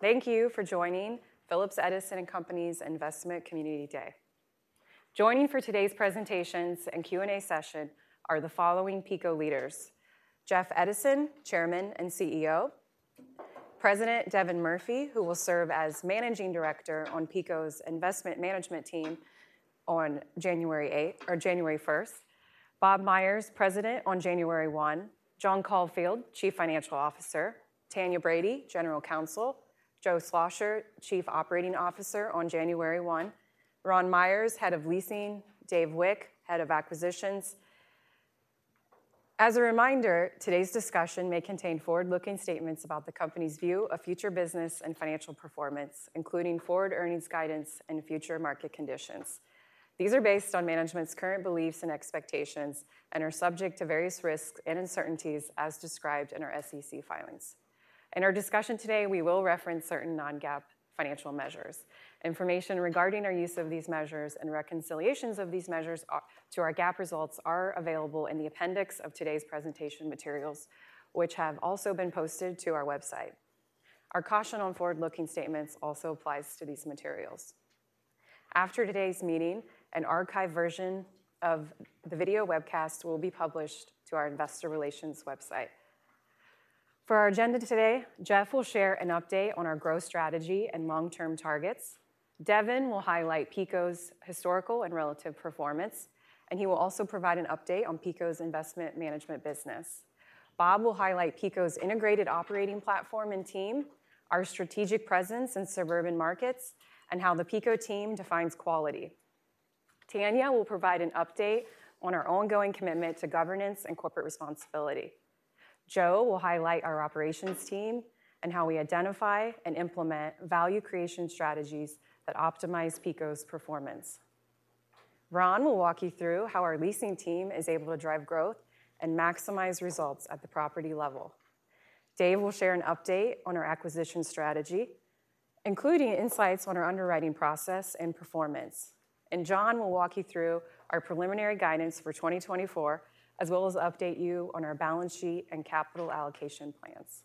Thank you for joining Phillips Edison & Company's Investment Community Day. Joining for today's presentations and Q&A session are the following PECO leaders: Jeff Edison, Chairman and CEO, President Devin Murphy, who will serve as Managing Director on PECO's Investment Management Team on January 8 or January 1, Bob Myers, President on January 1, John Caulfield, Chief Financial Officer, Tanya Brady, General Counsel, Joe Schlosser, Chief Operating Officer on January 1, Ron Myers, Head of Leasing, Dave Wik, Head of Acquisitions. As a reminder, today's discussion may contain forward-looking statements about the company's view of future business and financial performance, including forward earnings guidance and future market conditions. These are based on management's current beliefs and expectations and are subject to various risks and uncertainties as described in our SEC filings. In our discussion today, we will reference certain non-GAAP financial measures. Information regarding our use of these measures and reconciliations of these measures to our GAAP results are available in the appendix of today's presentation materials, which have also been posted to our website. Our caution on forward-looking statements also applies to these materials. After today's meeting, an archive version of the video webcast will be published to our investor relations website. For our agenda today, Jeff will share an update on our growth strategy and long-term targets. Devin will highlight PECO's historical and relative performance, and he will also provide an update on PECO's investment management business. Bob will highlight PECO's integrated operating platform and team, our strategic presence in suburban markets, and how the PECO team defines quality. Tanya will provide an update on our ongoing commitment to governance and corporate responsibility. Joe will highlight our operations team and how we identify and implement value creation strategies that optimize PECO's performance. Ron will walk you through how our leasing team is able to drive growth and maximize results at the property level. Dave will share an update on our acquisition strategy, including insights on our underwriting process and performance. And John will walk you through our preliminary guidance for 2024, as well as update you on our balance sheet and capital allocation plans.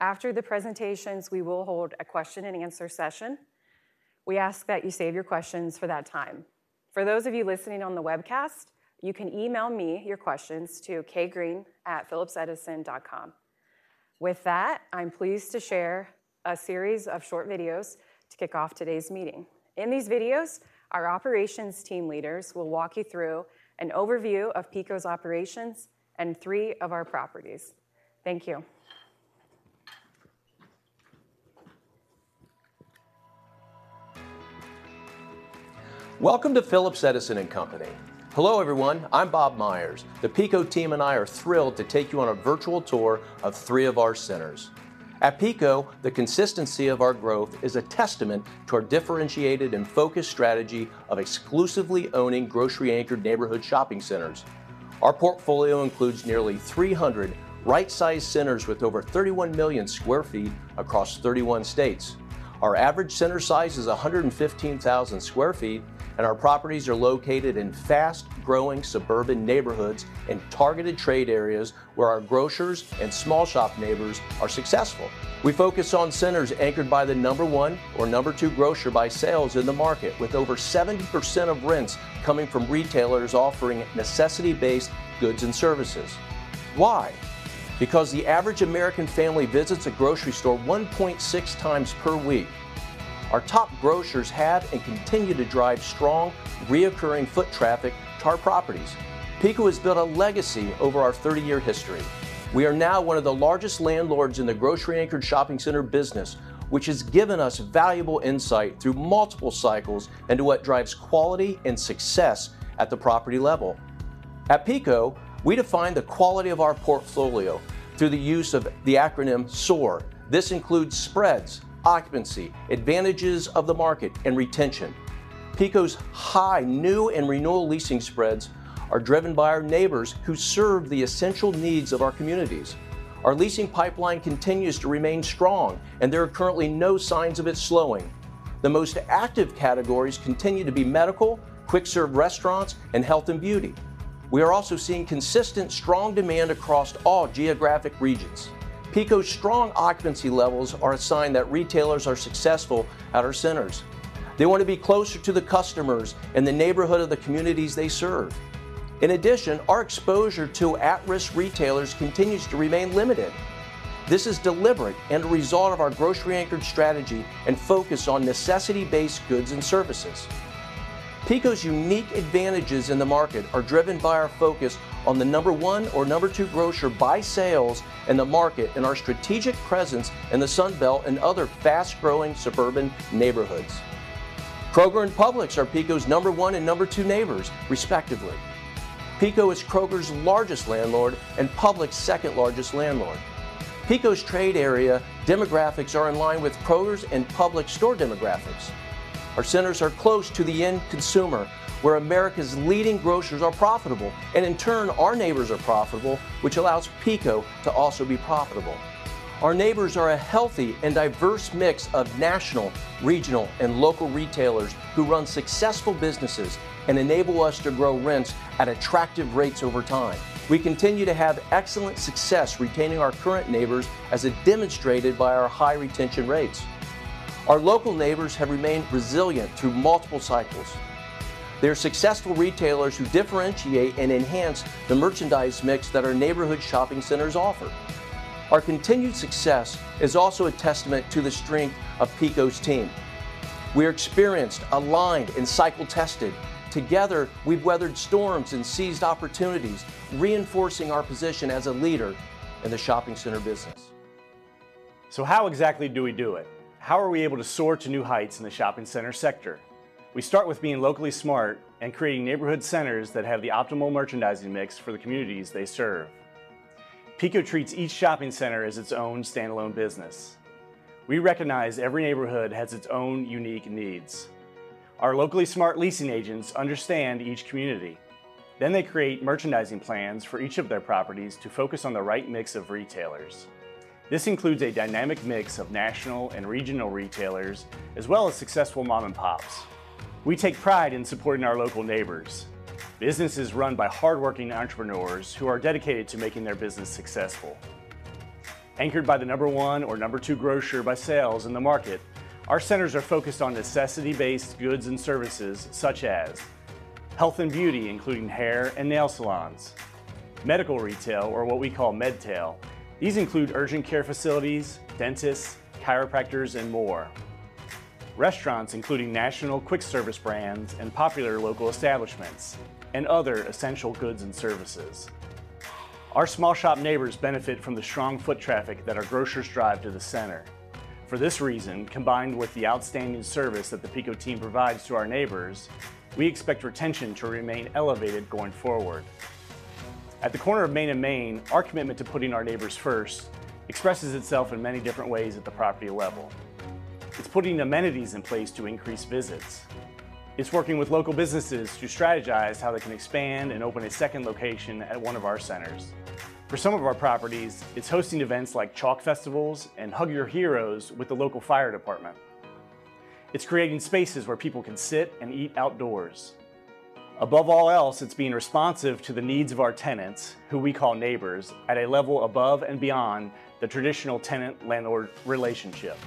After the presentations, we will hold a question and answer session. We ask that you save your questions for that time. For those of you listening on the webcast, you can email me your questions to kgreen@phillipsedison.com. With that, I'm pleased to share a series of short videos to kick off today's meeting. In these videos, our operations team leaders will walk you through an overview of PECO's operations and three of our properties. Thank you. Welcome to Phillips Edison & Company. Hello, everyone. I'm Bob Myers. The PECO team and I are thrilled to take you on a virtual tour of three of our centers. At PECO, the consistency of our growth is a testament to our differentiated and focused strategy of exclusively owning grocery-anchored neighborhood shopping centers. Our portfolio includes nearly 300 right-sized centers with over 31 million sq ft across 31 states. Our average center size is 115,000 sq ft, and our properties are located in fast-growing suburban neighborhoods and targeted trade areas where our grocers and small shop neighbors are successful. We focus on centers anchored by the number one or number two grocer by sales in the market, with over 70% of rents coming from retailers offering necessity-based goods and services. Why? Because the average American family visits a grocery store 1.6 times per week. Our top grocers have and continue to drive strong, recurring foot traffic to our properties. PECO has built a legacy over our 30-year history. We are now one of the largest landlords in the grocery-anchored shopping center business, which has given us valuable insight through multiple cycles into what drives quality and success at the property level. At PECO, we define the quality of our portfolio through the use of the acronym SOAR. This includes spreads, occupancy, advantages of the market, and retention. PECO's high, new, and renewal leasing spreads are driven by our neighbors who serve the essential needs of our communities. Our leasing pipeline continues to remain strong, and there are currently no signs of it slowing. The most active categories continue to be medical, quick-serve restaurants, and health and beauty. We are also seeing consistent, strong demand across all geographic regions. PECO's strong occupancy levels are a sign that retailers are successful at our centers. They want to be closer to the customers in the neighborhood of the communities they serve. In addition, our exposure to at-risk retailers continues to remain limited. This is deliberate and a result of our grocery-anchored strategy and focus on necessity-based goods and services. PECO's unique advantages in the market are driven by our focus on the number one or number two grocer by sales in the market and our strategic presence in the Sun Belt and other fast-growing suburban neighborhoods. Kroger and Publix are PECO's number one and number two neighbors, respectively. PECO is Kroger's largest landlord and Publix's second-largest landlord. PECO's trade area demographics are in line with Kroger's and Publix store demographics. Our centers are close to the end consumer, where America's leading grocers are profitable, and in turn, our neighbors are profitable, which allows PECO to also be profitable. Our neighbors are a healthy and diverse mix of national, regional, and local retailers who run successful businesses and enable us to grow rents at attractive rates over time. We continue to have excellent success retaining our current neighbors, as is demonstrated by our high retention rates. Our local neighbors have remained resilient through multiple cycles.... They're successful retailers who differentiate and enhance the merchandise mix that our neighborhood shopping centers offer. Our continued success is also a testament to the strength of PECO's team. We're experienced, aligned, and cycle-tested. Together, we've weathered storms and seized opportunities, reinforcing our position as a leader in the shopping center business. So how exactly do we do it? How are we able to soar to new heights in the shopping center sector? We start with being locally smart and creating neighborhood centers that have the optimal merchandising mix for the communities they serve. PECO treats each shopping center as its own standalone business. We recognize every neighborhood has its own unique needs. Our locally smart leasing agents understand each community, then they create merchandising plans for each of their properties to focus on the right mix of retailers. This includes a dynamic mix of national and regional retailers, as well as successful mom-and-pops. We take pride in supporting our local neighbors, businesses run by hardworking entrepreneurs who are dedicated to making their business successful. Anchored by the number 1 or number 2 grocer by sales in the market, our centers are focused on necessity-based goods and services, such as health and beauty, including hair and nail salons. Medical retail, or what we call MedTail, these include urgent care facilities, dentists, chiropractors, and more. Restaurants, including national quick-service brands and popular local establishments, and other essential goods and services. Our small shop neighbors benefit from the strong foot traffic that our grocers drive to the center. For this reason, combined with the outstanding service that the PECO team provides to our neighbors, we expect retention to remain elevated going forward. At the corner of Main and Main, our commitment to putting our neighbors first expresses itself in many different ways at the property level. It's putting amenities in place to increase visits. It's working with local businesses to strategize how they can expand and open a second location at one of our centers. For some of our properties, it's hosting events like chalk festivals and Hug Your Heroes with the local fire department. It's creating spaces where people can sit and eat outdoors. Above all else, it's being responsive to the needs of our tenants, who we call neighbors, at a level above and beyond the traditional tenant-landlord relationship.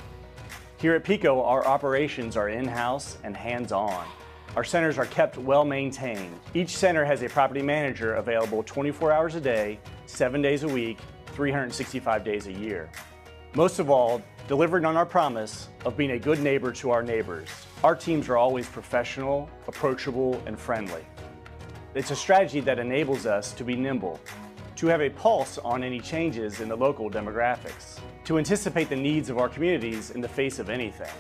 Here at PECO, our operations are in-house and hands-on. Our centers are kept well-maintained. Each center has a property manager available 24 hours a day, seven days a week, 365 days a year. Most of all, delivering on our promise of being a good neighbor to our neighbors, our teams are always professional, approachable, and friendly. It's a strategy that enables us to be nimble, to have a pulse on any changes in the local demographics, to anticipate the needs of our communities in the face of anything,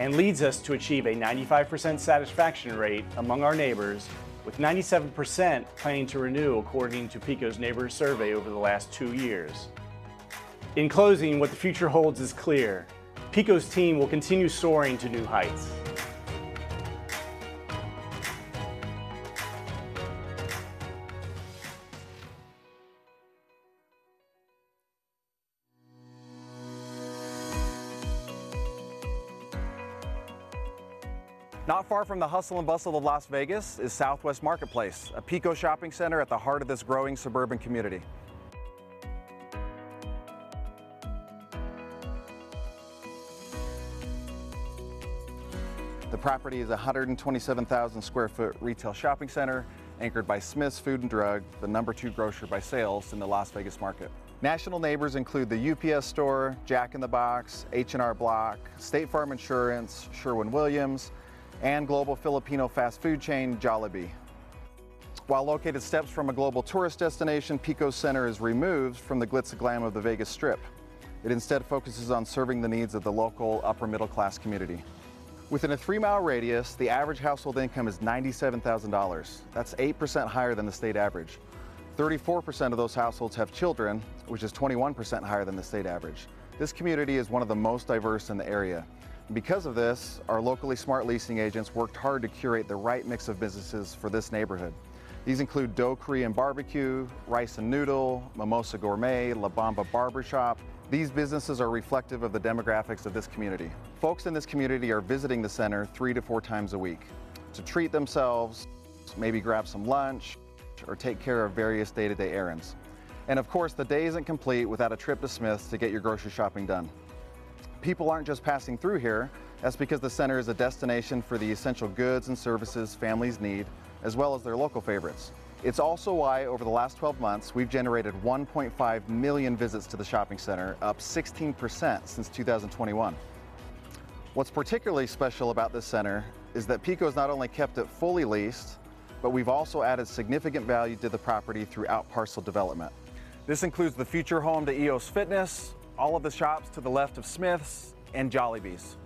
and leads us to achieve a 95% satisfaction rate among our neighbors, with 97% planning to renew, according to PECO's Neighbor Survey over the last two years. In closing, what the future holds is clear: PECO's team will continue soaring to new heights. Not far from the hustle and bustle of Las Vegas is Southwest Marketplace, a PECO shopping center at the heart of this growing suburban community. The property is a 127,000 sq ft retail shopping center anchored by Smith's Food and Drug, the number two grocer by sales in the Las Vegas market. National neighbors include The UPS Store, Jack in the Box, H&R Block, State Farm Insurance, Sherwin-Williams, and global Filipino fast food chain Jollibee. While located steps from a global tourist destination, PECO's center is removed from the glitz and glam of the Vegas Strip. It instead focuses on serving the needs of the local upper-middle-class community. Within a 3-mile radius, the average household income is $97,000. That's 8% higher than the state average. 34% of those households have children, which is 21% higher than the state average. This community is one of the most diverse in the area. Because of this, our locally smart leasing agents worked hard to curate the right mix of businesses for this neighborhood. These include D.O. Korean BBQ, Rice N Noodle, Mimosa Gourmet, La Bomba Barbershop. These businesses are reflective of the demographics of this community. Folks in this community are visiting the center 3-4 times a week to treat themselves, to maybe grab some lunch, or take care of various day-to-day errands. And of course, the day isn't complete without a trip to Smith's to get your grocery shopping done. People aren't just passing through here. That's because the center is a destination for the essential goods and services families need, as well as their local favorites. It's also why, over the last 12 months, we've generated 1.5 million visits to the shopping center, up 16% since 2021. What's particularly special about this center is that PECO has not only kept it fully leased, but we've also added significant value to the property through out-parcel development. This includes the future home to EoS Fitness, all of the shops to the left of Smith's, and Jollibee's.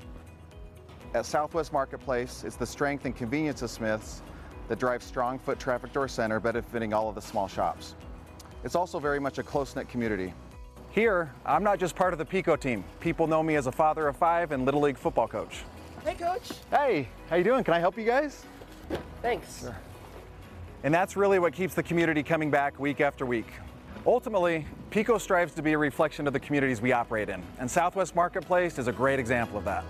At Southwest Marketplace, it's the strength and convenience of Smith's that drives strong foot traffic to our center, benefiting all of the small shops. It's also very much a close-knit community. Here, I'm not just part of the PECO team. People know me as a father of five and Little League football coach. Hey, Coach! Hey, how you doing? Can I help you guys? Thanks. Sure. And that's really what keeps the community coming back week after week. Ultimately, PECO strives to be a reflection of the communities we operate in, and Southwest Marketplace is a great example of that.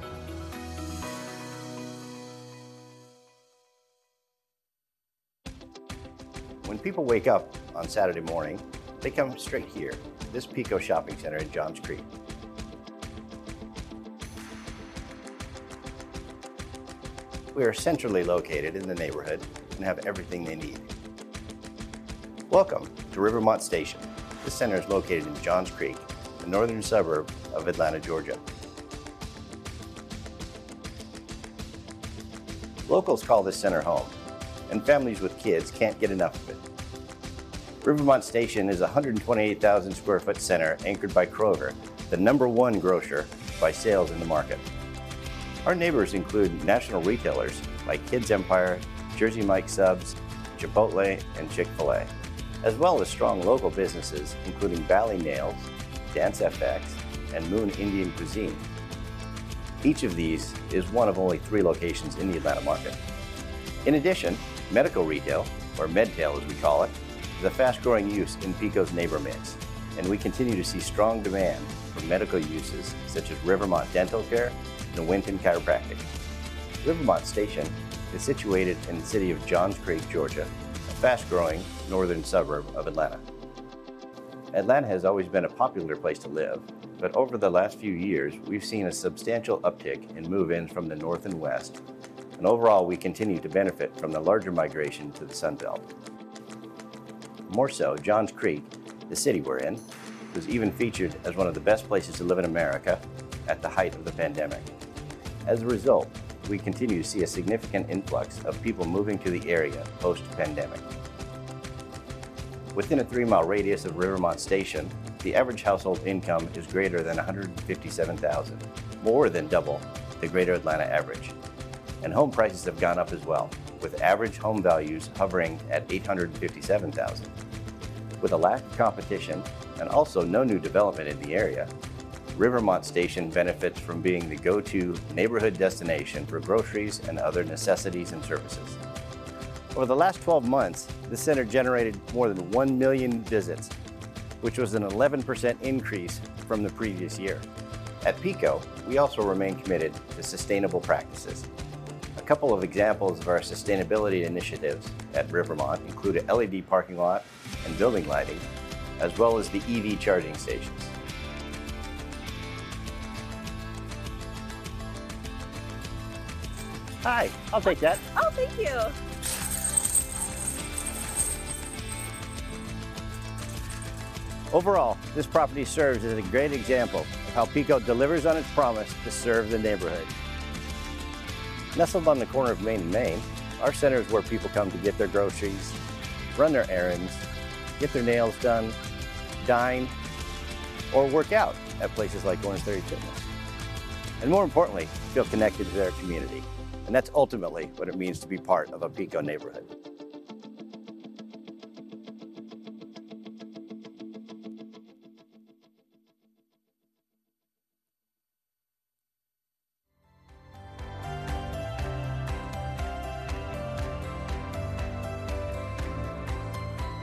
When people wake up on Saturday morning, they come straight here, this PECO shopping center in Johns Creek. We are centrally located in the neighborhood and have everything they need. Welcome to Rivermont Station. This center is located in Johns Creek, a northern suburb of Atlanta, Georgia. Locals call this center home, and families with kids can't get enough of it. Rivermont Station is a 128,000 sq ft center anchored by Kroger, the number one grocer by sales in the market. Our neighbors include national retailers, like Kids Empire, Jersey Mike's Subs, Chipotle, and Chick-fil-A, as well as strong local businesses, including Valley Nails, DanceFX, and Moon Indian Cuisine. Each of these is one of only three locations in the Atlanta market. In addition, medical retail, or MedTail, as we call it, is a fast-growing use in PECO's neighbor mix, and we continue to see strong demand for medical uses, such as Rivermont Dental Care and Winton Chiropractic. Rivermont Station is situated in the city of Johns Creek, Georgia, a fast-growing northern suburb of Atlanta. Atlanta has always been a popular place to live, but over the last few years, we've seen a substantial uptick in move-ins from the north and west, and overall, we continue to benefit from the larger migration to the Sun Belt. More so, Johns Creek, the city we're in, was even featured as one of the best places to live in America at the height of the pandemic. As a result, we continue to see a significant influx of people moving to the area post-pandemic. Within a 3-mile radius of Rivermont Station, the average household income is greater than $157,000, more than double the greater Atlanta average, and home prices have gone up as well, with average home values hovering at $857,000. With a lack of competition and also no new development in the area, Rivermont Station benefits from being the go-to neighborhood destination for groceries and other necessities and services. Over the last 12 months, the center generated more than 1 million visits, which was an 11% increase from the previous year. At PECO, we also remain committed to sustainable practices. A couple of examples of our sustainability initiatives at Rivermont include an LED parking lot and building lighting, as well as the EV charging stations. Hi, I'll take that. Oh, thank you! Overall, this property serves as a great example of how PECO delivers on its promise to serve the neighborhood. Nestled on the corner of Main and Main, our center is where people come to get their groceries, run their errands, get their nails done, dine, or work out at places like Orangetheory Fitness, and more importantly, feel connected to their community, and that's ultimately what it means to be part of a PECO neighborhood.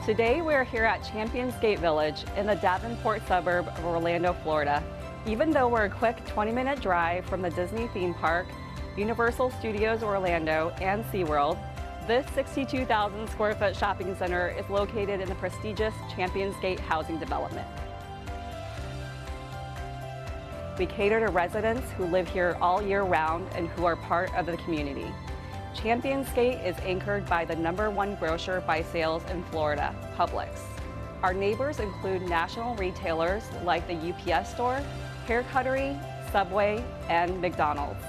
Today, we're here at ChampionsGate Village in the Davenport suburb of Orlando, Florida. Even though we're a quick 20-minute drive from the Disney theme park, Universal Studios Orlando, and SeaWorld, this 62,000 sq ft shopping center is located in the prestigious ChampionsGate housing development. We cater to residents who live here all year round and who are part of the community. ChampionsGate is anchored by the number one grocer by sales in Florida, Publix. Our neighbors include national retailers, like The UPS Store, Hair Cuttery, Subway, and McDonald's,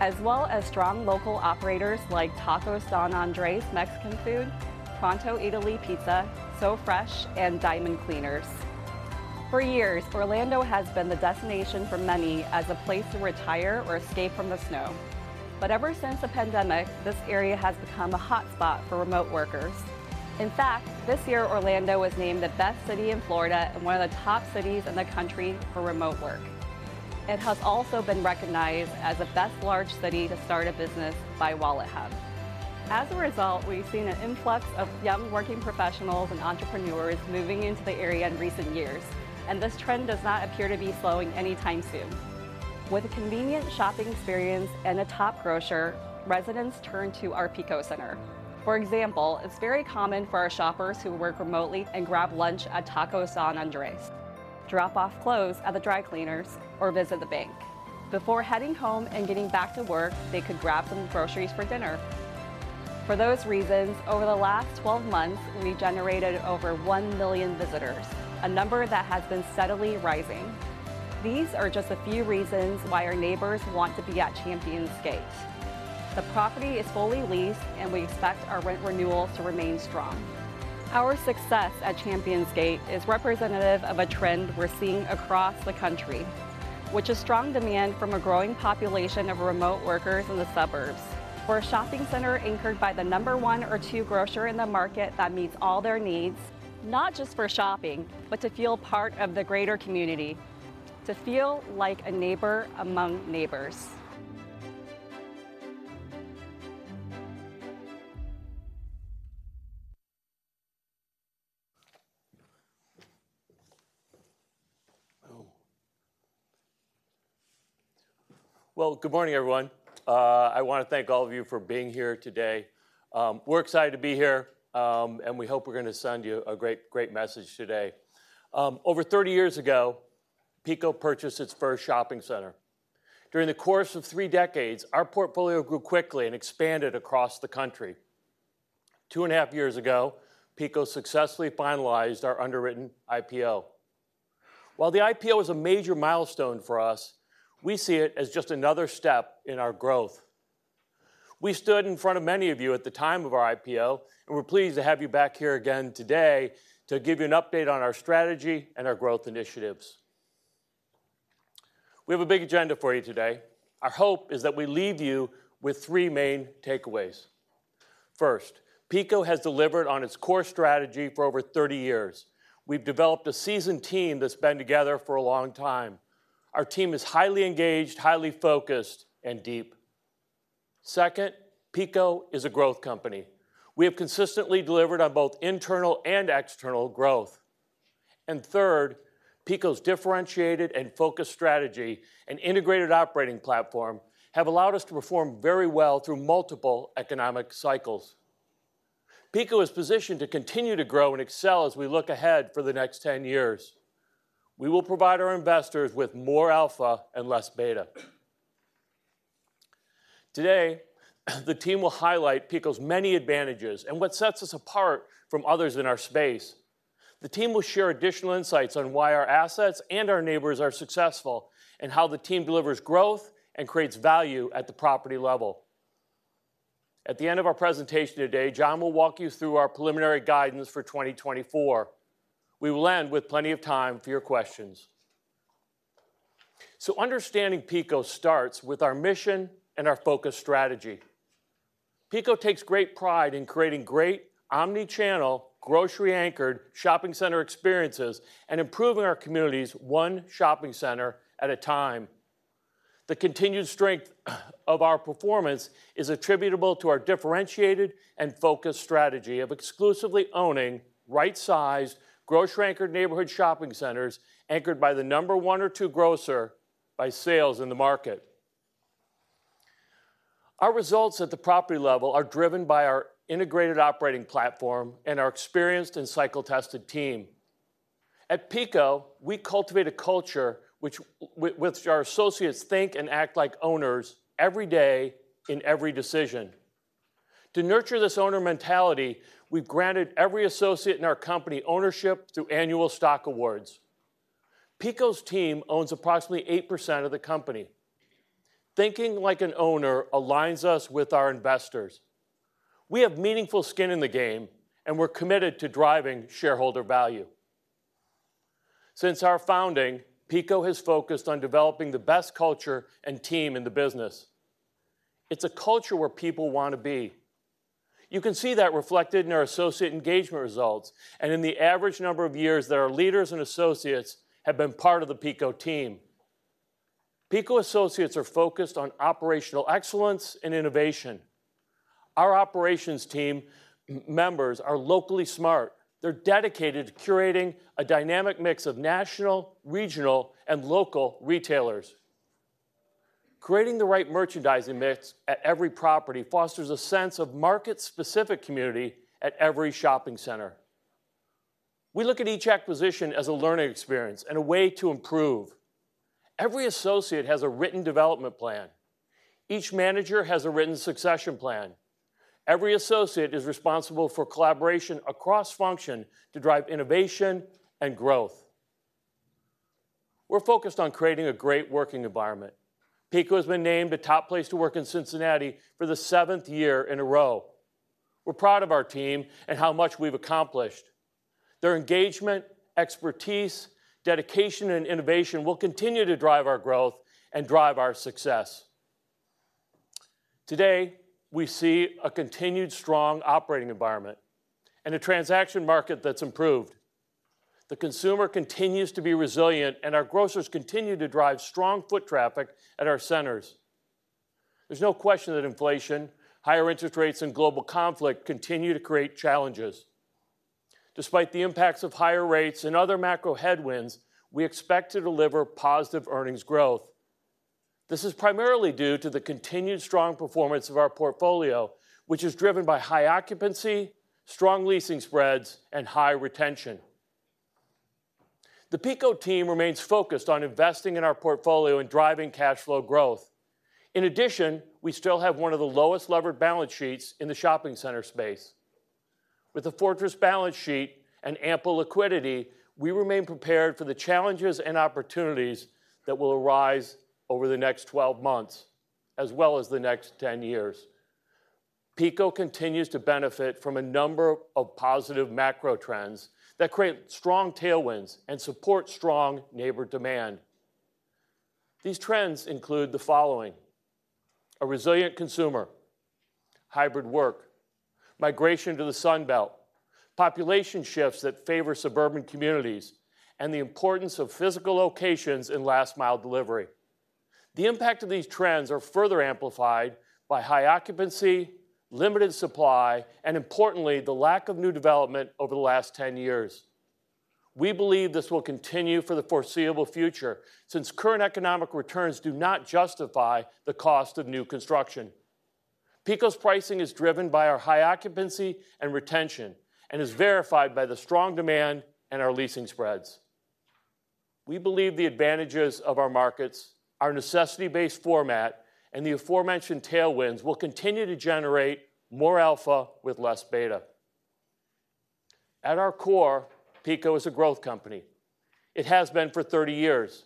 as well as strong local operators, like Tacos San Andres Mexican food, Pronto Eataly Pizza, SoFresh, and Diamond Cleaners. For years, Orlando has been the destination for many as a place to retire or escape from the snow. But ever since the pandemic, this area has become a hotspot for remote workers. In fact, this year, Orlando was named the best city in Florida and one of the top cities in the country for remote work. It has also been recognized as the best large city to start a business by WalletHub. As a result, we've seen an influx of young working professionals and entrepreneurs moving into the area in recent years, and this trend does not appear to be slowing anytime soon. With a convenient shopping experience and a top grocer, residents turn to our PECO center. For example, it's very common for our shoppers who work remotely and grab lunch at Tacos San Andres, drop off clothes at the dry cleaners, or visit the bank. Before heading home and getting back to work, they could grab some groceries for dinner. For those reasons, over the last 12 months, we generated over 1 million visitors, a number that has been steadily rising. These are just a few reasons why our neighbors want to be at ChampionsGate. The property is fully leased, and we expect our rent renewals to remain strong. Our success at ChampionsGate is representative of a trend we're seeing across the country, which is strong demand from a growing population of remote workers in the suburbs for a shopping center anchored by the number one or two grocer in the market that meets all their needs, not just for shopping, but to feel part of the greater community, to feel like a neighbor among neighbors. Well, good morning, everyone. I want to thank all of you for being here today. We're excited to be here, and we hope we're going to send you a great, great message today. Over 30 years ago, PECO purchased its first shopping center. During the course of 3 decades, our portfolio grew quickly and expanded across the country. 2.5 years ago, PECO successfully finalized our underwritten IPO. While the IPO is a major milestone for us, we see it as just another step in our growth. We stood in front of many of you at the time of our IPO, and we're pleased to have you back here again today to give you an update on our strategy and our growth initiatives. We have a big agenda for you today. Our hope is that we leave you with 3 main takeaways. First, PECO has delivered on its core strategy for over 30 years. We've developed a seasoned team that's been together for a long time. Our team is highly engaged, highly focused, and deep. Second, PECO is a growth company. We have consistently delivered on both internal and external growth. And third, PECO's differentiated and focused strategy and integrated operating platform have allowed us to perform very well through multiple economic cycles. PECO is positioned to continue to grow and excel as we look ahead for the next 10 years. We will provide our investors with more alpha and less beta. Today, the team will highlight PECO's many advantages and what sets us apart from others in our space. The team will share additional insights on why our assets and our neighbors are successful, and how the team delivers growth and creates value at the property level. At the end of our presentation today, John will walk you through our preliminary guidance for 2024. We will end with plenty of time for your questions. Understanding PECO starts with our mission and our focus strategy. PECO takes great pride in creating great omni-channel, grocery-anchored shopping center experiences and improving our communities one shopping center at a time. The continued strength of our performance is attributable to our differentiated and focused strategy of exclusively owning right-sized, grocery-anchored neighborhood shopping centers, anchored by the number 1 or 2 grocer by sales in the market. Our results at the property level are driven by our integrated operating platform and our experienced and cycle-tested team. At PECO, we cultivate a culture which our associates think and act like owners every day in every decision. To nurture this owner mentality, we've granted every associate in our company ownership through annual stock awards. PECO's team owns approximately 8% of the company. Thinking like an owner aligns us with our investors. We have meaningful skin in the game, and we're committed to driving shareholder value. Since our founding, PECO has focused on developing the best culture and team in the business. It's a culture where people want to be. You can see that reflected in our associate engagement results and in the average number of years that our leaders and associates have been part of the PECO team. PECO associates are focused on operational excellence and innovation. Our operations team members are locally smart. They're dedicated to curating a dynamic mix of national, regional, and local retailers. Creating the right merchandising mix at every property fosters a sense of market-specific community at every shopping center. We look at each acquisition as a learning experience and a way to improve. Every associate has a written development plan. Each manager has a written succession plan. Every associate is responsible for collaboration across function to drive innovation and growth. We're focused on creating a great working environment. PECO has been named a top place to work in Cincinnati for the seventh year in a row. We're proud of our team and how much we've accomplished. Their engagement, expertise, dedication, and innovation will continue to drive our growth and drive our success. Today, we see a continued strong operating environment and a transaction market that's improved. The consumer continues to be resilient, and our grocers continue to drive strong foot traffic at our centers. There's no question that inflation, higher interest rates, and global conflict continue to create challenges. Despite the impacts of higher rates and other macro headwinds, we expect to deliver positive earnings growth. This is primarily due to the continued strong performance of our portfolio, which is driven by high occupancy, strong leasing spreads, and high retention. The PECO team remains focused on investing in our portfolio and driving cash flow growth. In addition, we still have one of the lowest levered balance sheets in the shopping center space. With a fortress balance sheet and ample liquidity, we remain prepared for the challenges and opportunities that will arise over the next 12 months, as well as the next 10 years. PECO continues to benefit from a number of positive macro trends that create strong tailwinds and support strong neighbor demand. These trends include the following: a resilient consumer, hybrid work, migration to the Sun Belt, population shifts that favor suburban communities, and the importance of physical locations in last-mile delivery. The impact of these trends are further amplified by high occupancy, limited supply, and importantly, the lack of new development over the last 10 years.... We believe this will continue for the foreseeable future, since current economic returns do not justify the cost of new construction. PECO's pricing is driven by our high occupancy and retention, and is verified by the strong demand and our leasing spreads. We believe the advantages of our markets, our necessity-based format, and the aforementioned tailwinds will continue to generate more alpha with less beta. At our core, PECO is a growth company. It has been for 30 years.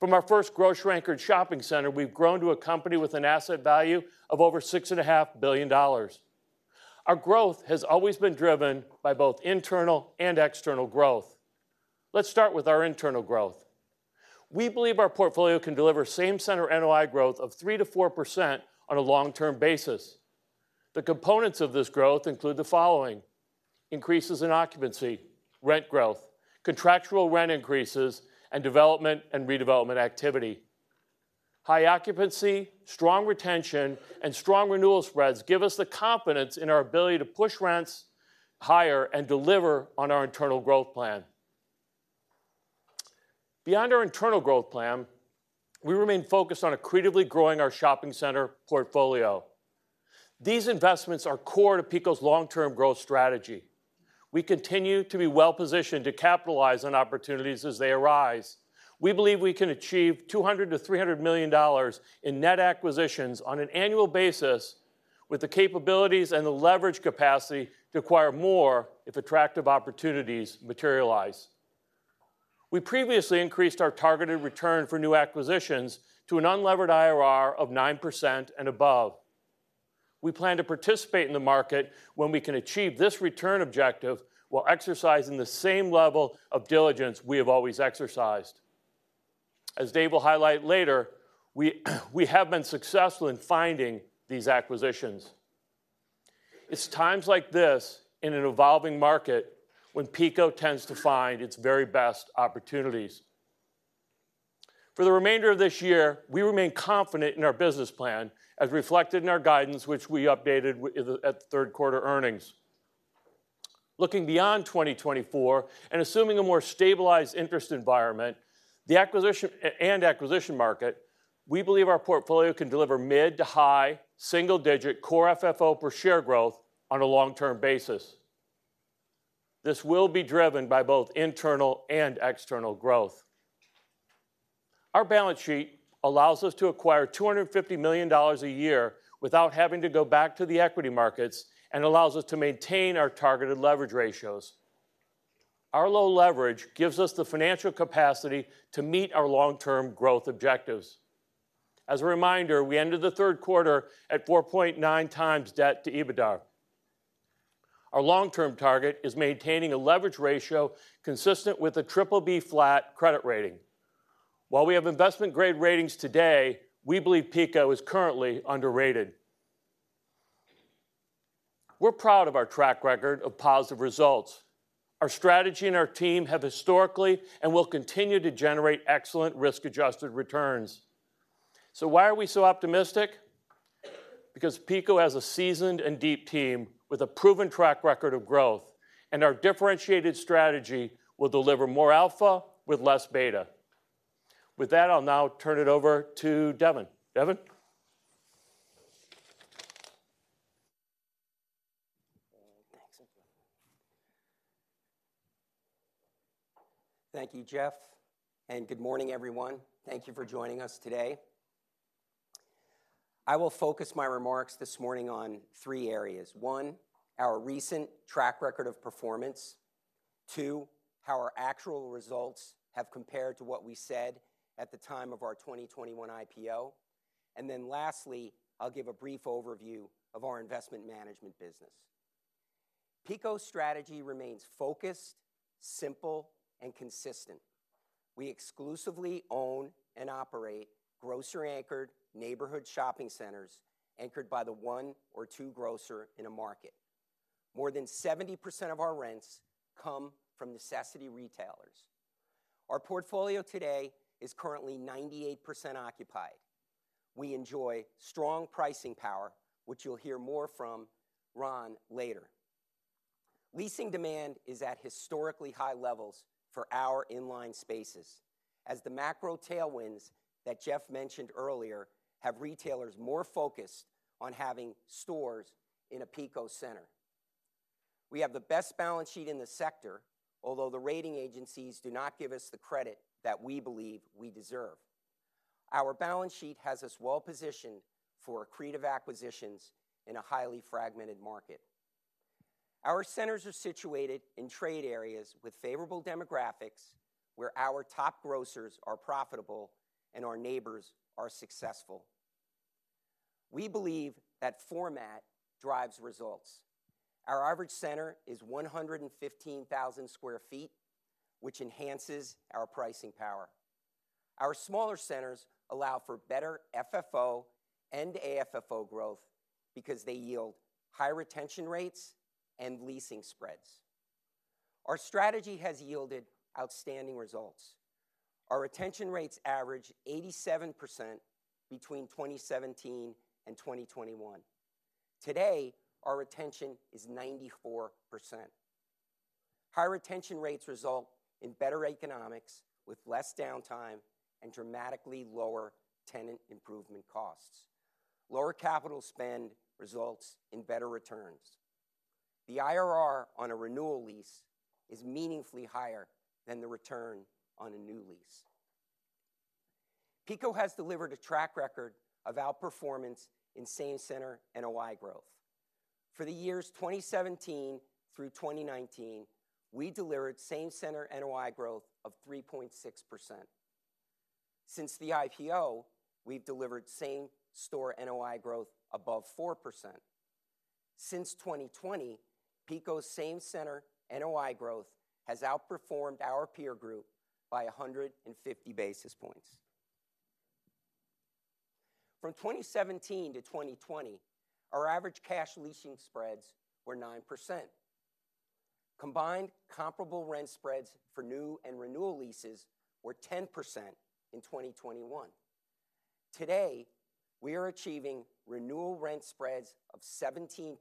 From our first grocery-anchored shopping center, we've grown to a company with an asset value of over $6.5 billion. Our growth has always been driven by both internal and external growth. Let's start with our internal growth. We believe our portfolio can deliver same-center NOI growth of 3%-4% on a long-term basis. The components of this growth include the following: increases in occupancy, rent growth, contractual rent increases, and development and redevelopment activity. High occupancy, strong retention, and strong renewal spreads give us the confidence in our ability to push rents higher and deliver on our internal growth plan. Beyond our internal growth plan, we remain focused on accretively growing our shopping center portfolio. These investments are core to PECO's long-term growth strategy. We continue to be well-positioned to capitalize on opportunities as they arise. We believe we can achieve $200 million-$300 million in net acquisitions on an annual basis, with the capabilities and the leverage capacity to acquire more if attractive opportunities materialize. We previously increased our targeted return for new acquisitions to an unlevered IRR of 9% and above. We plan to participate in the market when we can achieve this return objective, while exercising the same level of diligence we have always exercised. As Dave will highlight later, we have been successful in finding these acquisitions. It's times like this, in an evolving market, when PECO tends to find its very best opportunities. For the remainder of this year, we remain confident in our business plan, as reflected in our guidance, which we updated in the third quarter earnings. Looking beyond 2024, and assuming a more stabilized interest environment, the acquisition and acquisition market, we believe our portfolio can deliver mid- to high-single-digit core FFO per share growth on a long-term basis. This will be driven by both internal and external growth. Our balance sheet allows us to acquire $250 million a year without having to go back to the equity markets, and allows us to maintain our targeted leverage ratios. Our low leverage gives us the financial capacity to meet our long-term growth objectives. As a reminder, we ended the third quarter at 4.9x debt to EBITDA. Our long-term target is maintaining a leverage ratio consistent with a BBB flat credit rating. While we have investment-grade ratings today, we believe PECO is currently underrated. We're proud of our track record of positive results. Our strategy and our team have historically and will continue to generate excellent risk-adjusted returns. So why are we so optimistic? Because PECO has a seasoned and deep team with a proven track record of growth, and our differentiated strategy will deliver more alpha with less beta. With that, I'll now turn it over to Devin. Devin? Thanks. Thank you, Jeff, and good morning, everyone. Thank you for joining us today. I will focus my remarks this morning on three areas: one, our recent track record of performance; two, how our actual results have compared to what we said at the time of our 2021 IPO; and then lastly, I'll give a brief overview of our investment management business. PECO's strategy remains focused, simple, and consistent. We exclusively own and operate grocery-anchored neighborhood shopping centers, anchored by the one or two grocer in a market. More than 70% of our rents come from necessity retailers. Our portfolio today is currently 98% occupied. We enjoy strong pricing power, which you'll hear more from Ron later. Leasing demand is at historically high levels for our in-line spaces, as the macro tailwinds that Jeff mentioned earlier have retailers more focused on having stores in a PECO center. We have the best balance sheet in the sector, although the rating agencies do not give us the credit that we believe we deserve. Our balance sheet has us well-positioned for accretive acquisitions in a highly fragmented market. Our centers are situated in trade areas with favorable demographics, where our top grocers are profitable and our neighbors are successful. We believe that format drives results. Our average center is 115,000 sq ft, which enhances our pricing power. Our smaller centers allow for better FFO and AFFO growth because they yield high retention rates and leasing spreads. Our strategy has yielded outstanding results. Our retention rates average 87% between 2017 and 2021. Today, our retention is 94%. High retention rates result in better economics with less downtime and dramatically lower tenant improvement costs. Lower capital spend results in better returns. The IRR on a renewal lease is meaningfully higher than the return on a new lease. PECO has delivered a track record of outperformance in same center NOI growth. For the years 2017 through 2019, we delivered same center NOI growth of 3.6%. Since the IPO, we've delivered same store NOI growth above 4%. Since 2020, PECO's same center NOI growth has outperformed our peer group by 150 basis points. From 2017 to 2020, our average cash leasing spreads were 9%. Combined comparable rent spreads for new and renewal leases were 10% in 2021. Today, we are achieving renewal rent spreads of 17%,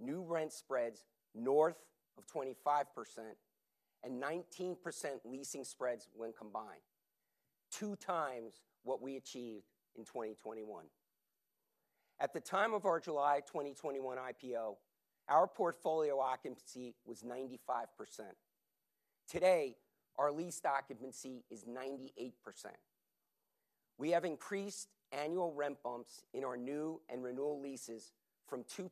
new rent spreads north of 25%, and 19% leasing spreads when combined, two times what we achieved in 2021. At the time of our July 2021 IPO, our portfolio occupancy was 95%. Today, our lease occupancy is 98%. We have increased annual rent bumps in our new and renewal leases from 2%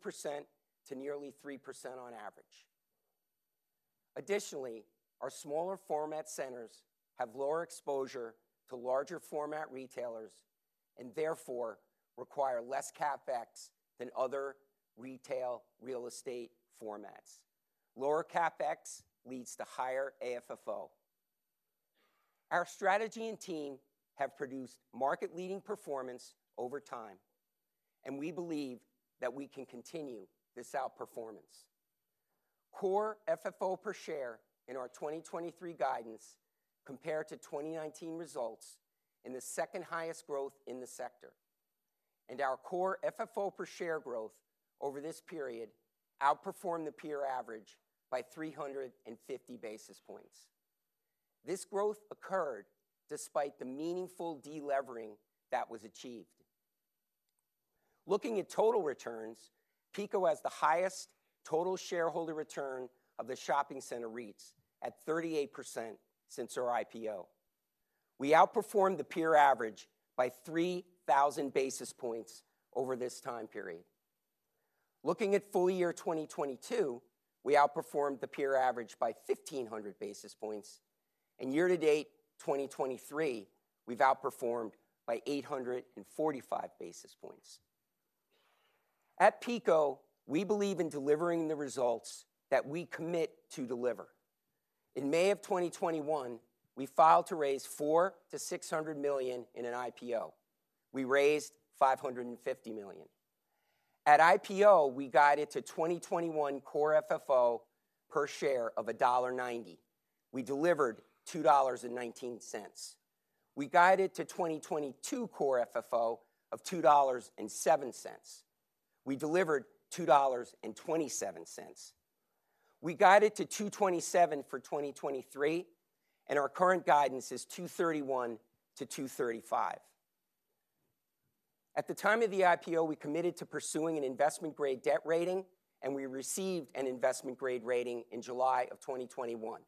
to nearly 3% on average. Additionally, our smaller format centers have lower exposure to larger format retailers, and therefore, require less CapEx than other retail real estate formats. Lower CapEx leads to higher AFFO. Our strategy and team have produced market-leading performance over time, and we believe that we can continue this outperformance. Core FFO per share in our 2023 guidance compared to 2019 results in the second highest growth in the sector, and our core FFO per share growth over this period outperformed the peer average by 350 basis points. This growth occurred despite the meaningful de-levering that was achieved. Looking at total returns, PECO has the highest total shareholder return of the shopping center REITs at 38% since our IPO. We outperformed the peer average by 3,000 basis points over this time period. Looking at full year 2022, we outperformed the peer average by 1,500 basis points, and year to date 2023, we've outperformed by 845 basis points. At PECO, we believe in delivering the results that we commit to deliver. In May of 2021, we filed to raise $400 million-$600 million in an IPO. We raised $550 million. At IPO, we guided to 2021 core FFO per share of $1.90. We delivered $2.19. We guided to 2022 core FFO of $2.07. We delivered $2.27. We guided to $2.27 for 2023, and our current guidance is $2.31-$2.35. At the time of the IPO, we committed to pursuing an investment-grade debt rating, and we received an investment-grade rating in July 2021.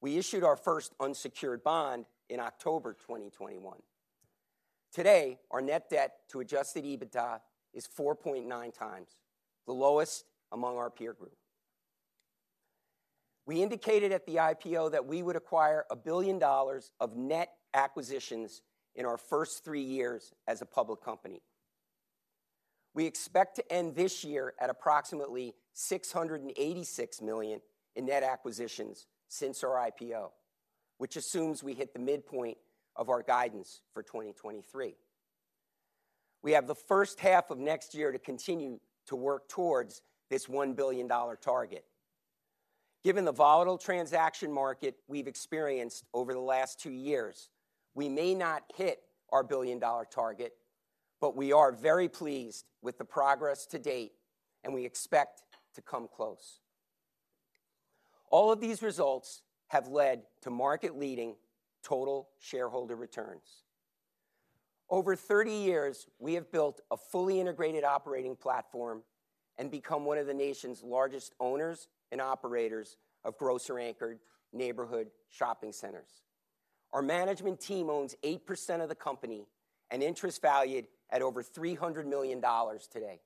We issued our first unsecured bond in October 2021. Today, our net debt to adjusted EBITDA is 4.9 times, the lowest among our peer group. We indicated at the IPO that we would acquire $1 billion of net acquisitions in our first three years as a public company. We expect to end this year at approximately $686 million in net acquisitions since our IPO, which assumes we hit the midpoint of our guidance for 2023. We have the first half of next year to continue to work towards this $1 billion target. Given the volatile transaction market we've experienced over the last 2 years, we may not hit our billion-dollar target, but we are very pleased with the progress to date, and we expect to come close. All of these results have led to market-leading total shareholder returns. Over 30 years, we have built a fully integrated operating platform and become one of the nation's largest owners and operators of grocery-anchored neighborhood shopping centers. Our management team owns 8% of the company, an interest valued at over $300 million today.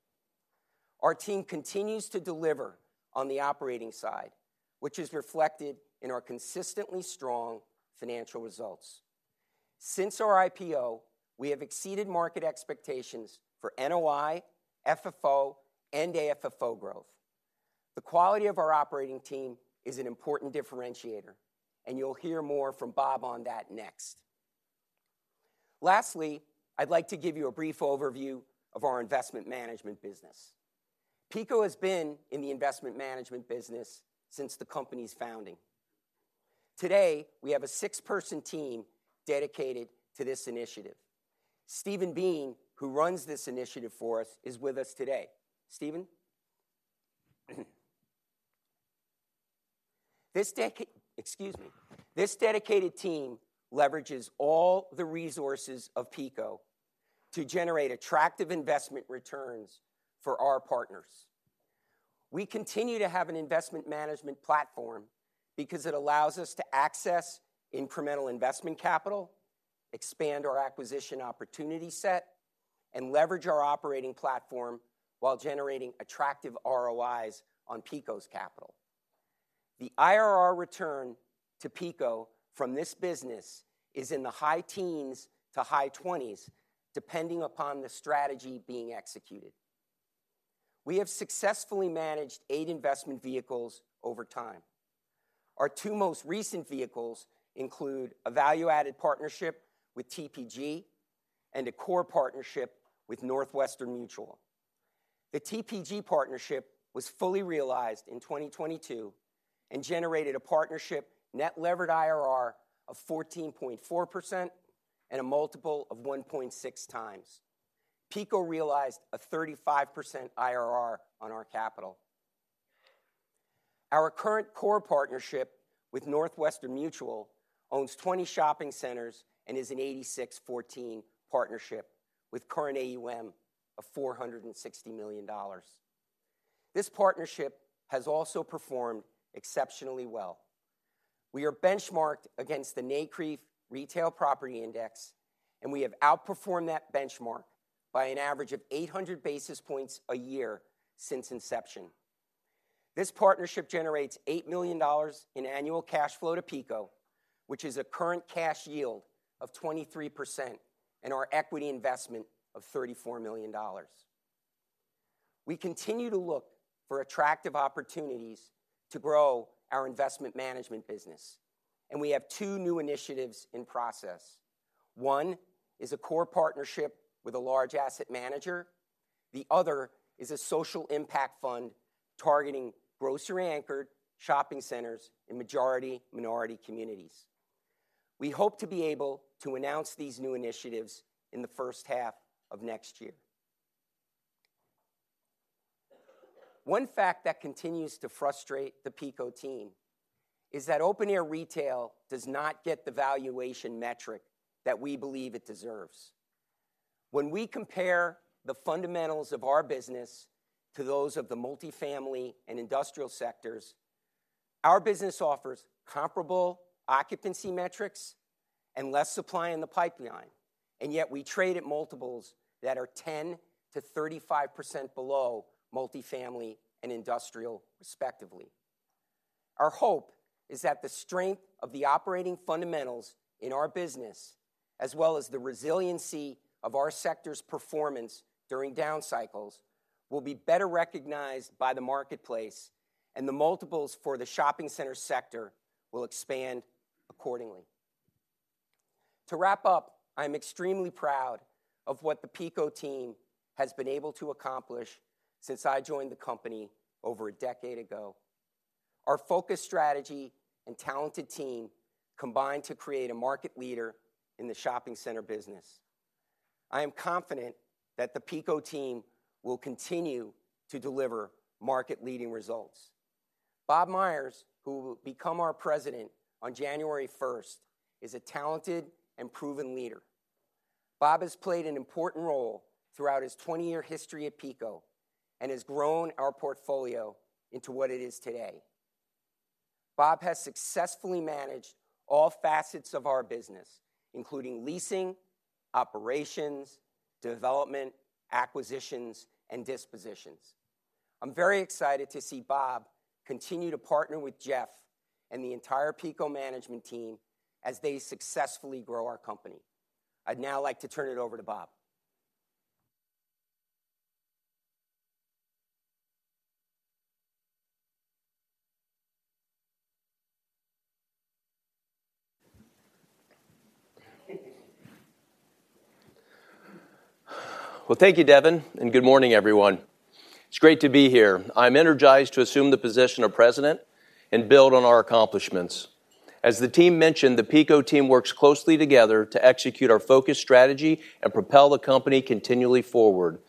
Our team continues to deliver on the operating side, which is reflected in our consistently strong financial results. Since our IPO, we have exceeded market expectations for NOI, FFO, and AFFO growth. The quality of our operating team is an important differentiator, and you'll hear more from Bob on that next. Lastly, I'd like to give you a brief overview of our investment management business. PECO has been in the investment management business since the company's founding. Today, we have a six-person team dedicated to this initiative. Stephen Dean, who runs this initiative for us, is with us today. Stephen? This dedicated team leverages all the resources of PECO to generate attractive investment returns for our partners. We continue to have an investment management platform because it allows us to access incremental investment capital, expand our acquisition opportunity set, and leverage our operating platform while generating attractive ROIs on PECO's capital. The IRR return to PECO from this business is in the high teens to high twenties, depending upon the strategy being executed. We have successfully managed eight investment vehicles over time. Our two most recent vehicles include a value-added partnership with TPG and a core partnership with Northwestern Mutual. The TPG partnership was fully realized in 2022 and generated a partnership net levered IRR of 14.4% and a multiple of 1.6x. PECO realized a 35% IRR on our capital. Our current core partnership with Northwestern Mutual owns 20 shopping centers and is an 86-14 partnership with current AUM of $460 million. This partnership has also performed exceptionally well. We are benchmarked against the NCREIF Retail Property Index, and we have outperformed that benchmark by an average of 800 basis points a year since inception. This partnership generates $8 million in annual cash flow to PECO, which is a current cash yield of 23% in our equity investment of $34 million. We continue to look for attractive opportunities to grow our investment management business, and we have two new initiatives in process. One is a core partnership with a large asset manager. The other is a social impact fund targeting grocery-anchored shopping centers in majority minority communities. We hope to be able to announce these new initiatives in the first half of next year. One fact that continues to frustrate the PECO team is that open-air retail does not get the valuation metric that we believe it deserves. When we compare the fundamentals of our business to those of the multifamily and industrial sectors, our business offers comparable occupancy metrics and less supply in the pipeline, and yet we trade at multiples that are 10%-35% below multifamily and industrial, respectively. Our hope is that the strength of the operating fundamentals in our business, as well as the resiliency of our sector's performance during down cycles, will be better recognized by the marketplace, and the multiples for the shopping center sector will expand accordingly. To wrap up, I'm extremely proud of what the PECO team has been able to accomplish since I joined the company over a decade ago. Our focused strategy and talented team combined to create a market leader in the shopping center business. I am confident that the PECO team will continue to deliver market-leading results. Bob Myers, who will become our president on January first, is a talented and proven leader. Bob has played an important role throughout his 20-year history at PECO and has grown our portfolio into what it is today. Bob has successfully managed all facets of our business, including leasing, operations, development, acquisitions, and dispositions. I'm very excited to see Bob continue to partner with Jeff and the entire PECO management team as they successfully grow our company. I'd now like to turn it over to Bob. Well, thank you, Devin, and good morning, everyone. It's great to be here. I'm energized to assume the position of president and build on our accomplishments. As the team mentioned, the PECO team works closely together to execute our focused strategy and propel the company continually forward.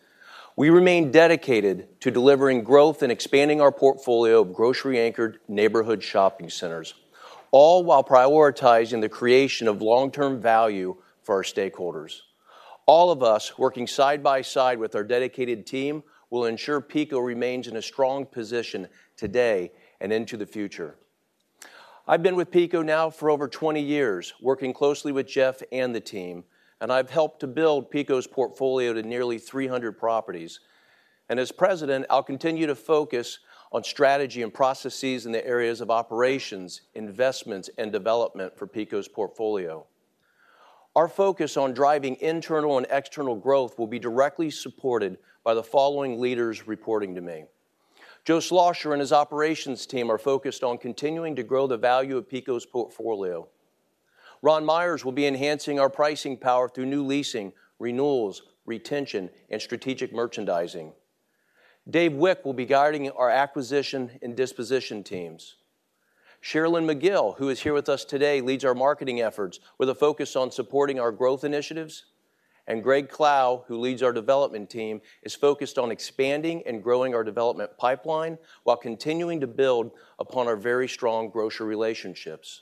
We remain dedicated to delivering growth and expanding our portfolio of grocery-anchored neighborhood shopping centers, all while prioritizing the creation of long-term value for our stakeholders. All of us, working side by side with our dedicated team, will ensure PECO remains in a strong position today and into the future. I've been with PECO now for over twenty years, working closely with Jeff and the team, and I've helped to build PECO's portfolio to nearly 300 properties. And as president, I'll continue to focus on strategy and processes in the areas of operations, investments, and development for PECO's portfolio. Our focus on driving internal and external growth will be directly supported by the following leaders reporting to me. Joe Schlosser and his operations team are focused on continuing to grow the value of PECO's portfolio. Ron Meyers will be enhancing our pricing power through new leasing, renewals, retention, and strategic merchandising. Dave Wick will be guiding our acquisition and disposition teams. Cherilyn Megill, who is here with us today, leads our marketing efforts with a focus on supporting our growth initiatives. Greg Clough, who leads our development team, is focused on expanding and growing our development pipeline while continuing to build upon our very strong grocery relationships.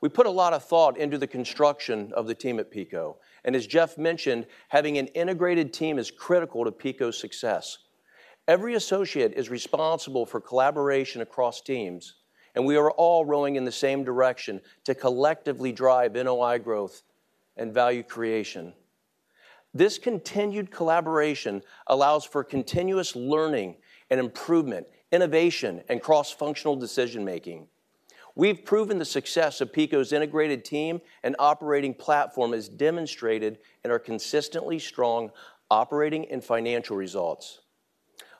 We put a lot of thought into the construction of the team at PECO, and as Jeff mentioned, having an integrated team is critical to PECO's success. Every associate is responsible for collaboration across teams, and we are all rowing in the same direction to collectively drive NOI growth and value creation. This continued collaboration allows for continuous learning and improvement, innovation, and cross-functional decision-making. We've proven the success of PECO's integrated team and operating platform as demonstrated in our consistently strong operating and financial results.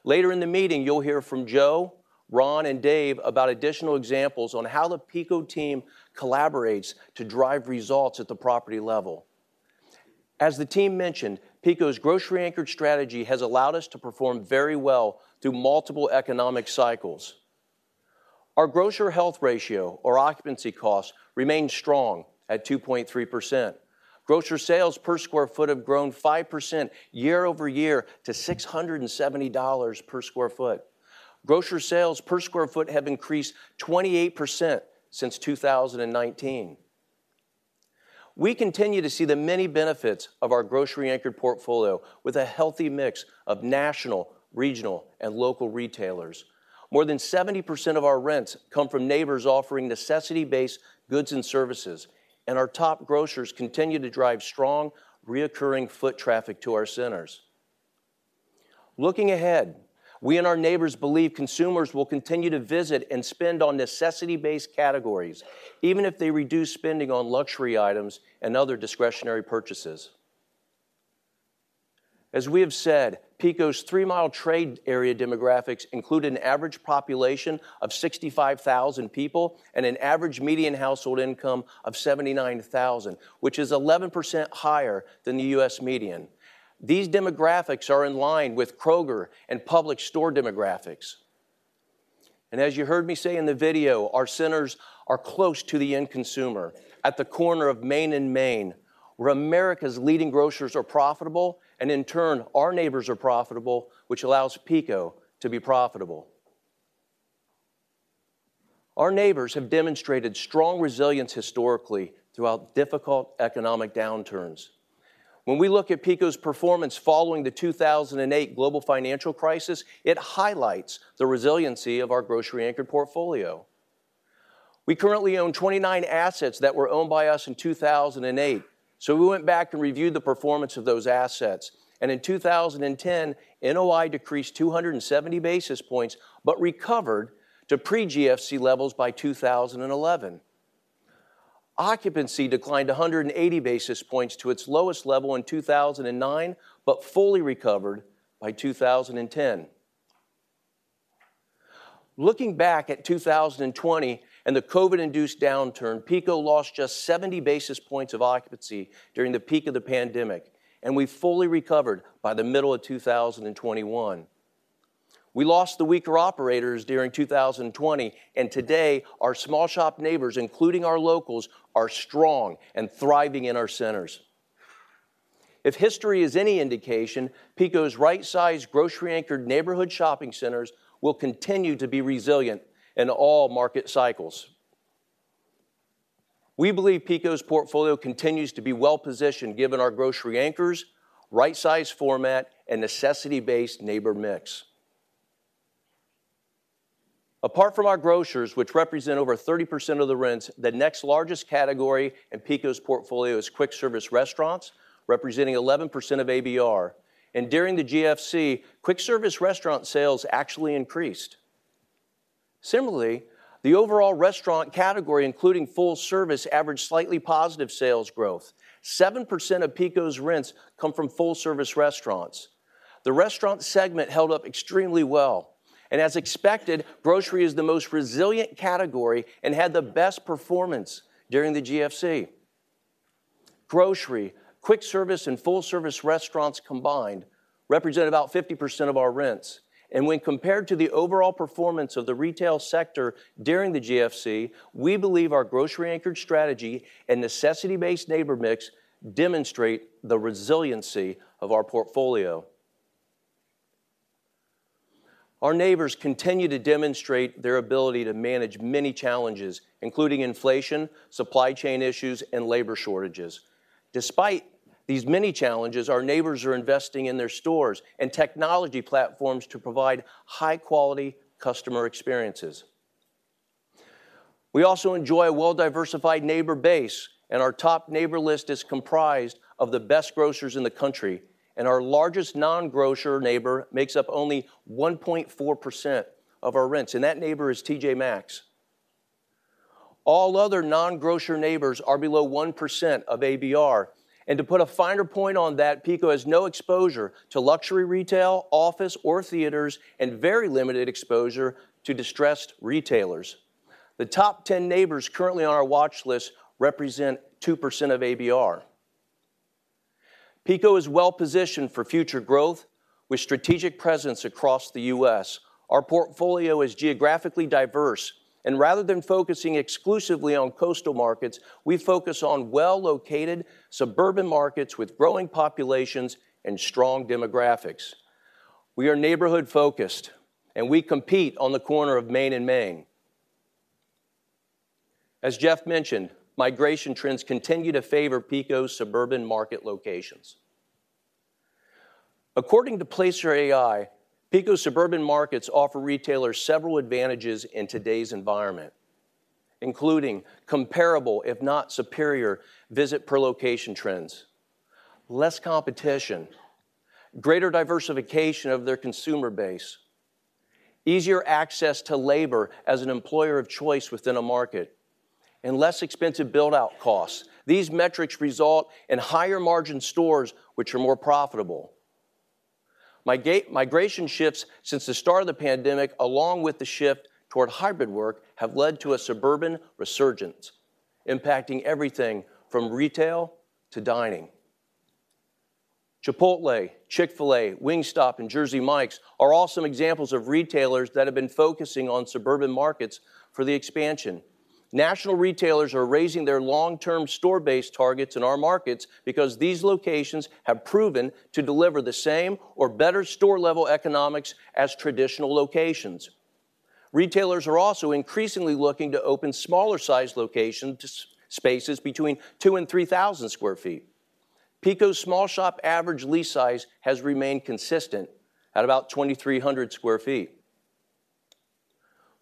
Later in the meeting, you'll hear from Joe, Ron, and Dave about additional examples on how the PECO team collaborates to drive results at the property level. As the team mentioned, PECO's grocery-anchored strategy has allowed us to perform very well through multiple economic cycles. Our Grocery Health Ratio, or occupancy costs, remain strong at 2.3%. Grocery sales per sq ft have grown 5% year-over-year to $670 per sq ft. Grocery sales per square foot have increased 28% since 2019. We continue to see the many benefits of our grocery-anchored portfolio with a healthy mix of national, regional, and local retailers. More than 70% of our rents come from neighbors offering necessity-based goods and services, and our top grocers continue to drive strong, recurring foot traffic to our centers. Looking ahead, we and our neighbors believe consumers will continue to visit and spend on necessity-based categories, even if they reduce spending on luxury items and other discretionary purchases. As we have said, PECO's three-mile trade area demographics include an average population of 65,000 people and an average median household income of $79,000, which is 11% higher than the U.S. median. These demographics are in line with Kroger and Publix store demographics. As you heard me say in the video, our centers are close to the end consumer, at the corner of Main and Main, where America's leading grocers are profitable, and in turn, our neighbors are profitable, which allows PECO to be profitable. Our neighbors have demonstrated strong resilience historically throughout difficult economic downturns. When we look at PECO's performance following the 2008 global financial crisis, it highlights the resiliency of our grocery-anchored portfolio. We currently own 29 assets that were owned by us in 2008, so we went back and reviewed the performance of those assets, and in 2010, NOI decreased 270 basis points, but recovered to pre-GFC levels by 2011. Occupancy declined 180 basis points to its lowest level in 2009, but fully recovered by 2010. Looking back at 2020 and the COVID-induced downturn, PECO lost just 70 basis points of occupancy during the peak of the pandemic, and we fully recovered by the middle of 2021. We lost the weaker operators during 2020, and today, our small shop neighbors, including our locals, are strong and thriving in our centers. If history is any indication, PECO's right-sized, grocery-anchored, neighborhood shopping centers will continue to be resilient in all market cycles. We believe PECO's portfolio continues to be well-positioned given our grocery anchors, right-size format, and necessity-based neighbor mix. Apart from our grocers, which represent over 30% of the rents, the next largest category in PECO's portfolio is quick-service restaurants, representing 11% of ABR. During the GFC, quick-service restaurant sales actually increased. Similarly, the overall restaurant category, including full service, averaged slightly positive sales growth. 7% of PECO's rents come from full-service restaurants. The restaurant segment held up extremely well, and as expected, grocery is the most resilient category and had the best performance during the GFC. Grocery, quick-service, and full-service restaurants combined represent about 50% of our rents, and when compared to the overall performance of the retail sector during the GFC, we believe our grocery-anchored strategy and necessity-based neighbor mix demonstrate the resiliency of our portfolio. Our neighbors continue to demonstrate their ability to manage many challenges, including inflation, supply chain issues, and labor shortages. Despite these many challenges, our neighbors are investing in their stores and technology platforms to provide high-quality customer experiences. We also enjoy a well-diversified neighbor base, and our top neighbor list is comprised of the best grocers in the country, and our largest non-grocer neighbor makes up only 1.4% of our rents, and that neighbor is T.J. Maxx. All other non-grocer neighbors are below 1% of ABR. To put a finer point on that, PECO has no exposure to luxury retail, office, or theaters, and very limited exposure to distressed retailers. The top 10 neighbors currently on our watch list represent 2% of ABR. PECO is well-positioned for future growth with strategic presence across the U.S. Our portfolio is geographically diverse, and rather than focusing exclusively on coastal markets, we focus on well-located suburban markets with growing populations and strong demographics. We are neighborhood-focused, and we compete on the corner of Main and Main. As Jeff mentioned, migration trends continue to favor PECO's suburban market locations. According to Placer.ai, PECO's suburban markets offer retailers several advantages in today's environment, including comparable, if not superior, visit-per-location trends, less competition, greater diversification of their consumer base, easier access to labor as an employer of choice within a market, and less expensive build-out costs. These metrics result in higher-margin stores, which are more profitable. Migration shifts since the start of the pandemic, along with the shift toward hybrid work, have led to a suburban resurgence, impacting everything from retail to dining. Chipotle, Chick-fil-A, Wingstop, and Jersey Mike's are all some examples of retailers that have been focusing on suburban markets for the expansion. National retailers are raising their long-term store-based targets in our markets because these locations have proven to deliver the same or better store-level economics as traditional locations. Retailers are also increasingly looking to open smaller-sized locations to spaces between 2,000 and 3,000 sq ft. PECO's small shop average lease size has remained consistent at about 2,300 sq ft.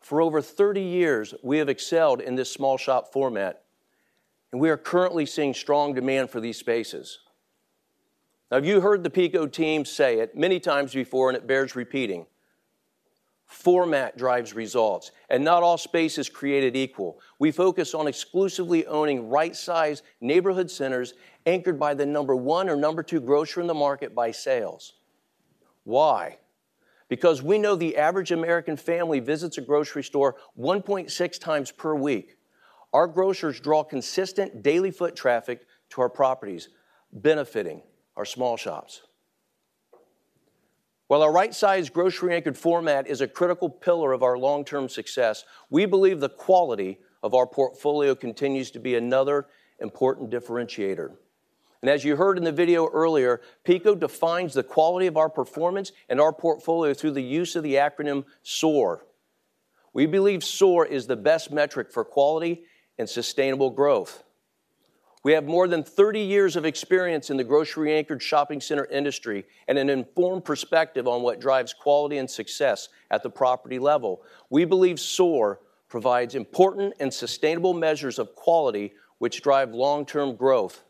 For over 30 years, we have excelled in this small shop format, and we are currently seeing strong demand for these spaces. Now, you heard the PECO team say it many times before, and it bears repeating: format drives results, and not all space is created equal. We focus on exclusively owning right-sized neighborhood centers anchored by the number one or number two grocer in the market by sales. Why? Because we know the average American family visits a grocery store 1.6 times per week. Our grocers draw consistent daily foot traffic to our properties, benefiting our small shops. While our right-sized, grocery-anchored format is a critical pillar of our long-term success, we believe the quality of our portfolio continues to be another important differentiator. As you heard in the video earlier, PECO defines the quality of our performance and our portfolio through the use of the acronym SOAR. We believe SOAR is the best metric for quality and sustainable growth. We have more than 30 years of experience in the grocery-anchored shopping center industry and an informed perspective on what drives quality and success at the property level. We believe SOAR provides important and sustainable measures of quality, which drive long-term growth,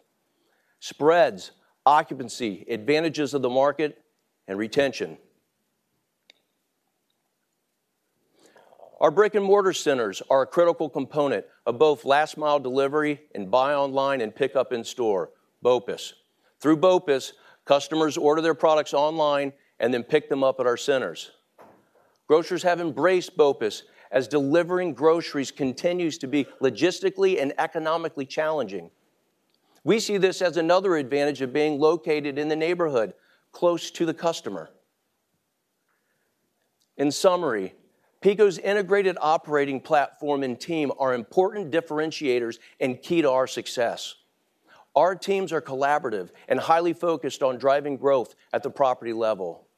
spreads, occupancy, advantages of the market, and retention. Our brick-and-mortar centers are a critical component of both last-mile delivery and buy online and pick up in-store, BOPUS. Through BOPUS, customers order their products online and then pick them up at our centers. Grocers have embraced BOPUS as delivering groceries continues to be logistically and economically challenging. We see this as another advantage of being located in the neighborhood, close to the customer. In summary, PECO's integrated operating platform and team are important differentiators and key to our success. Our teams are collaborative and highly focused on driving growth at the property level.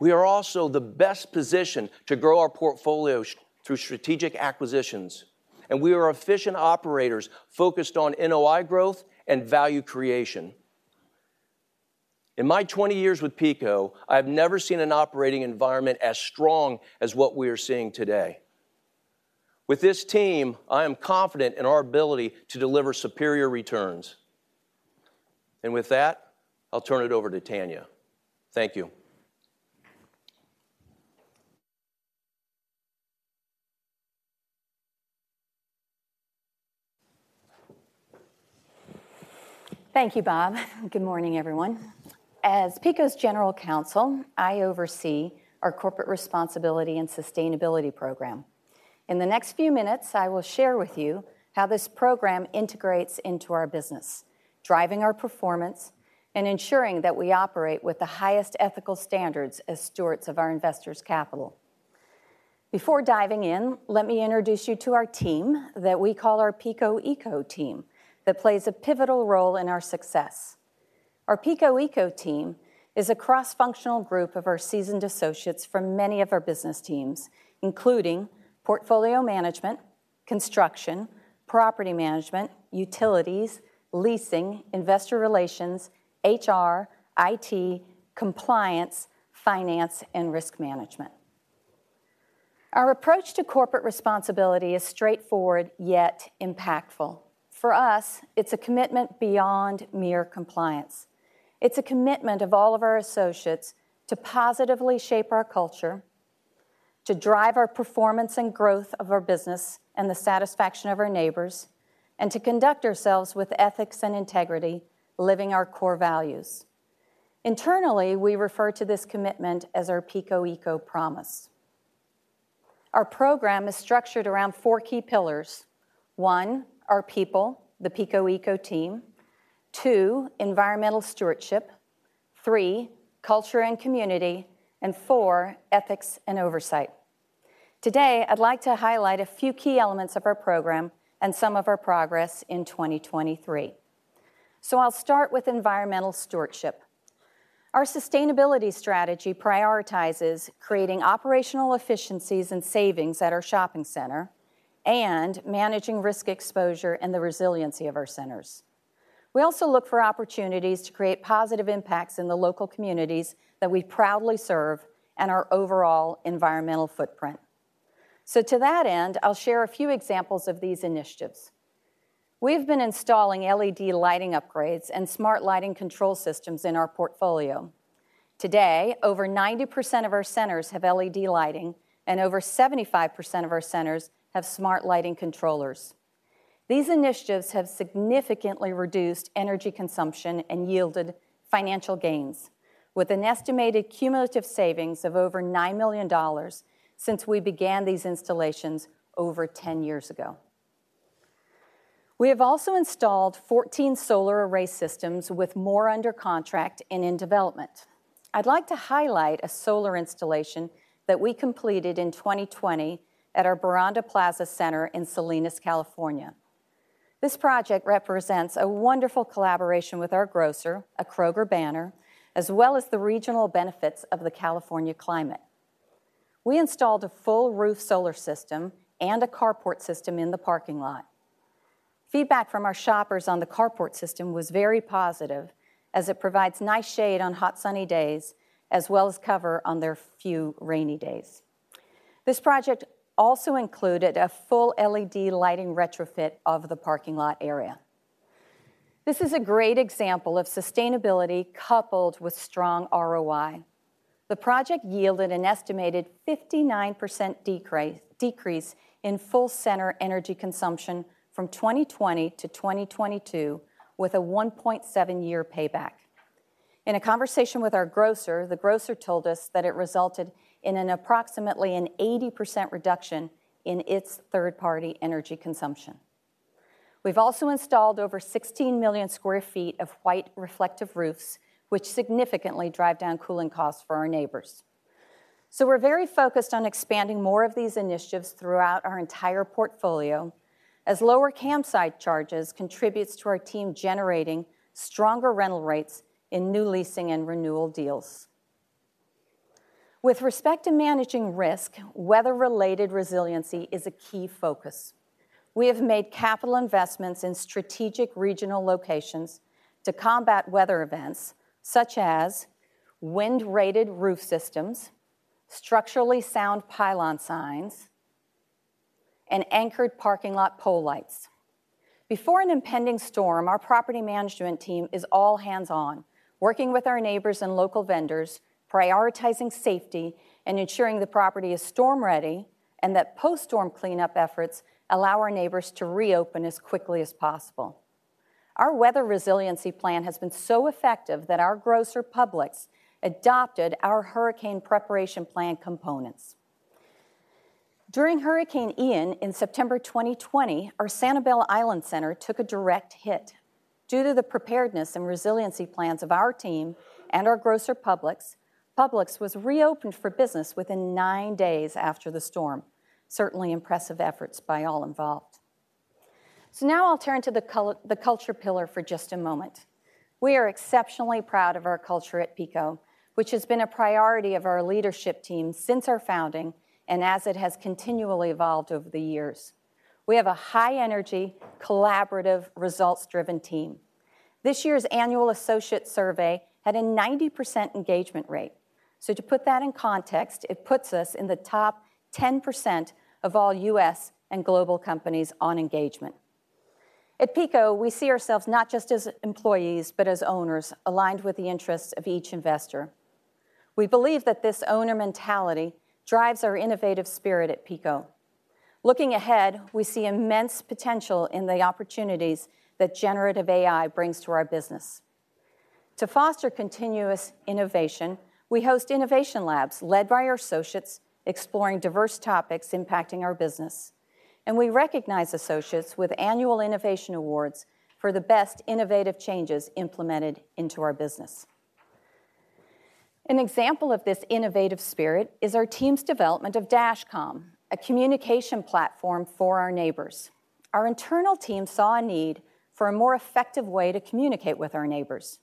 We are also the best positioned to grow our portfolio through strategic acquisitions, and we are efficient operators focused on NOI growth and value creation. In my 20 years with PECO, I have never seen an operating environment as strong as what we are seeing today. With this team, I am confident in our ability to deliver superior returns. And with that, I'll turn it over to Tanya. Thank you. Thank you, Bob. Good morning, everyone. As PECO's General Counsel, I oversee our corporate responsibility and sustainability program. In the next few minutes, I will share with you how this program integrates into our business, driving our performance and ensuring that we operate with the highest ethical standards as stewards of our investors' capital. Before diving in, let me introduce you to our team that we call our PECO Eco Team, that plays a pivotal role in our success. Our PECO Eco Team is a cross-functional group of our seasoned associates from many of our business teams, including portfolio management, construction, property management, utilities, leasing, investor relations, HR, IT, compliance, finance, and risk management. Our approach to corporate responsibility is straightforward, yet impactful. For us, it's a commitment beyond mere compliance.... It's a commitment of all of our associates to positively shape our culture, to drive our performance and growth of our business and the satisfaction of our neighbors, and to conduct ourselves with ethics and integrity, living our core values. Internally, we refer to this commitment as our PECO Eco Promise. Our program is structured around four key pillars: one, our people, the PECO Eco team; two, environmental stewardship; three, culture and community; and four, ethics and oversight. Today, I'd like to highlight a few key elements of our program and some of our progress in 2023. So I'll start with environmental stewardship. Our sustainability strategy prioritizes creating operational efficiencies and savings at our shopping center, and managing risk exposure and the resiliency of our centers. We also look for opportunities to create positive impacts in the local communities that we proudly serve and our overall environmental footprint. So to that end, I'll share a few examples of these initiatives. We've been installing LED lighting upgrades and smart lighting control systems in our portfolio. Today, over 90% of our centers have LED lighting, and over 75% of our centers have smart lighting controllers. These initiatives have significantly reduced energy consumption and yielded financial gains, with an estimated cumulative savings of over $9 million since we began these installations over 10 years ago. We have also installed 14 solar array systems, with more under contract and in development. I'd like to highlight a solar installation that we completed in 2020 at our Boronda Plaza center in Salinas, California. This project represents a wonderful collaboration with our grocer, a Kroger banner, as well as the regional benefits of the California climate. We installed a full roof solar system and a carport system in the parking lot. Feedback from our shoppers on the carport system was very positive, as it provides nice shade on hot, sunny days, as well as cover on their few rainy days. This project also included a full LED lighting retrofit of the parking lot area. This is a great example of sustainability coupled with strong ROI. The project yielded an estimated 59% decrease in full center energy consumption from 2020 to 2022, with a 1.7-year payback. In a conversation with our grocer, the grocer told us that it resulted in approximately an 80% reduction in its third-party energy consumption. We've also installed over 16 million sq ft of white reflective roofs, which significantly drive down cooling costs for our neighbors. So we're very focused on expanding more of these initiatives throughout our entire portfolio, as lower CAM charges contributes to our team generating stronger rental rates in new leasing and renewal deals. With respect to managing risk, weather-related resiliency is a key focus. We have made capital investments in strategic regional locations to combat weather events, such as wind-rated roof systems, structurally sound pylon signs, and anchored parking lot pole lights. Before an impending storm, our property management team is all hands-on, working with our neighbors and local vendors, prioritizing safety and ensuring the property is storm-ready, and that post-storm cleanup efforts allow our neighbors to reopen as quickly as possible. Our weather resiliency plan has been so effective that our grocer, Publix, adopted our hurricane preparation plan components. During Hurricane Ian in September 2020, our Sanibel Island center took a direct hit. Due to the preparedness and resiliency plans of our team and our grocer, Publix, Publix was reopened for business within nine days after the storm. Certainly impressive efforts by all involved. So now I'll turn to the culture pillar for just a moment. We are exceptionally proud of our culture at PECO, which has been a priority of our leadership team since our founding and as it has continually evolved over the years. We have a high-energy, collaborative, results-driven team. This year's annual associate survey had a 90% engagement rate. So to put that in context, it puts us in the top 10% of all U.S. and global companies on engagement. At PECO, we see ourselves not just as employees, but as owners, aligned with the interests of each investor. We believe that this owner mentality drives our innovative spirit at PECO. Looking ahead, we see immense potential in the opportunities that generative AI brings to our business. To foster continuous innovation, we host innovation labs, led by our associates, exploring diverse topics impacting our business, and we recognize associates with annual innovation awards for the best innovative changes implemented into our business. An example of this innovative spirit is our team's development of DashComm, a communication platform for our neighbors. Our internal team saw a need for a more effective way to communicate with our neighbors.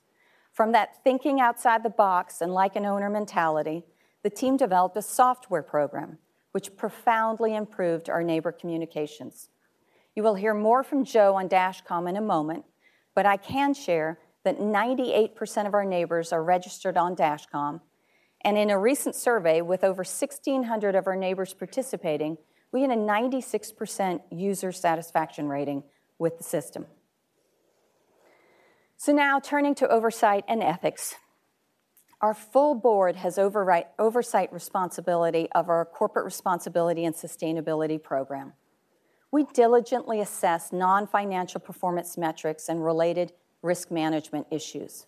From that thinking outside the box, and like an owner mentality, the team developed a software program, which profoundly improved our neighbor communications. You will hear more from Joe on DashComm in a moment, but I can share that 98% of our neighbors are registered on DashComm. In a recent survey, with over 1,600 of our neighbors participating, we had a 96% user satisfaction rating with the system. So now, turning to oversight and ethics. Our full board has oversight responsibility of our corporate responsibility and sustainability program. We diligently assess non-financial performance metrics and related risk management issues.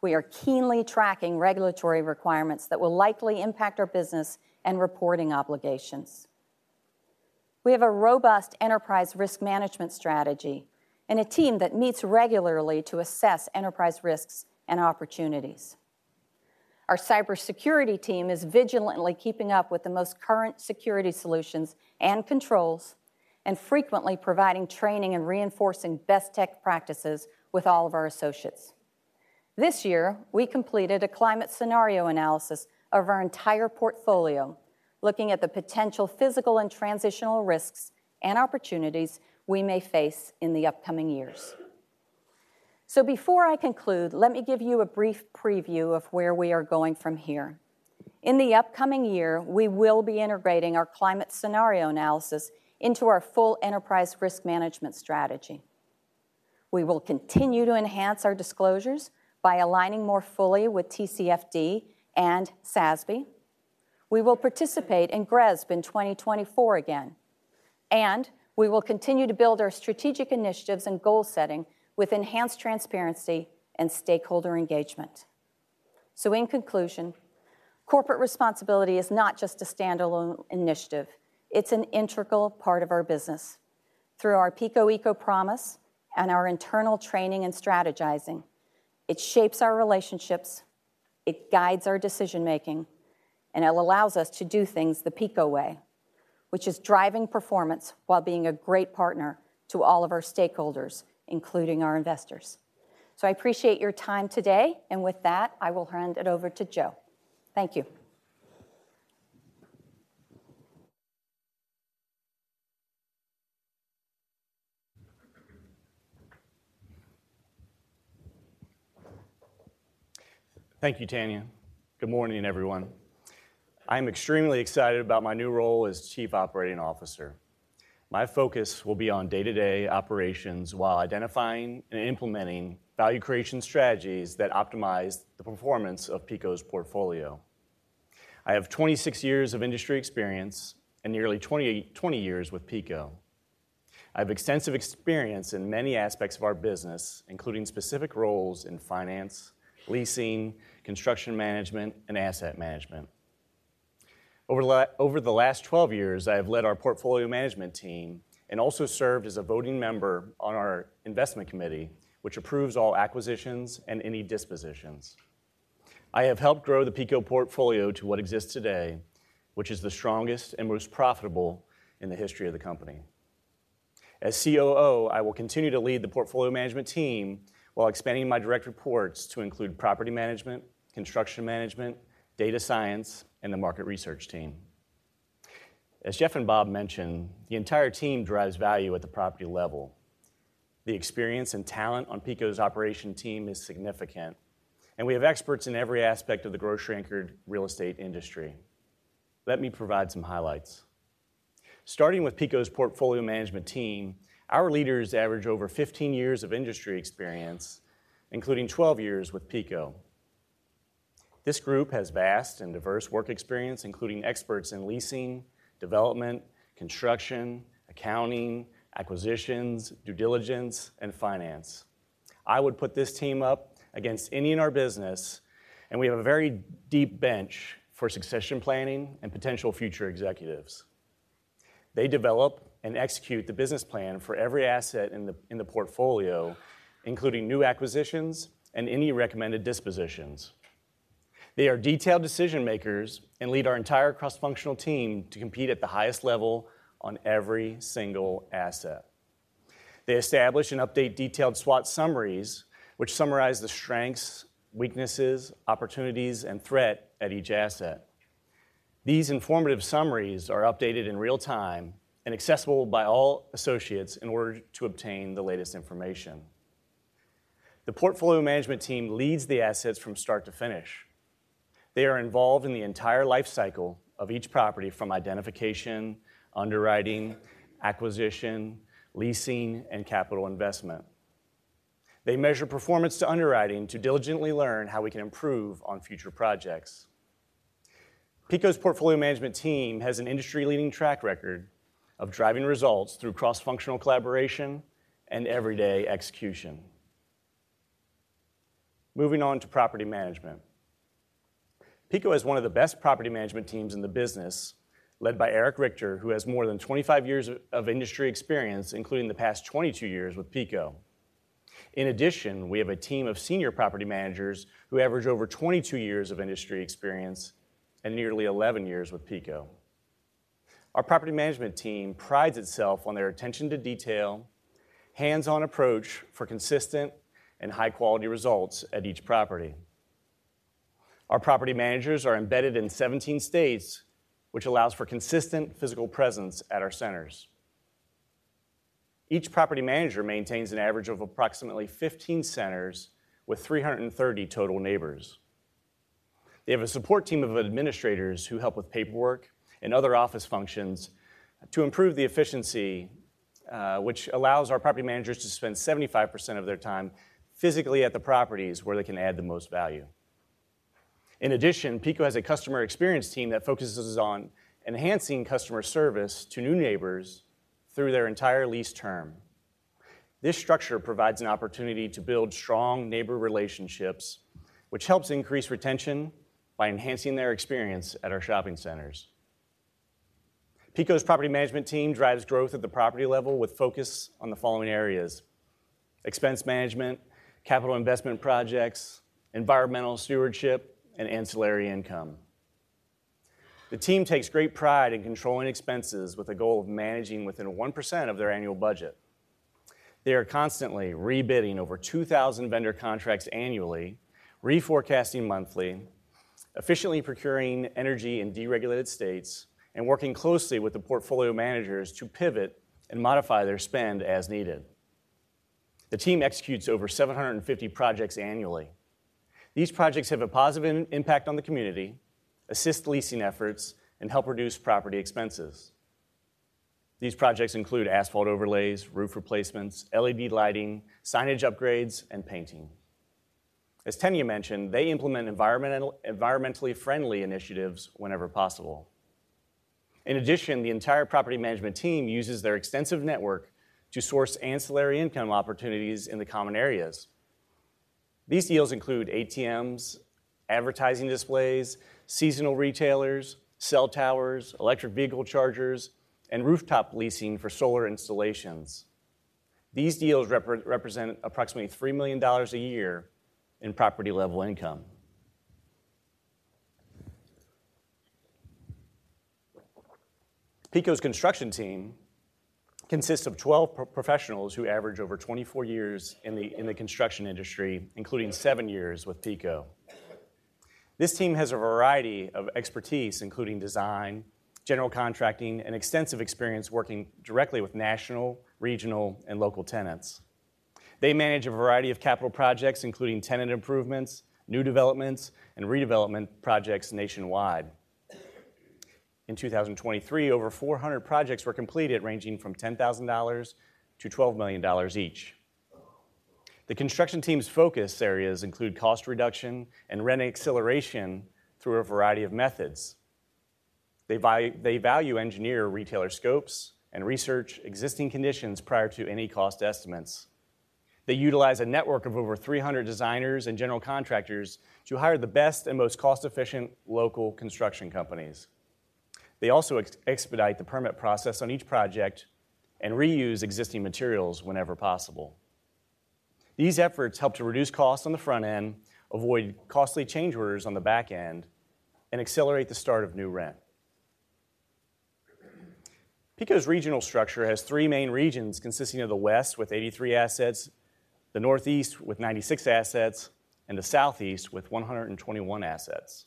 We are keenly tracking regulatory requirements that will likely impact our business and reporting obligations. We have a robust enterprise risk management strategy and a team that meets regularly to assess enterprise risks and opportunities. Our cybersecurity team is vigilantly keeping up with the most current security solutions and controls, and frequently providing training and reinforcing best tech practices with all of our associates. This year, we completed a climate scenario analysis of our entire portfolio, looking at the potential physical and transitional risks and opportunities we may face in the upcoming years. So before I conclude, let me give you a brief preview of where we are going from here. In the upcoming year, we will be integrating our climate scenario analysis into our full enterprise risk management strategy. We will continue to enhance our disclosures by aligning more fully with TCFD and SASB. We will participate in GRESB in 2024 again, and we will continue to build our strategic initiatives and goal setting with enhanced transparency and stakeholder engagement. So in conclusion, corporate responsibility is not just a standalone initiative, it's an integral part of our business. Through our PECO Eco Promise and our internal training and strategizing, it shapes our relationships, it guides our decision-making, and it allows us to do things the PECO way, which is driving performance while being a great partner to all of our stakeholders, including our investors. I appreciate your time today, and with that, I will hand it over to Joe. Thank you. Thank you, Tanya. Good morning, everyone. I'm extremely excited about my new role as Chief Operating Officer. My focus will be on day-to-day operations while identifying and implementing value creation strategies that optimize the performance of PECO's portfolio. I have 26 years of industry experience and nearly 20 years with PECO. I have extensive experience in many aspects of our business, including specific roles in finance, leasing, construction management, and asset management. Over the last 12 years, I have led our portfolio management team and also served as a voting member on our investment committee, which approves all acquisitions and any dispositions. I have helped grow the PECO portfolio to what exists today, which is the strongest and most profitable in the history of the company. As COO, I will continue to lead the portfolio management team while expanding my direct reports to include property management, construction management, data science, and the market research team. As Jeff and Bob mentioned, the entire team drives value at the property level. The experience and talent on PECO's operations team is significant, and we have experts in every aspect of the grocery-anchored real estate industry. Let me provide some highlights. Starting with PECO's portfolio management team, our leaders average over 15 years of industry experience, including 12 years with PECO. This group has vast and diverse work experience, including experts in leasing, development, construction, accounting, acquisitions, due diligence, and finance. I would put this team up against any in our business, and we have a very deep bench for succession planning and potential future executives. They develop and execute the business plan for every asset in the portfolio, including new acquisitions and any recommended dispositions. They are detailed decision-makers and lead our entire cross-functional team to compete at the highest level on every single asset. They establish and update detailed SWOT summaries, which summarize the strengths, weaknesses, opportunities, and threats at each asset. These informative summaries are updated in real time and accessible by all associates in order to obtain the latest information. The portfolio management team leads the assets from start to finish. They are involved in the entire life cycle of each property, from identification, underwriting, acquisition, leasing, and capital investment. They measure performance to underwriting to diligently learn how we can improve on future projects. PECO's portfolio management team has an industry-leading track record of driving results through cross-functional collaboration and everyday execution. Moving on to property management. PECO has one of the best property management teams in the business, led by Eric Richter, who has more than 25 years of industry experience, including the past 22 years with PECO. In addition, we have a team of senior property managers who average over 22 years of industry experience and nearly 11 years with PECO. Our property management team prides itself on their attention to detail, hands-on approach for consistent and high-quality results at each property. Our property managers are embedded in 17 states, which allows for consistent physical presence at our centers. Each property manager maintains an average of approximately 15 centers with 330 total neighbors. They have a support team of administrators who help with paperwork and other office functions, to improve the efficiency, which allows our property managers to spend 75% of their time physically at the properties where they can add the most value. In addition, PECO has a customer experience team that focuses on enhancing customer service to new neighbors through their entire lease term. This structure provides an opportunity to build strong neighbor relationships, which helps increase retention by enhancing their experience at our shopping centers. PECO's property management team drives growth at the property level with focus on the following areas: expense management, capital investment projects, environmental stewardship, and ancillary income. The team takes great pride in controlling expenses with a goal of managing within 1% of their annual budget. They are constantly rebidding over 2,000 vendor contracts annually, reforecasting monthly, efficiently procuring energy in deregulated states, and working closely with the portfolio managers to pivot and modify their spend as needed. The team executes over 750 projects annually. These projects have a positive impact on the community, assist leasing efforts, and help reduce property expenses. These projects include asphalt overlays, roof replacements, LED lighting, signage upgrades, and painting. As Tanya mentioned, they implement environmentally friendly initiatives whenever possible. In addition, the entire property management team uses their extensive network to source ancillary income opportunities in the common areas. These deals include ATMs, advertising displays, seasonal retailers, cell towers, electric vehicle chargers, and rooftop leasing for solar installations. These deals represent approximately $3 million a year in property-level income. PECO's construction team consists of 12 professionals who average over 24 years in the construction industry, including seven years with PECO. This team has a variety of expertise, including design, general contracting, and extensive experience working directly with national, regional, and local tenants. They manage a variety of capital projects, including tenant improvements, new developments, and redevelopment projects nationwide. In 2023, over 400 projects were completed, ranging from $10,000-$12 million each. The construction team's focus areas include cost reduction and rent acceleration through a variety of methods. They value engineer retailer scopes and research existing conditions prior to any cost estimates. They utilize a network of over 300 designers and general contractors to hire the best and most cost-efficient local construction companies. They also expedite the permit process on each project and reuse existing materials whenever possible. These efforts help to reduce costs on the front end, avoid costly change orders on the back end, and accelerate the start of new rent. PECO's regional structure has three main regions, consisting of the West with 83 assets, the Northeast with 96 assets, and the Southeast with 121 assets.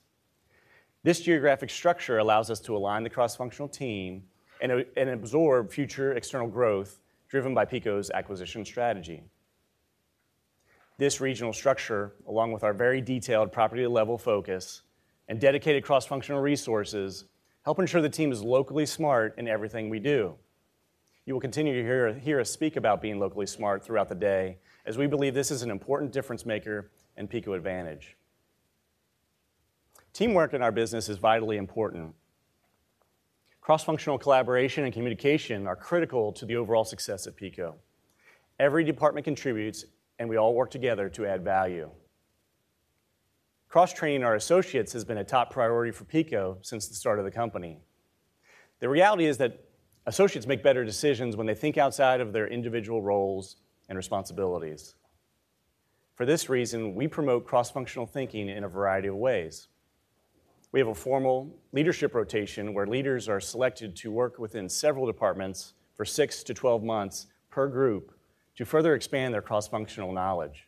This geographic structure allows us to align the cross-functional team and absorb future external growth driven by PECO's acquisition strategy. This regional structure, along with our very detailed property-level focus and dedicated cross-functional resources, help ensure the team is locally smart in everything we do. You will continue to hear us speak about being locally smart throughout the day, as we believe this is an important difference-maker and PECO advantage. Teamwork in our business is vitally important. Cross-functional collaboration and communication are critical to the overall success of PECO. Every department contributes, and we all work together to add value. Cross-training our associates has been a top priority for PECO since the start of the company. The reality is that associates make better decisions when they think outside of their individual roles and responsibilities. For this reason, we promote cross-functional thinking in a variety of ways. We have a formal leadership rotation, where leaders are selected to work within several departments for 6 to 12 months per group to further expand their cross-functional knowledge.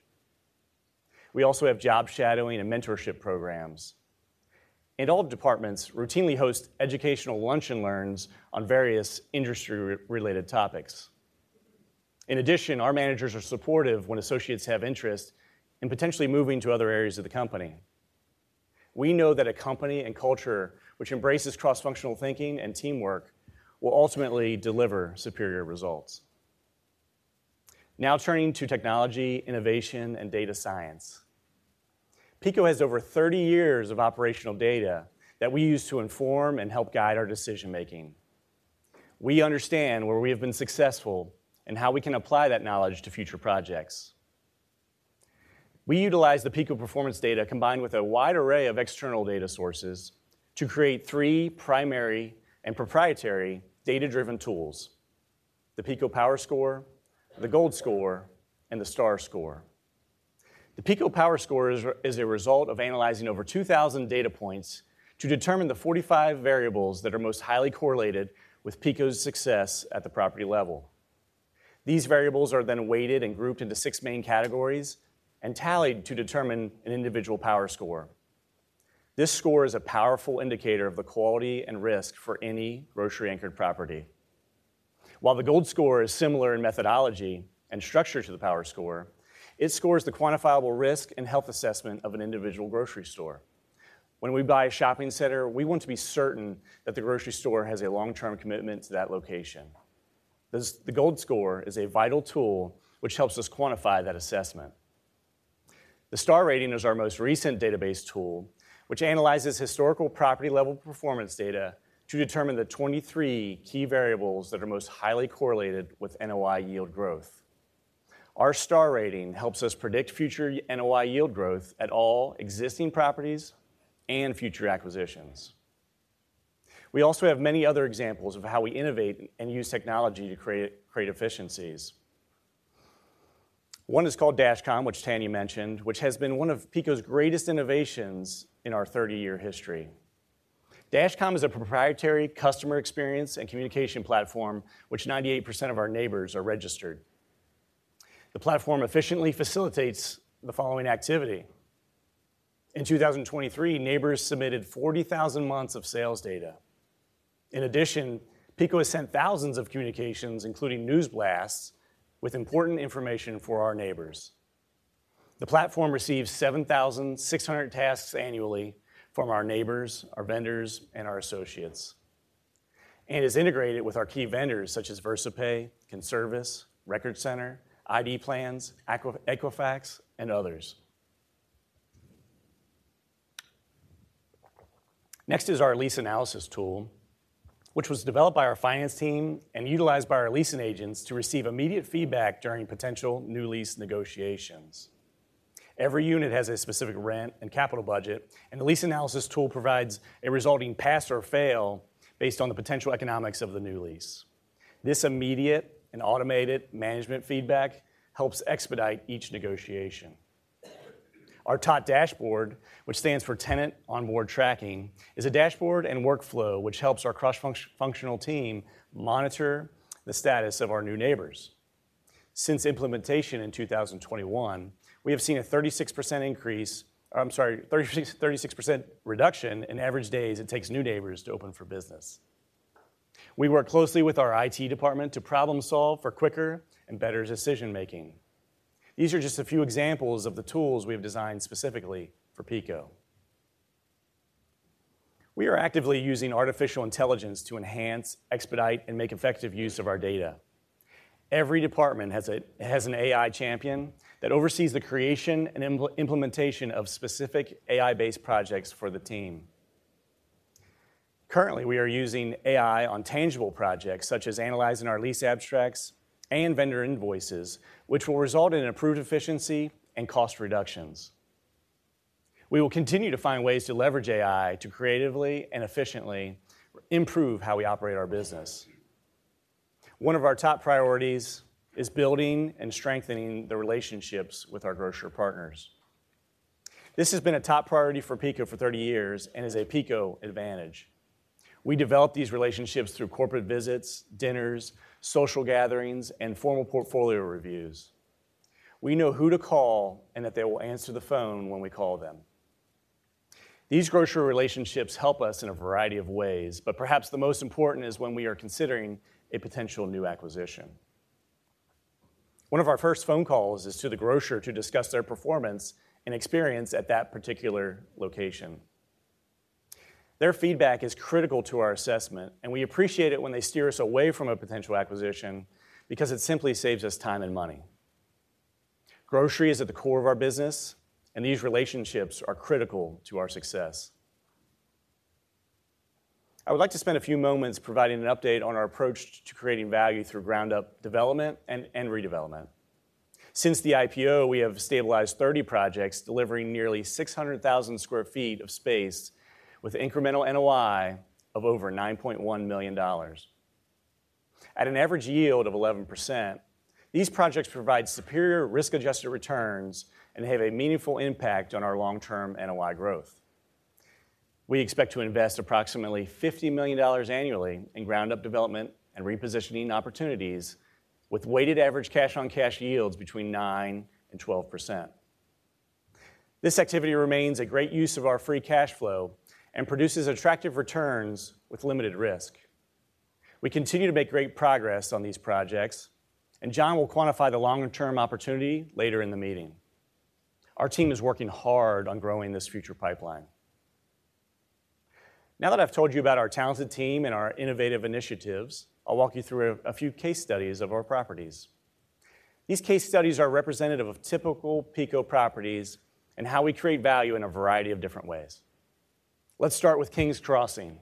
We also have job shadowing and mentorship programs, and all departments routinely host educational lunch and learns on various industry-related topics. In addition, our managers are supportive when associates have interest in potentially moving to other areas of the company. We know that a company and culture which embraces cross-functional thinking and teamwork will ultimately deliver superior results. Now, turning to technology, innovation, and data science. PECO has over 30 years of operational data that we use to inform and help guide our decision-making. We understand where we have been successful and how we can apply that knowledge to future projects. We utilize the PECO performance data, combined with a wide array of external data sources, to create three primary and proprietary data-driven tools: the PECO Power Score, the GOLD Score, and the STAR Score. The PECO Power Score is a result of analyzing over 2,000 data points to determine the 45 variables that are most highly correlated with PECO's success at the property level. These variables are then weighted and grouped into 6 main categories and tallied to determine an individual Power Score. This score is a powerful indicator of the quality and risk for any grocery-anchored property. While the GOLD Score is similar in methodology and structure to the Power Score, it scores the quantifiable risk and health assessment of an individual grocery store. When we buy a shopping center, we want to be certain that the grocery store has a long-term commitment to that location. This, the GOLD Score is a vital tool which helps us quantify that assessment. The STAR Rating is our most recent database tool, which analyzes historical property-level performance data to determine the 23 key variables that are most highly correlated with NOI yield growth. Our STAR Rating helps us predict future NOI yield growth at all existing properties and future acquisitions. We also have many other examples of how we innovate and use technology to create, create efficiencies. One is called DashComm, which Tanya mentioned, which has been one of PECO's greatest innovations in our 30-year history. DashComm is a proprietary customer experience and communication platform, which 98% of our neighbors are registered. The platform efficiently facilitates the following activity. In 2023, neighbors submitted 40,000 months of sales data. In addition, PECO has sent thousands of communications, including news blasts, with important information for our neighbors. The platform receives 7,600 tasks annually from our neighbors, our vendors, and our associates, and is integrated with our key vendors such as Versapay, Conservice, Record Center, ID Plans, Equifax, and others. Next is our lease analysis tool, which was developed by our finance team and utilized by our leasing agents to receive immediate feedback during potential new lease negotiations. Every unit has a specific rent and capital budget, and the lease analysis tool provides a resulting pass or fail based on the potential economics of the new lease. This immediate and automated management feedback helps expedite each negotiation. Our TOT dashboard, which stands for Tenant Onboard Tracking, is a dashboard and workflow which helps our cross-functional team monitor the status of our new neighbors. Since implementation in 2021, we have seen a 36% increase... I'm sorry, 36, 36% reduction in average days it takes new neighbors to open for business. We work closely with our IT department to problem solve for quicker and better decision-making. These are just a few examples of the tools we have designed specifically for PECO. We are actively using artificial intelligence to enhance, expedite, and make effective use of our data. Every department has an AI champion that oversees the creation and implementation of specific AI-based projects for the team. Currently, we are using AI on tangible projects, such as analyzing our lease abstracts and vendor invoices, which will result in improved efficiency and cost reductions. We will continue to find ways to leverage AI to creatively and efficiently improve how we operate our business. One of our top priorities is building and strengthening the relationships with our grocery partners. This has been a top priority for PECO for 30 years and is a PECO advantage. We develop these relationships through corporate visits, dinners, social gatherings, and formal portfolio reviews. We know who to call and that they will answer the phone when we call them. These grocery relationships help us in a variety of ways, but perhaps the most important is when we are considering a potential new acquisition. One of our first phone calls is to the grocer to discuss their performance and experience at that particular location. Their feedback is critical to our assessment, and we appreciate it when they steer us away from a potential acquisition, because it simply saves us time and money. Grocery is at the core of our business, and these relationships are critical to our success. I would like to spend a few moments providing an update on our approach to creating value through ground-up development and redevelopment. Since the IPO, we have stabilized 30 projects, delivering nearly 600,000 sq ft of space with incremental NOI of over $9.1 million. At an average yield of 11%, these projects provide superior risk-adjusted returns and have a meaningful impact on our long-term NOI growth. We expect to invest approximately $50 million annually in ground-up development and repositioning opportunities, with weighted average cash-on-cash yields between 9% and 12%. This activity remains a great use of our free cash flow and produces attractive returns with limited risk. We continue to make great progress on these projects, and John will quantify the longer-term opportunity later in the meeting. Our team is working hard on growing this future pipeline. Now that I've told you about our talented team and our innovative initiatives, I'll walk you through a few case studies of our properties. These case studies are representative of typical PECO properties and how we create value in a variety of different ways. Let's start with Kings Crossing.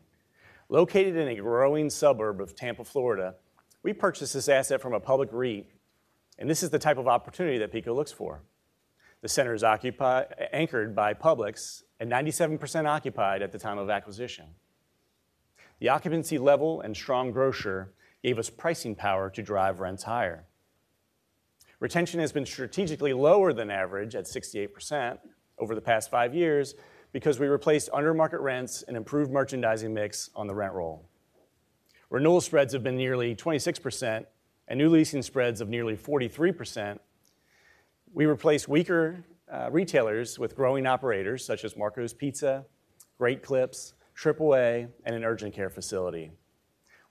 Located in a growing suburb of Tampa, Florida, we purchased this asset from a public REIT, and this is the type of opportunity that PECO looks for. The center is anchored by Publix and 97% occupied at the time of acquisition. The occupancy level and strong grocer gave us pricing power to drive rents higher. Retention has been strategically lower than average at 68% over the past five years because we replaced under-market rents and improved merchandising mix on the rent roll. Renewal spreads have been nearly 26%, and new leasing spreads of nearly 43%. We replace weaker retailers with growing operators such as Marco's Pizza, Great Clips, AAA, and an urgent care facility.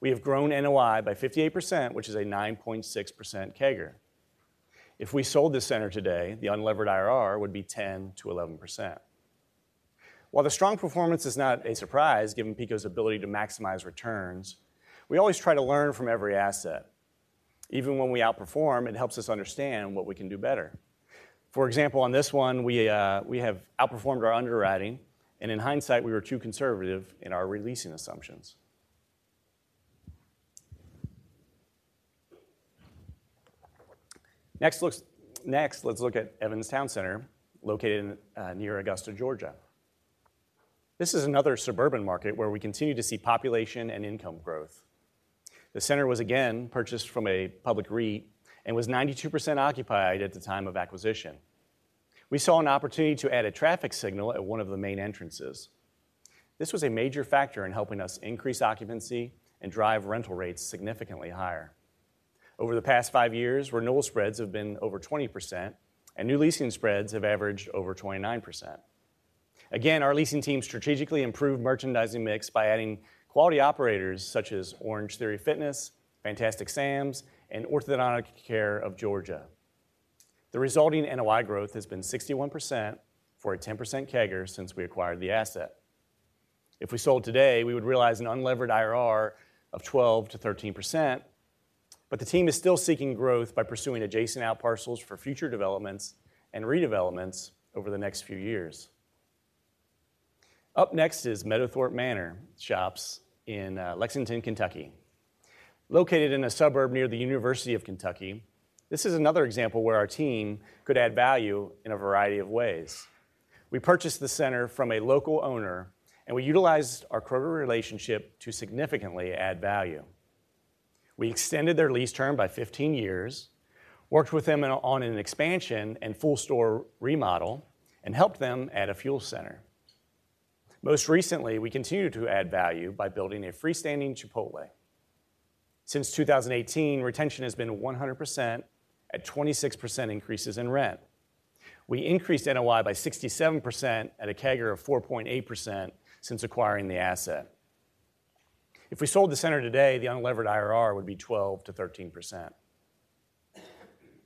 We have grown NOI by 58%, which is a 9.6% CAGR. If we sold this center today, the unlevered IRR would be 10%-11%. While the strong performance is not a surprise, given PECO's ability to maximize returns, we always try to learn from every asset. Even when we outperform, it helps us understand what we can do better. For example, on this one, we have outperformed our underwriting, and in hindsight, we were too conservative in our re-leasing assumptions. Next, let's look at Evans Towne Center, located in, near Augusta, Georgia. This is another suburban market where we continue to see population and income growth. The center was again purchased from a public REIT and was 92% occupied at the time of acquisition. We saw an opportunity to add a traffic signal at one of the main entrances. This was a major factor in helping us increase occupancy and drive rental rates significantly higher. Over the past 5 years, renewal spreads have been over 20%, and new leasing spreads have averaged over 29%. Again, our leasing team strategically improved merchandising mix by adding quality operators such as Orangetheory Fitness, Fantastic Sams, and Orthodontic Care of Georgia. The resulting NOI growth has been 61% for a 10% CAGR since we acquired the asset. If we sold today, we would realize an unlevered IRR of 12%-13%, but the team is still seeking growth by pursuing adjacent outparcels for future developments and redevelopments over the next few years. Up next is Meadowthorpe Manor shops in Lexington, Kentucky. Located in a suburb near the University of Kentucky, this is another example where our team could add value in a variety of ways. We purchased the center from a local owner, and we utilized our Kroger relationship to significantly add value. We extended their lease term by 15 years, worked with them on an expansion and full store remodel, and helped them add a fuel center. Most recently, we continued to add value by building a freestanding Chipotle. Since 2018, retention has been 100% at 26% increases in rent. We increased NOI by 67% at a CAGR of 4.8% since acquiring the asset. If we sold the center today, the unlevered IRR would be 12%-13%.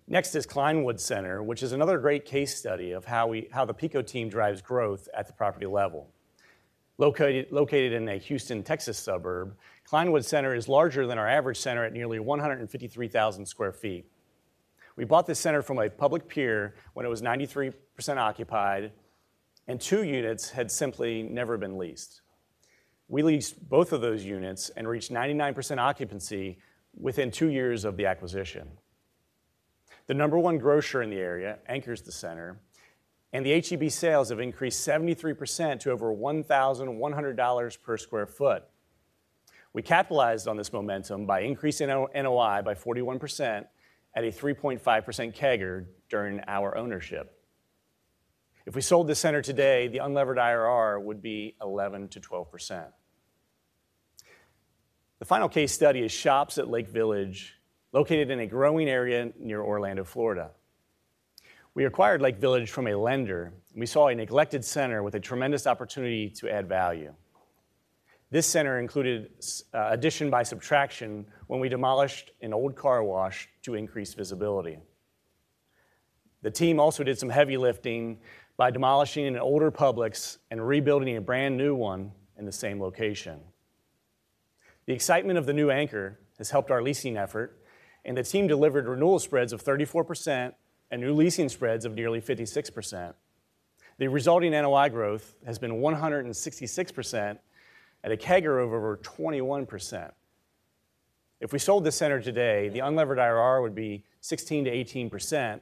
Next is Kleinwood Center, which is another great case study of how the PECO team drives growth at the property level. Located in a Houston, Texas, suburb, Kleinwood Center is larger than our average center at nearly 153,000 sq ft. We bought this center from a public peer when it was 93% occupied, and two units had simply never been leased. We leased both of those units and reached 99% occupancy within two years of the acquisition. The number one grocer in the area anchors the center, and the H-E-B sales have increased 73% to over $1,100 per sq ft. We capitalized on this momentum by increasing NOI by 41% at a 3.5% CAGR during our ownership. If we sold this center today, the unlevered IRR would be 11%-12%. The final case study is Shoppes at Lake Village, located in a growing area near Orlando, Florida. We acquired Lake Village from a lender, and we saw a neglected center with a tremendous opportunity to add value. This center included addition by subtraction when we demolished an old car wash to increase visibility. The team also did some heavy lifting by demolishing an older Publix and rebuilding a brand-new one in the same location. The excitement of the new anchor has helped our leasing effort, and the team delivered renewal spreads of 34% and new leasing spreads of nearly 56%. The resulting NOI growth has been 166% at a CAGR of over 21%. If we sold this center today, the unlevered IRR would be 16%-18%.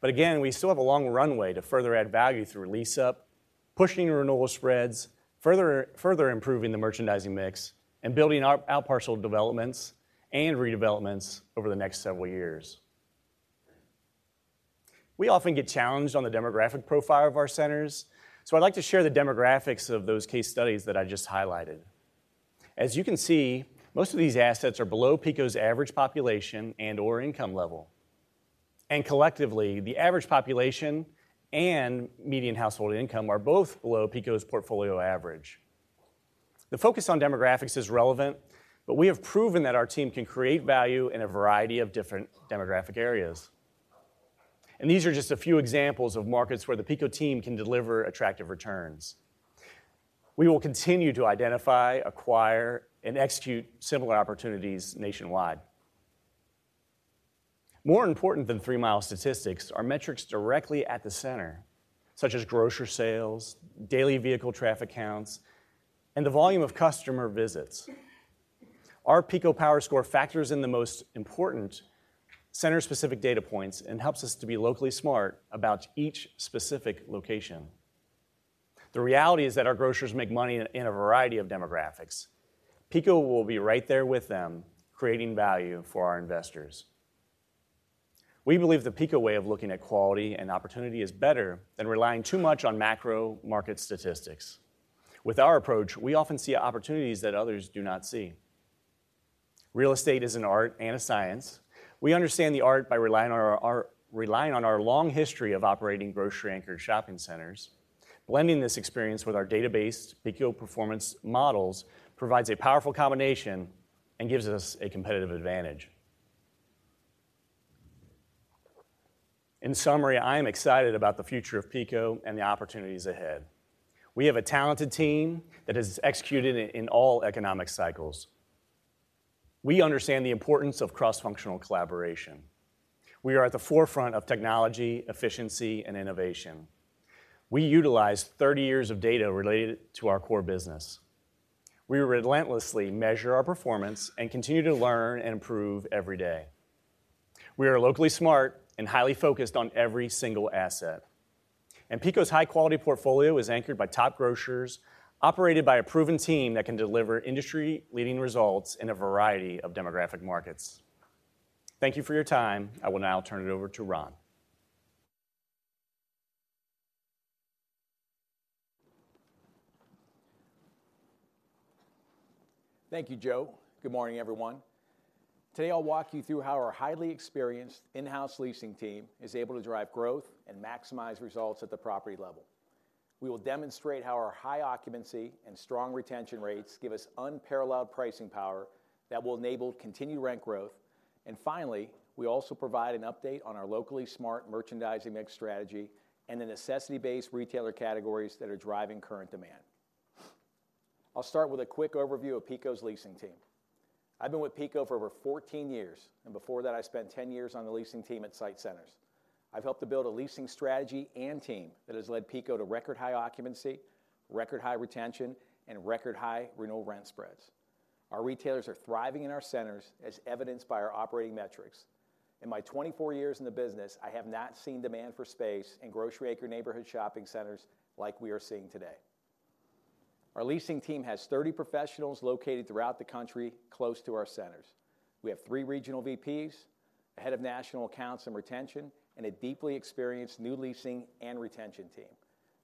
But again, we still have a long runway to further add value through lease up, pushing renewal spreads, further, further improving the merchandising mix, and building our outparcel developments and redevelopments over the next several years. We often get challenged on the demographic profile of our centers, so I'd like to share the demographics of those case studies that I just highlighted. As you can see, most of these assets are below PECO's average population and/or income level, and collectively, the average population and median household income are both below PECO's portfolio average. The focus on demographics is relevant, but we have proven that our team can create value in a variety of different demographic areas. These are just a few examples of markets where the PECO team can deliver attractive returns. We will continue to identify, acquire, and execute similar opportunities nationwide. More important than three-mile statistics are metrics directly at the center, such as grocer sales, daily vehicle traffic counts, and the volume of customer visits. Our PECO Power Score factors in the most important center-specific data points and helps us to be locally smart about each specific location. The reality is that our grocers make money in a variety of demographics. PECO will be right there with them, creating value for our investors. We believe the PECO way of looking at quality and opportunity is better than relying too much on macro market statistics. With our approach, we often see opportunities that others do not see.... Real estate is an art and a science. We understand the art by relying on our art, relying on our long history of operating grocery-anchored shopping centers. Blending this experience with our data-based PECO performance models provides a powerful combination and gives us a competitive advantage. In summary, I am excited about the future of PECO and the opportunities ahead. We have a talented team that has executed in all economic cycles. We understand the importance of cross-functional collaboration. We are at the forefront of technology, efficiency, and innovation. We utilize 30 years of data related to our core business. We relentlessly measure our performance and continue to learn and improve every day. We are locally smart and highly focused on every single asset. PECO's high-quality portfolio is anchored by top grocers, operated by a proven team that can deliver industry-leading results in a variety of demographic markets. Thank you for your time. I will now turn it over to Ron. Thank you, Joe. Good morning, everyone. Today, I'll walk you through how our highly experienced in-house leasing team is able to drive growth and maximize results at the property level. We will demonstrate how our high occupancy and strong retention rates give us unparalleled pricing power that will enable continued rent growth. And finally, we also provide an update on our locally smart merchandising mix strategy and the necessity-based retailer categories that are driving current demand. I'll start with a quick overview of PECO's leasing team. I've been with PECO for over 14 years, and before that, I spent 10 years on the leasing team at SITE Centers. I've helped to build a leasing strategy and team that has led PECO to record high occupancy, record high retention, and record high renewal rent spreads. Our retailers are thriving in our centers, as evidenced by our operating metrics. In my 24 years in the business, I have not seen demand for space in grocery-anchored neighborhood shopping centers like we are seeing today. Our leasing team has 30 professionals located throughout the country, close to our centers. We have 3 regional VPs, a head of national accounts and retention, and a deeply experienced new leasing and retention team.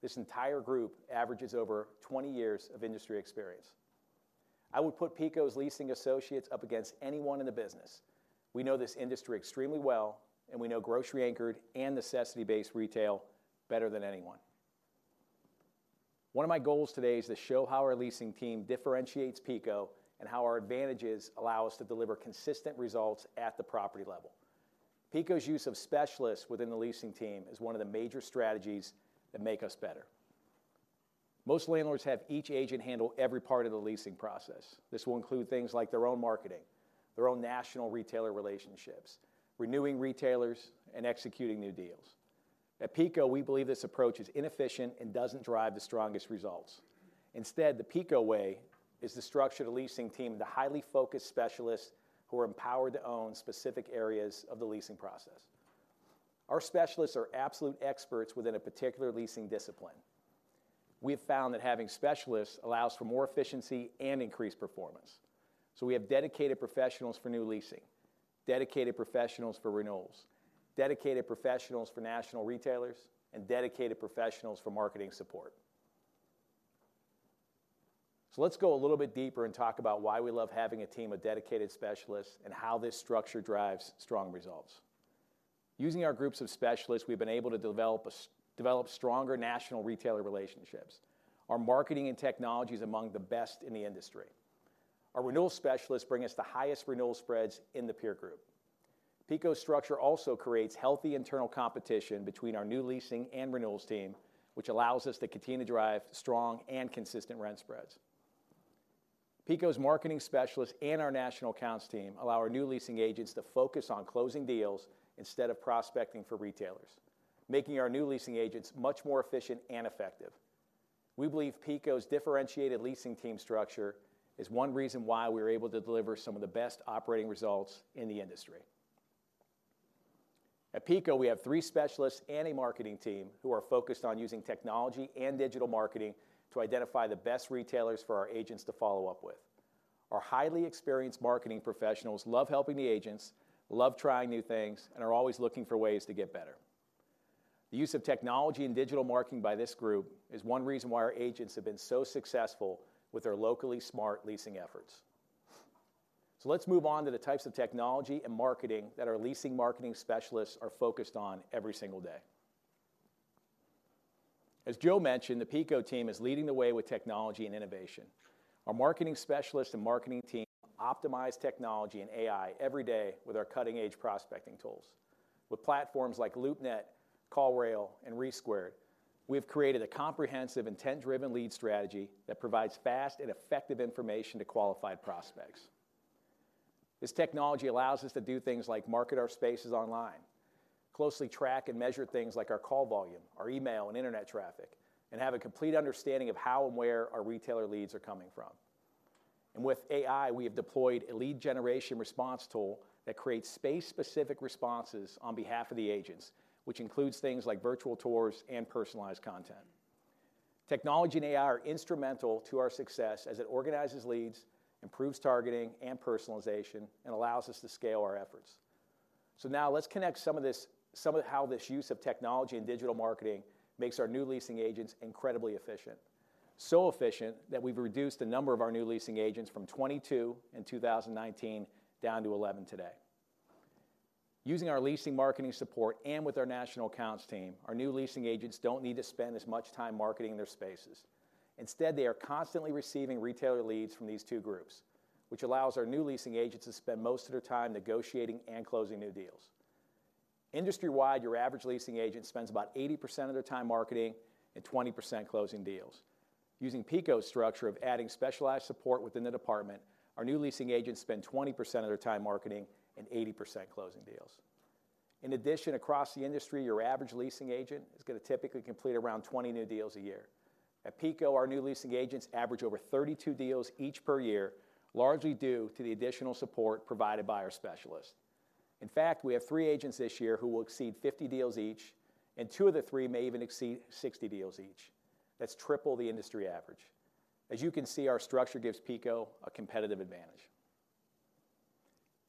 This entire group averages over 20 years of industry experience. I would put PECO's leasing associates up against anyone in the business. We know this industry extremely well, and we know grocery-anchored and necessity-based retail better than anyone. One of my goals today is to show how our leasing team differentiates PECO and how our advantages allow us to deliver consistent results at the property level. PECO's use of specialists within the leasing team is one of the major strategies that make us better. Most landlords have each agent handle every part of the leasing process. This will include things like their own marketing, their own national retailer relationships, renewing retailers, and executing new deals. At PECO, we believe this approach is inefficient and doesn't drive the strongest results. Instead, the PECO way is to structure the leasing team into highly focused specialists who are empowered to own specific areas of the leasing process. Our specialists are absolute experts within a particular leasing discipline. We have found that having specialists allows for more efficiency and increased performance. We have dedicated professionals for new leasing, dedicated professionals for renewals, dedicated professionals for national retailers, and dedicated professionals for marketing support. Let's go a little bit deeper and talk about why we love having a team of dedicated specialists and how this structure drives strong results. Using our groups of specialists, we've been able to develop stronger national retailer relationships. Our marketing and technology is among the best in the industry. Our renewal specialists bring us the highest renewal spreads in the peer group. PECO's structure also creates healthy internal competition between our new leasing and renewals team, which allows us to continue to drive strong and consistent rent spreads. PECO's marketing specialists and our national accounts team allow our new leasing agents to focus on closing deals instead of prospecting for retailers, making our new leasing agents much more efficient and effective. We believe PECO's differentiated leasing team structure is one reason why we're able to deliver some of the best operating results in the industry. At PECO, we have three specialists and a marketing team who are focused on using technology and digital marketing to identify the best retailers for our agents to follow up with. Our highly experienced marketing professionals love helping the agents, love trying new things, and are always looking for ways to get better. The use of technology and digital marketing by this group is one reason why our agents have been so successful with their locally smart leasing efforts. So let's move on to the types of technology and marketing that our leasing marketing specialists are focused on every single day. As Joe mentioned, the PECO team is leading the way with technology and innovation. Our marketing specialists and marketing team optimize technology and AI every day with our cutting-edge prospecting tools. With platforms like LoopNet, CallRail, and Resquared, we've created a comprehensive, intent-driven lead strategy that provides fast and effective information to qualified prospects. This technology allows us to do things like market our spaces online, closely track and measure things like our call volume, our email and internet traffic, and have a complete understanding of how and where our retailer leads are coming from. And with AI, we have deployed a lead generation response tool that creates space-specific responses on behalf of the agents, which includes things like virtual tours and personalized content. Technology and AI are instrumental to our success as it organizes leads, improves targeting and personalization, and allows us to scale our efforts.... So now let's connect some of this, some of how this use of technology and digital marketing makes our new leasing agents incredibly efficient. So efficient, that we've reduced the number of our new leasing agents from 22 in 2019, down to 11 today. Using our leasing marketing support and with our national accounts team, our new leasing agents don't need to spend as much time marketing their spaces. Instead, they are constantly receiving retailer leads from these two groups, which allows our new leasing agents to spend most of their time negotiating and closing new deals. Industry-wide, your average leasing agent spends about 80% of their time marketing and 20% closing deals. Using PECO's structure of adding specialized support within the department, our new leasing agents spend 20% of their time marketing and 80% closing deals. In addition, across the industry, your average leasing agent is gonna typically complete around 20 new deals a year. At PECO, our new leasing agents average over 32 deals each per year, largely due to the additional support provided by our specialists. In fact, we have three agents this year who will exceed 50 deals each, and two of the three may even exceed 60 deals each. That's triple the industry average. As you can see, our structure gives PECO a competitive advantage.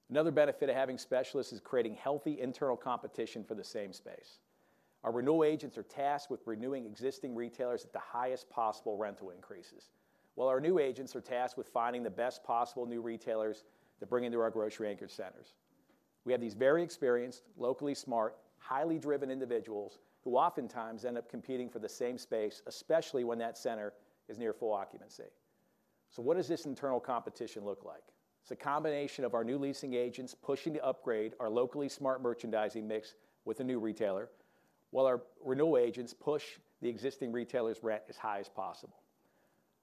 Another benefit of having specialists is creating healthy internal competition for the same space. Our renewal agents are tasked with renewing existing retailers at the highest possible rental increases, while our new agents are tasked with finding the best possible new retailers to bring into our grocery-anchored centers. We have these very experienced, locally smart, highly driven individuals, who oftentimes end up competing for the same space, especially when that center is near full occupancy. So what does this internal competition look like? It's a combination of our new leasing agents pushing to upgrade our locally smart merchandising mix with a new retailer, while our renewal agents push the existing retailer's rent as high as possible.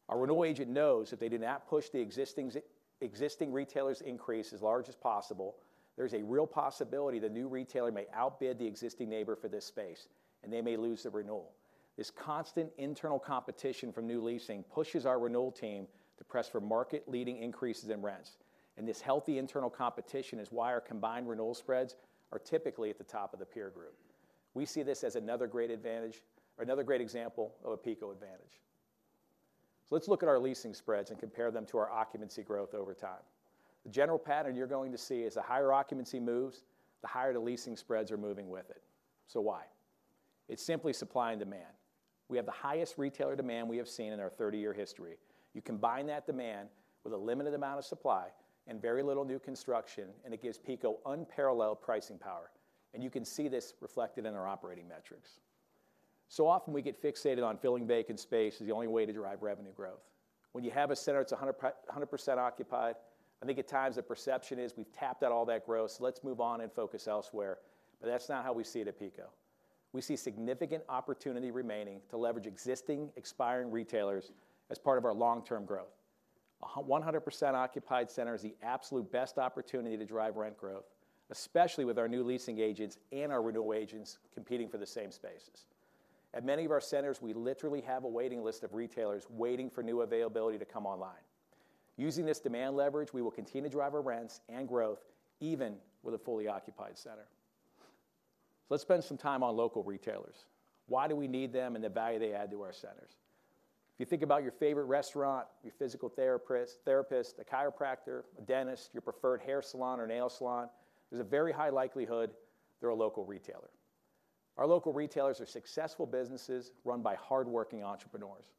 Our renewal agent knows if they do not push the existing retailer's increase as large as possible, there's a real possibility the new retailer may outbid the existing neighbor for this space, and they may lose the renewal. This constant internal competition from new leasing pushes our renewal team to press for market-leading increases in rents, and this healthy internal competition is why our combined renewal spreads are typically at the top of the peer group. We see this as another great advantage, or another great example of a PECO advantage. Let's look at our leasing spreads and compare them to our occupancy growth over time. The general pattern you're going to see is the higher occupancy moves, the higher the leasing spreads are moving with it. So why? It's simply supply and demand. We have the highest retailer demand we have seen in our 30-year history. You combine that demand with a limited amount of supply and very little new construction, and it gives PECO unparalleled pricing power, and you can see this reflected in our operating metrics. So often, we get fixated on filling vacant space as the only way to drive revenue growth. When you have a center that's 100% occupied, I think at times the perception is we've tapped out all that growth, so let's move on and focus elsewhere. But that's not how we see it at PECO. We see significant opportunity remaining to leverage existing, expiring retailers as part of our long-term growth. 100% occupied center is the absolute best opportunity to drive rent growth, especially with our new leasing agents and our renewal agents competing for the same spaces. At many of our centers, we literally have a waiting list of retailers waiting for new availability to come online. Using this demand leverage, we will continue to drive our rents and growth, even with a fully occupied center. So let's spend some time on local retailers. Why do we need them and the value they add to our centers? If you think about your favorite restaurant, your physical therapist, a chiropractor, a dentist, your preferred hair salon or nail salon, there's a very high likelihood they're a local retailer. Our local retailers are successful businesses run by hardworking entrepreneurs.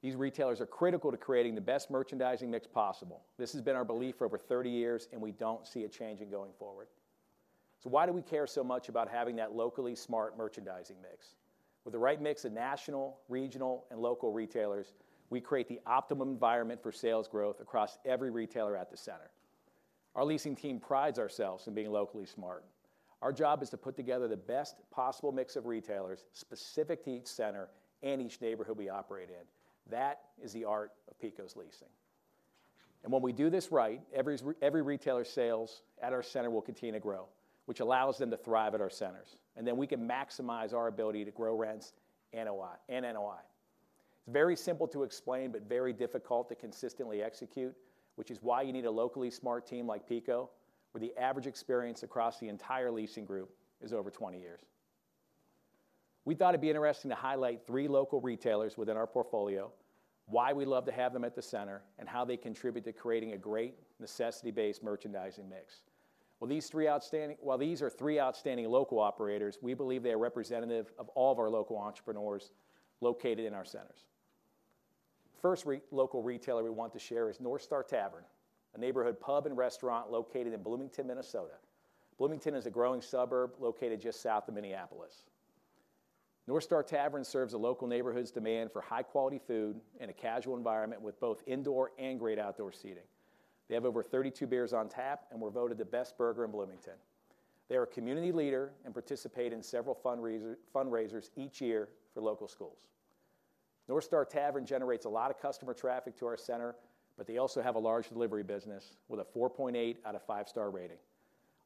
These retailers are critical to creating the best merchandising mix possible. This has been our belief for over thirty years, and we don't see it changing going forward. So why do we care so much about having that locally smart merchandising mix? With the right mix of national, regional, and local retailers, we create the optimum environment for sales growth across every retailer at the center. Our leasing team prides ourselves in being locally smart. Our job is to put together the best possible mix of retailers, specific to each center and each neighborhood we operate in. That is the art of PECO's leasing. And when we do this right, every retailer's sales at our center will continue to grow, which allows them to thrive at our centers, and then we can maximize our ability to grow rents and NOI. It's very simple to explain, but very difficult to consistently execute, which is why you need a locally smart team like PECO, where the average experience across the entire leasing group is over 20 years. We thought it'd be interesting to highlight three local retailers within our portfolio, why we love to have them at the center, and how they contribute to creating a great necessity-based merchandising mix. Well, these three outstanding... While these are three outstanding local operators, we believe they are representative of all of our local entrepreneurs located in our centers. First local retailer we want to share is Northstar Tavern, a neighborhood pub and restaurant located in Bloomington, Minnesota. Bloomington is a growing suburb located just south of Minneapolis. Northstar Tavern serves the local neighborhood's demand for high-quality food in a casual environment with both indoor and great outdoor seating. They have over 32 beers on tap and were voted the best burger in Bloomington. They are a community leader and participate in several fundraisers each year for local schools. Northstar Tavern generates a lot of customer traffic to our center, but they also have a large delivery business with a 4.8 out of 5-star rating.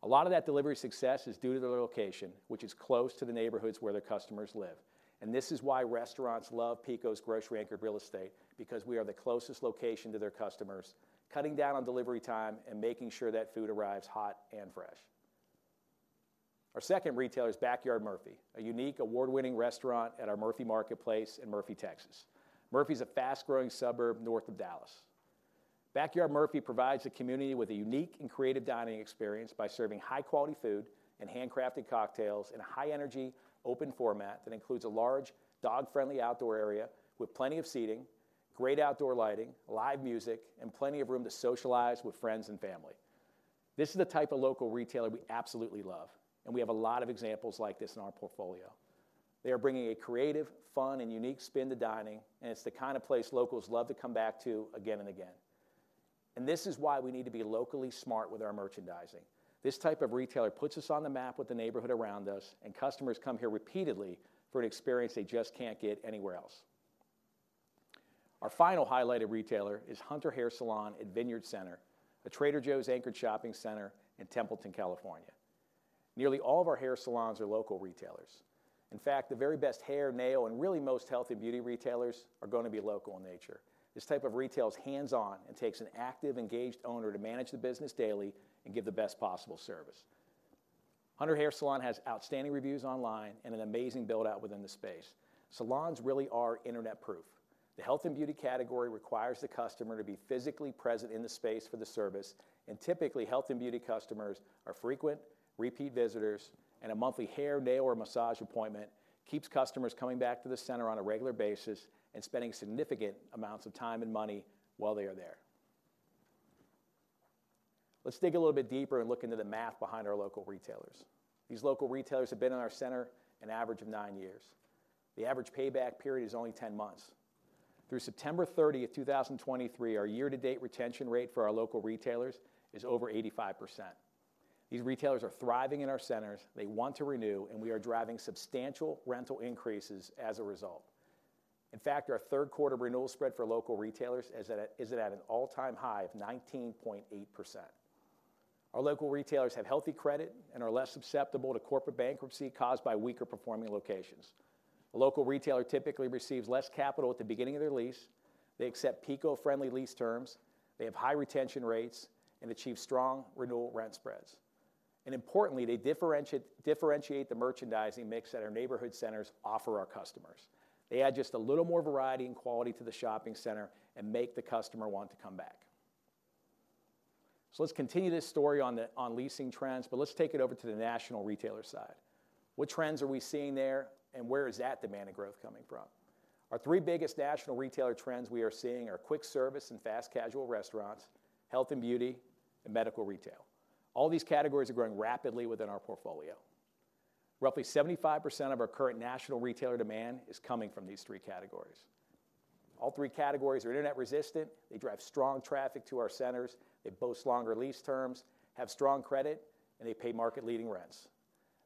A lot of that delivery success is due to their location, which is close to the neighborhoods where their customers live. And this is why restaurants love PECO's grocery-anchored real estate, because we are the closest location to their customers, cutting down on delivery time and making sure that food arrives hot and fresh. Our second retailer is Backyard Murphy, a unique, award-winning restaurant at our Murphy Marketplace in Murphy, Texas. Murphy's a fast-growing suburb north of Dallas. Backyard Murphy provides the community with a unique and creative dining experience by serving high-quality food and handcrafted cocktails in a high-energy, open format that includes a large, dog-friendly outdoor area with plenty of seating, great outdoor lighting, live music, and plenty of room to socialize with friends and family. This is the type of local retailer we absolutely love, and we have a lot of examples like this in our portfolio. They are bringing a creative, fun, and unique spin to dining, and it's the kind of place locals love to come back to again and again. This is why we need to be locally smart with our merchandising. This type of retailer puts us on the map with the neighborhood around us, and customers come here repeatedly for an experience they just can't get anywhere else. Our final highlighted retailer is Hunter Hair Salon at Vineyard Center, a Trader Joe's-anchored shopping center in Templeton, California. Nearly all of our hair salons are local retailers. In fact, the very best hair, nail, and really most health and beauty retailers are going to be local in nature. This type of retail is hands-on and takes an active, engaged owner to manage the business daily and give the best possible service. Hunter Hair Salon has outstanding reviews online and an amazing build-out within the space. Salons really are internet-proof. The health and beauty category requires the customer to be physically present in the space for the service, and typically, health and beauty customers are frequent, repeat visitors, and a monthly hair, nail, or massage appointment keeps customers coming back to the center on a regular basis and spending significant amounts of time and money while they are there. Let's dig a little bit deeper and look into the math behind our local retailers. These local retailers have been in our center an average of 9 years. The average payback period is only 10 months. Through September 30, 2023, our year-to-date retention rate for our local retailers is over 85%. These retailers are thriving in our centers, they want to renew, and we are driving substantial rental increases as a result. In fact, our third quarter renewal spread for local retailers is at an all-time high of 19.8%. Our local retailers have healthy credit and are less susceptible to corporate bankruptcy caused by weaker-performing locations. A local retailer typically receives less capital at the beginning of their lease, they accept PECO-friendly lease terms, they have high retention rates, and achieve strong renewal rent spreads. Importantly, they differentiate the merchandising mix that our neighborhood centers offer our customers. They add just a little more variety and quality to the shopping center and make the customer want to come back. So let's continue this story on leasing trends, but let's take it over to the national retailer side. What trends are we seeing there, and where is that demand and growth coming from? Our three biggest national retailer trends we are seeing are quick service and fast casual restaurants, health and beauty, and medical retail. All these categories are growing rapidly within our portfolio. Roughly 75% of our current national retailer demand is coming from these three categories. All three categories are internet-resistant, they drive strong traffic to our centers, they boast longer lease terms, have strong credit, and they pay market-leading rents.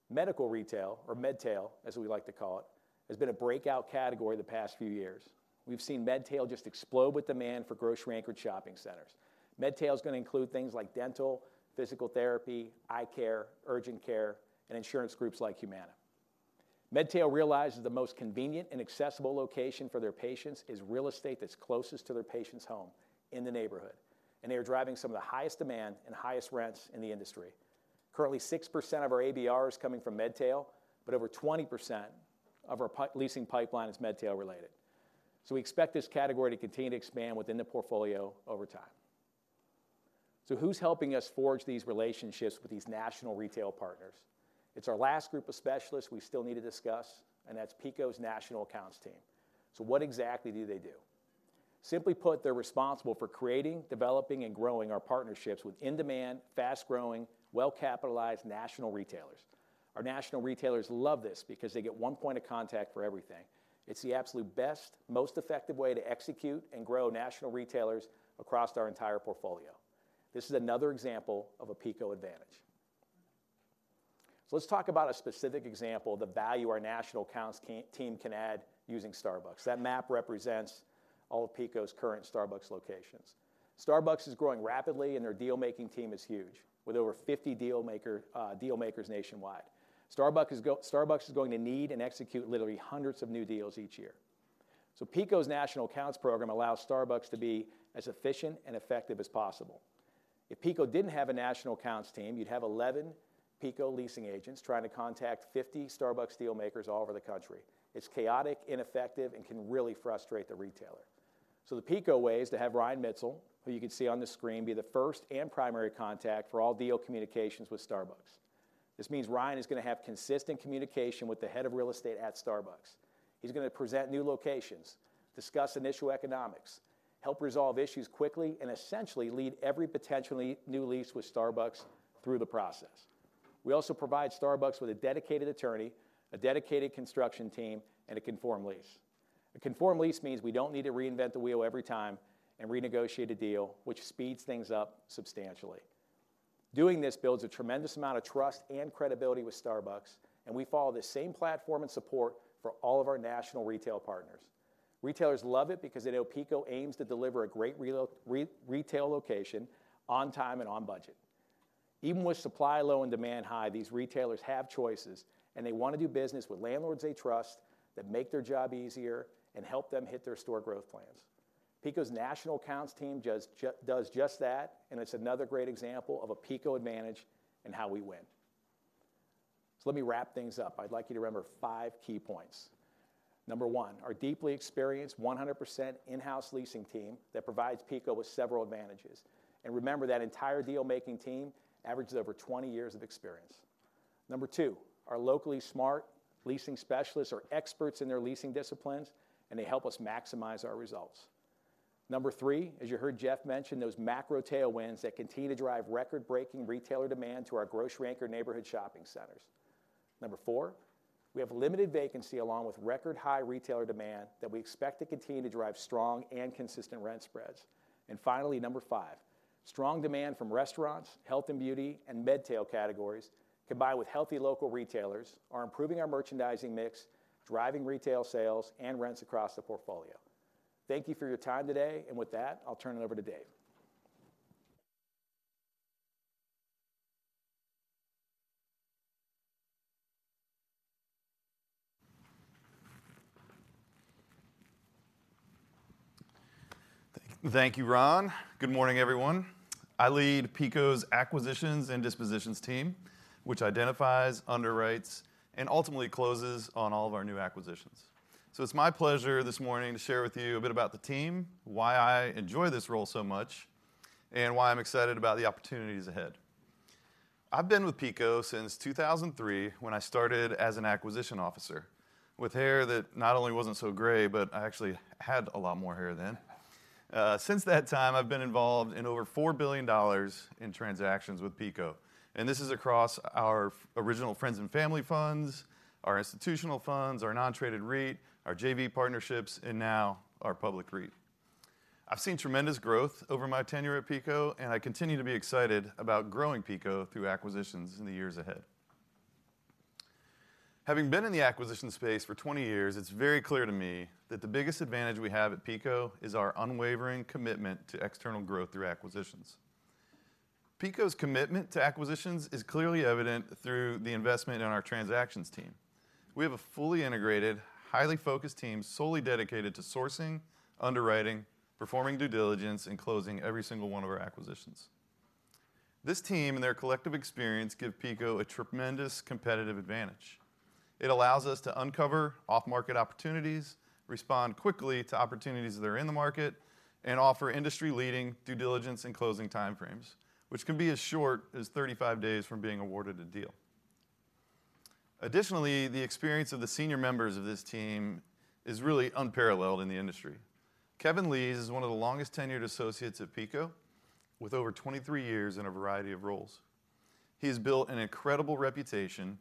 Medical retail, or MedTail, as we like to call it, has been a breakout category the past few years. We've seen MedTail just explode with demand for grocery-anchored shopping centers. MedTail is gonna include things like dental, physical therapy, eye care, urgent care, and insurance groups like Humana. MedTail realizes the most convenient and accessible location for their patients is real estate that's closest to their patient's home in the neighborhood, and they are driving some of the highest demand and highest rents in the industry. Currently, 6% of our ABR is coming from MedTail, but over 20% of our leasing pipeline is MedTail-related. So we expect this category to continue to expand within the portfolio over time. So who's helping us forge these relationships with these national retail partners? It's our last group of specialists we still need to discuss, and that's PECO's national accounts team. So what exactly do they do? Simply put, they're responsible for creating, developing, and growing our partnerships with in-demand, fast-growing, well-capitalized national retailers. Our national retailers love this because they get one point of contact for everything. It's the absolute best, most effective way to execute and grow national retailers across our entire portfolio. This is another example of a PECO advantage. So let's talk about a specific example of the value our national accounts team can add using Starbucks. That map represents all of PECO's current Starbucks locations. Starbucks is growing rapidly, and their deal-making team is huge, with over 50 deal makers nationwide. Starbucks is going to need and execute literally hundreds of new deals each year. So PECO's national accounts program allows Starbucks to be as efficient and effective as possible. If PECO didn't have a national accounts team, you'd have 11 PECO leasing agents trying to contact 50 Starbucks deal makers all over the country. It's chaotic, ineffective, and can really frustrate the retailer. So the PECO way is to have Ryan Mitchell, who you can see on the screen, be the first and primary contact for all deal communications with Starbucks. This means Ryan is gonna have consistent communication with the head of real estate at Starbucks. He's gonna present new locations, discuss initial economics, help resolve issues quickly, and essentially lead every potentially new lease with Starbucks through the process. We also provide Starbucks with a dedicated attorney, a dedicated construction team, and a conformed lease. A conformed lease means we don't need to reinvent the wheel every time and renegotiate a deal, which speeds things up substantially. Doing this builds a tremendous amount of trust and credibility with Starbucks, and we follow the same platform and support for all of our national retail partners. Retailers love it because they know PECO aims to deliver a great retail location on time and on budget. Even with supply low and demand high, these retailers have choices, and they want to do business with landlords they trust, that make their job easier, and help them hit their store growth plans. PECO's national accounts team does just that, and it's another great example of a PECO advantage and how we win. So let me wrap things up. I'd like you to remember five key points. Number one, our deeply experienced, 100% in-house leasing team that provides PECO with several advantages. Remember, that entire deal-making team averages over 20 years of experience. Number two, our locally smart leasing specialists are experts in their leasing disciplines, and they help us maximize our results. Number three, as you heard Jeff mention, those macro tailwinds that continue to drive record-breaking retailer demand to our grocery-anchored neighborhood shopping centers. Number four, we have limited vacancy, along with record-high retailer demand that we expect to continue to drive strong and consistent rent spreads. And finally, number five, strong demand from restaurants, health and beauty, and MedTail categories, combined with healthy local retailers, are improving our merchandising mix, driving retail sales and rents across the portfolio. Thank you for your time today, and with that, I'll turn it over to Dave. Thank you, Ron. Good morning, everyone. I lead PECO's acquisitions and dispositions team, which identifies, underwrites, and ultimately closes on all of our new acquisitions. So it's my pleasure this morning to share with you a bit about the team, why I enjoy this role so much, and why I'm excited about the opportunities ahead. I've been with PECO since 2003, when I started as an acquisition officer, with hair that not only wasn't so gray, but I actually had a lot more hair then. Since that time, I've been involved in over $4 billion in transactions with PECO, and this is across our original friends and family funds, our institutional funds, our non-traded REIT, our JV partnerships, and now our public REIT. I've seen tremendous growth over my tenure at PECO, and I continue to be excited about growing PECO through acquisitions in the years ahead. Having been in the acquisition space for 20 years, it's very clear to me that the biggest advantage we have at PECO is our unwavering commitment to external growth through acquisitions. PECO's commitment to acquisitions is clearly evident through the investment in our transactions team. We have a fully integrated, highly focused team, solely dedicated to sourcing, underwriting, performing due diligence, and closing every single one of our acquisitions. This team, and their collective experience, give PECO a tremendous competitive advantage. It allows us to uncover off-market opportunities, respond quickly to opportunities that are in the market, and offer industry-leading due diligence and closing time frames, which can be as short as 35 days from being awarded a deal. Additionally, the experience of the senior members of this team is really unparalleled in the industry. Kevin Lees is one of the longest-tenured associates at PECO, with over 23 years in a variety of roles. He has built an incredible reputation,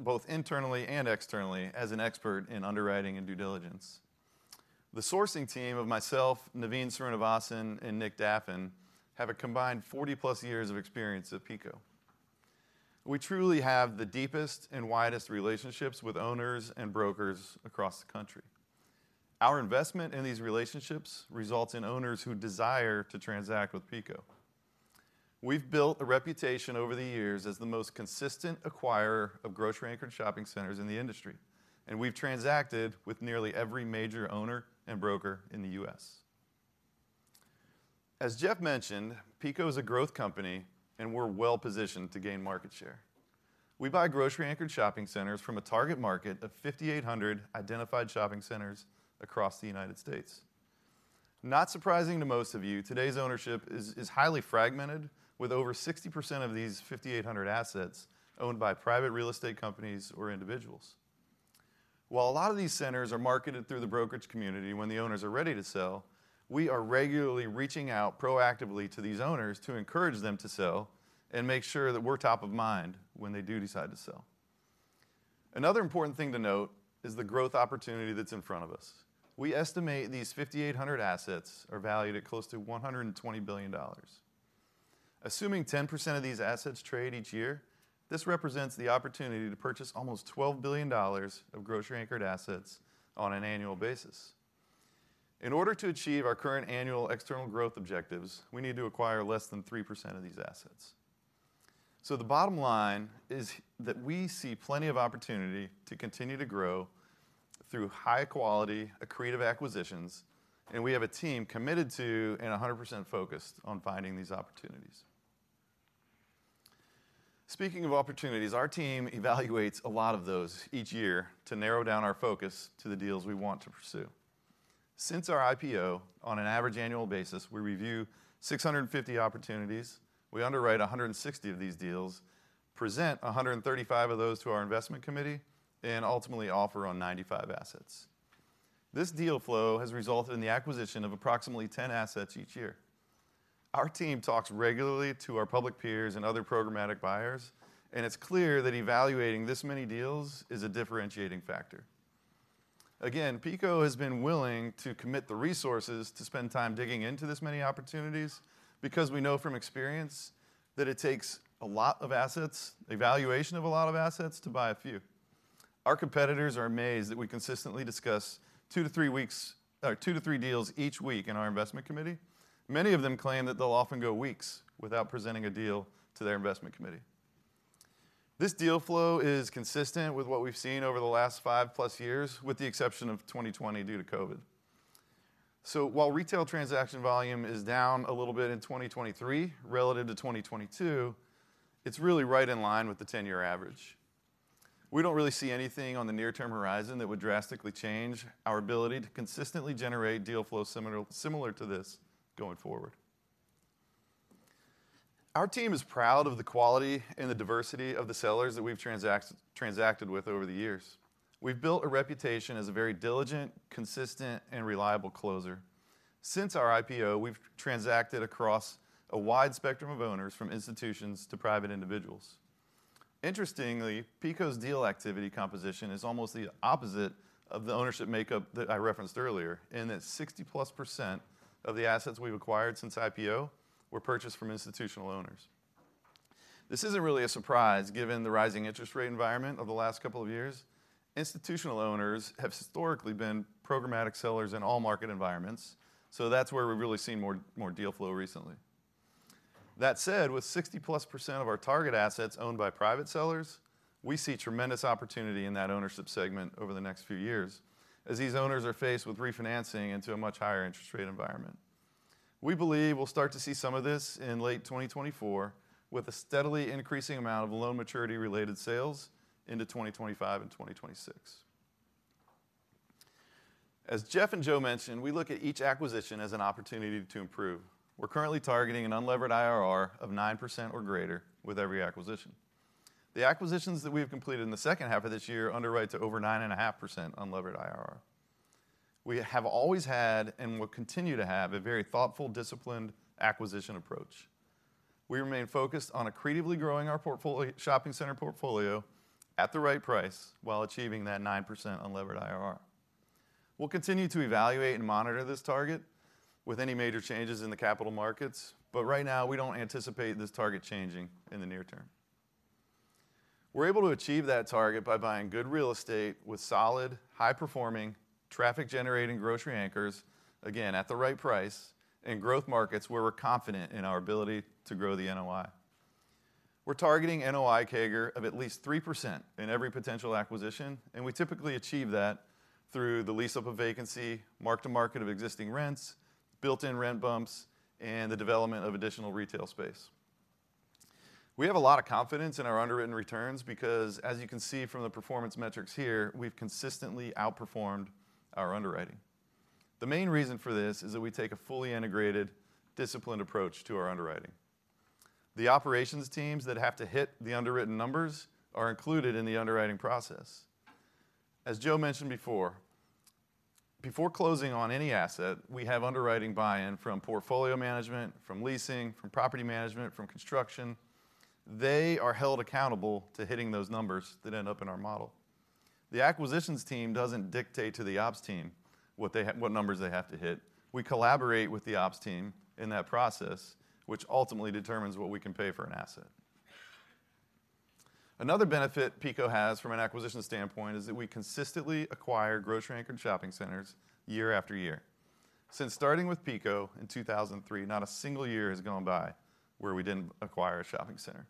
both internally and externally, as an expert in underwriting and due diligence. The sourcing team of myself, Naveen Srinivasan, and Nick Daffin, have a combined 40+ years of experience at PECO. We truly have the deepest and widest relationships with owners and brokers across the country. Our investment in these relationships results in owners who desire to transact with PECO. We've built a reputation over the years as the most consistent acquirer of grocery-anchored shopping centers in the industry, and we've transacted with nearly every major owner and broker in the U.S. As Jeff mentioned, PECO is a growth company, and we're well-positioned to gain market share. We buy grocery-anchored shopping centers from a target market of 5,800 identified shopping centers across the United States. Not surprising to most of you, today's ownership is highly fragmented, with over 60% of these 5,800 assets owned by private real estate companies or individuals. While a lot of these centers are marketed through the brokerage community when the owners are ready to sell, we are regularly reaching out proactively to these owners to encourage them to sell and make sure that we're top of mind when they do decide to sell. Another important thing to note is the growth opportunity that's in front of us. We estimate these 5,800 assets are valued at close to $120 billion. Assuming 10% of these assets trade each year, this represents the opportunity to purchase almost $12 billion of grocery-anchored assets on an annual basis. In order to achieve our current annual external growth objectives, we need to acquire less than 3% of these assets. So the bottom line is that we see plenty of opportunity to continue to grow through high-quality, accretive acquisitions, and we have a team committed to and 100% focused on finding these opportunities. Speaking of opportunities, our team evaluates a lot of those each year to narrow down our focus to the deals we want to pursue. Since our IPO, on an average annual basis, we review 650 opportunities, we underwrite 160 of these deals, present 135 of those to our investment committee, and ultimately offer on 95 assets. This deal flow has resulted in the acquisition of approximately 10 assets each year. Our team talks regularly to our public peers and other programmatic buyers, and it's clear that evaluating this many deals is a differentiating factor. Again, PECO has been willing to commit the resources to spend time digging into this many opportunities because we know from experience that it takes a lot of assets, evaluation of a lot of assets, to buy a few. Our competitors are amazed that we consistently discuss 2-3 weeks or 2-3 deals each week in our investment committee. Many of them claim that they'll often go weeks without presenting a deal to their investment committee... This deal flow is consistent with what we've seen over the last 5+ years, with the exception of 2020 due to COVID. So while retail transaction volume is down a little bit in 2023 relative to 2022, it's really right in line with the 10-year average. We don't really see anything on the near-term horizon that would drastically change our ability to consistently generate deal flow similar, similar to this going forward. Our team is proud of the quality and the diversity of the sellers that we've transacted, transacted with over the years. We've built a reputation as a very diligent, consistent, and reliable closer. Since our IPO, we've transacted across a wide spectrum of owners, from institutions to private individuals. Interestingly, PECO's deal activity composition is almost the opposite of the ownership makeup that I referenced earlier, in that 60+% of the assets we've acquired since IPO were purchased from institutional owners. This isn't really a surprise, given the rising interest rate environment over the last couple of years. Institutional owners have historically been programmatic sellers in all market environments, so that's where we've really seen more, more deal flow recently. That said, with 60+% of our target assets owned by private sellers, we see tremendous opportunity in that ownership segment over the next few years, as these owners are faced with refinancing into a much higher interest rate environment. We believe we'll start to see some of this in late 2024, with a steadily increasing amount of loan maturity-related sales into 2025 and 2026. As Jeff and Joe mentioned, we look at each acquisition as an opportunity to improve. We're currently targeting an unlevered IRR of 9% or greater with every acquisition. The acquisitions that we have completed in the second half of this year underwrite to over 9.5% unlevered IRR. We have always had, and will continue to have, a very thoughtful, disciplined acquisition approach. We remain focused on accretively growing our shopping center portfolio at the right price, while achieving that 9% unlevered IRR. We'll continue to evaluate and monitor this target with any major changes in the capital markets, but right now, we don't anticipate this target changing in the near term. We're able to achieve that target by buying good real estate with solid, high-performing, traffic-generating grocery anchors, again, at the right price, in growth markets where we're confident in our ability to grow the NOI. We're targeting NOI CAGR of at least 3% in every potential acquisition, and we typically achieve that through the lease-up of vacancy, mark-to-market of existing rents, built-in rent bumps, and the development of additional retail space. We have a lot of confidence in our underwritten returns because, as you can see from the performance metrics here, we've consistently outperformed our underwriting. The main reason for this is that we take a fully integrated, disciplined approach to our underwriting. The operations teams that have to hit the underwritten numbers are included in the underwriting process. As Joe mentioned before, before closing on any asset, we have underwriting buy-in from portfolio management, from leasing, from property management, from construction. They are held accountable to hitting those numbers that end up in our model. The acquisitions team doesn't dictate to the ops team what numbers they have to hit. We collaborate with the ops team in that process, which ultimately determines what we can pay for an asset. Another benefit PECO has from an acquisition standpoint is that we consistently acquire grocery-anchored shopping centers year after year. Since starting with PECO in 2003, not a single year has gone by where we didn't acquire a shopping center.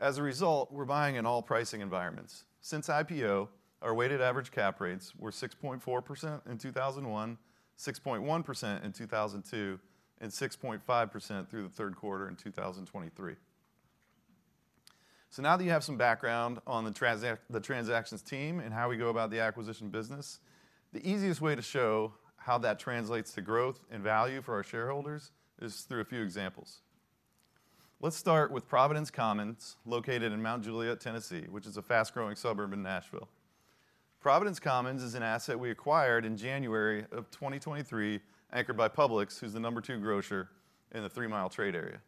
As a result, we're buying in all pricing environments. Since IPO, our weighted average cap rates were 6.4% in 2001, 6.1% in 2002, and 6.5% through the third quarter in 2023. So now that you have some background on the transactions team and how we go about the acquisition business, the easiest way to show how that translates to growth and value for our shareholders is through a few examples. Let's start with Providence Commons, located in Mount Juliet, Tennessee, which is a fast-growing suburb in Nashville. Providence Commons is an asset we acquired in January of 2023, anchored by Publix, who's the number 2 grocer in the 3-mile trade area.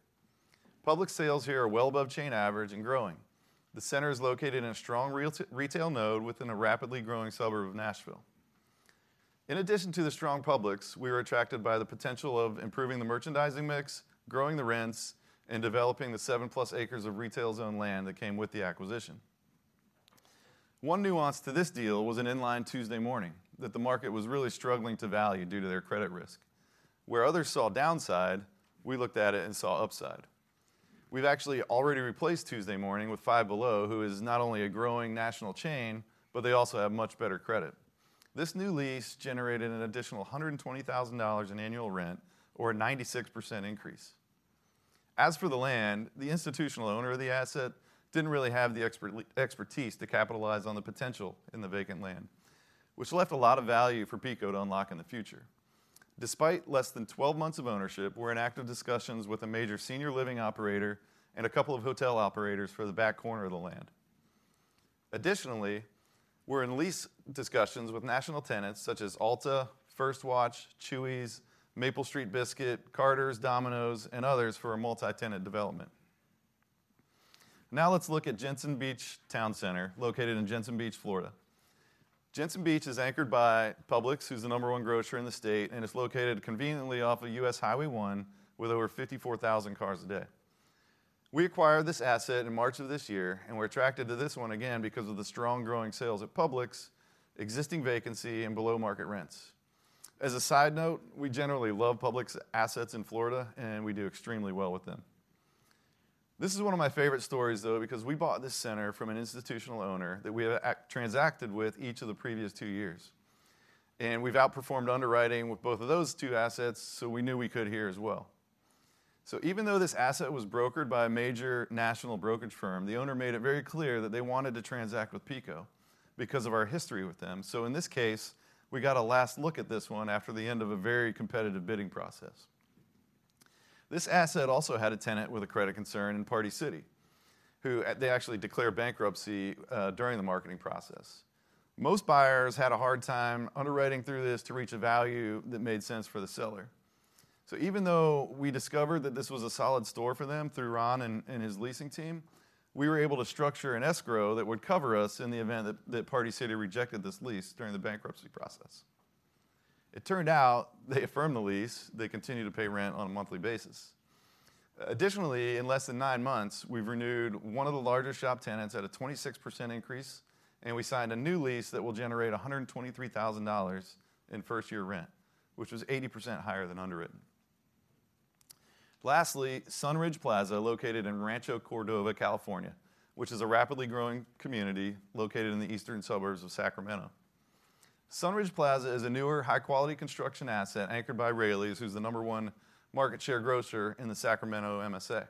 Publix sales here are well above chain average and growing. The center is located in a strong retail node within a rapidly growing suburb of Nashville. In addition to the strong Publix, we were attracted by the potential of improving the merchandising mix, growing the rents, and developing the 7+ acres of retail-zoned land that came with the acquisition. One nuance to this deal was an inline Tuesday Morning, that the market was really struggling to value due to their credit risk. Where others saw downside, we looked at it and saw upside. We've actually already replaced Tuesday Morning with Five Below, who is not only a growing national chain, but they also have much better credit. This new lease generated an additional $120,000 in annual rent or a 96% increase. As for the land, the institutional owner of the asset didn't really have the expertise to capitalize on the potential in the vacant land, which left a lot of value for PECO to unlock in the future. Despite less than 12 months of ownership, we're in active discussions with a major senior living operator and a couple of hotel operators for the back corner of the land. Additionally, we're in lease discussions with national tenants such as Ulta, First Watch, Chuy's, Maple Street Biscuit, Carter's, Domino's, and others for a multi-tenant development. Now let's look at Jensen Beach Town Center, located in Jensen Beach, Florida. Jensen Beach is anchored by Publix, who's the number one grocer in the state, and is located conveniently off of U.S. Highway 1, with over 54,000 cars a day. We acquired this asset in March of this year, and were attracted to this one again because of the strong, growing sales at Publix, existing vacancy, and below-market rents. As a side note, we generally love Publix assets in Florida, and we do extremely well with them. This is one of my favorite stories, though, because we bought this center from an institutional owner that we have transacted with each of the previous two years. And we've outperformed underwriting with both of those two assets, so we knew we could here as well. So even though this asset was brokered by a major national brokerage firm, the owner made it very clear that they wanted to transact with PECO because of our history with them. So in this case, we got a last look at this one after the end of a very competitive bidding process. This asset also had a tenant with a credit concern in Party City, who... They actually declared bankruptcy during the marketing process. Most buyers had a hard time underwriting through this to reach a value that made sense for the seller. So even though we discovered that this was a solid store for them through Ron and his leasing team, we were able to structure an escrow that would cover us in the event that Party City rejected this lease during the bankruptcy process. It turned out they affirmed the lease. They continue to pay rent on a monthly basis. Additionally, in less than 9 months, we've renewed one of the larger shop tenants at a 26% increase, and we signed a new lease that will generate $123,000 in first-year rent, which was 80% higher than underwritten. Lastly, Sunridge Plaza, located in Rancho Cordova, California, which is a rapidly growing community located in the eastern suburbs of Sacramento. Sunridge Plaza is a newer, high-quality construction asset anchored by Raley's, who's the number one market share grocer in the Sacramento MSA.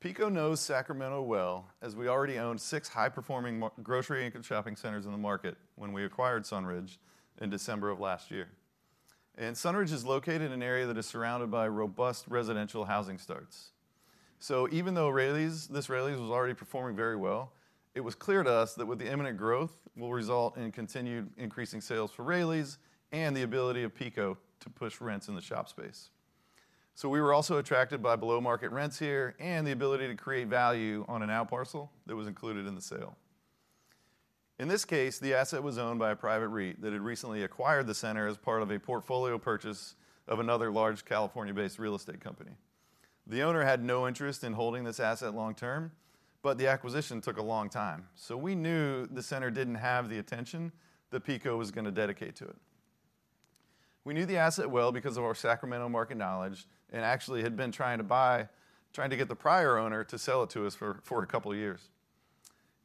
PECO knows Sacramento well, as we already owned 6 high-performing grocery-anchored shopping centers in the market when we acquired Sunridge in December of last year. Sunridge is located in an area that is surrounded by robust residential housing starts. So even though Raley's, this Raley's was already performing very well, it was clear to us that with the imminent growth will result in continued increasing sales for Raley's and the ability of PECO to push rents in the shop space. So we were also attracted by below-market rents here and the ability to create value on an outparcel that was included in the sale. In this case, the asset was owned by a private REIT that had recently acquired the center as part of a portfolio purchase of another large California-based real estate company. The owner had no interest in holding this asset long term, but the acquisition took a long time, so we knew the center didn't have the attention that PECO was gonna dedicate to it. We knew the asset well because of our Sacramento market knowledge, and actually had been trying to get the prior owner to sell it to us for, for a couple of years.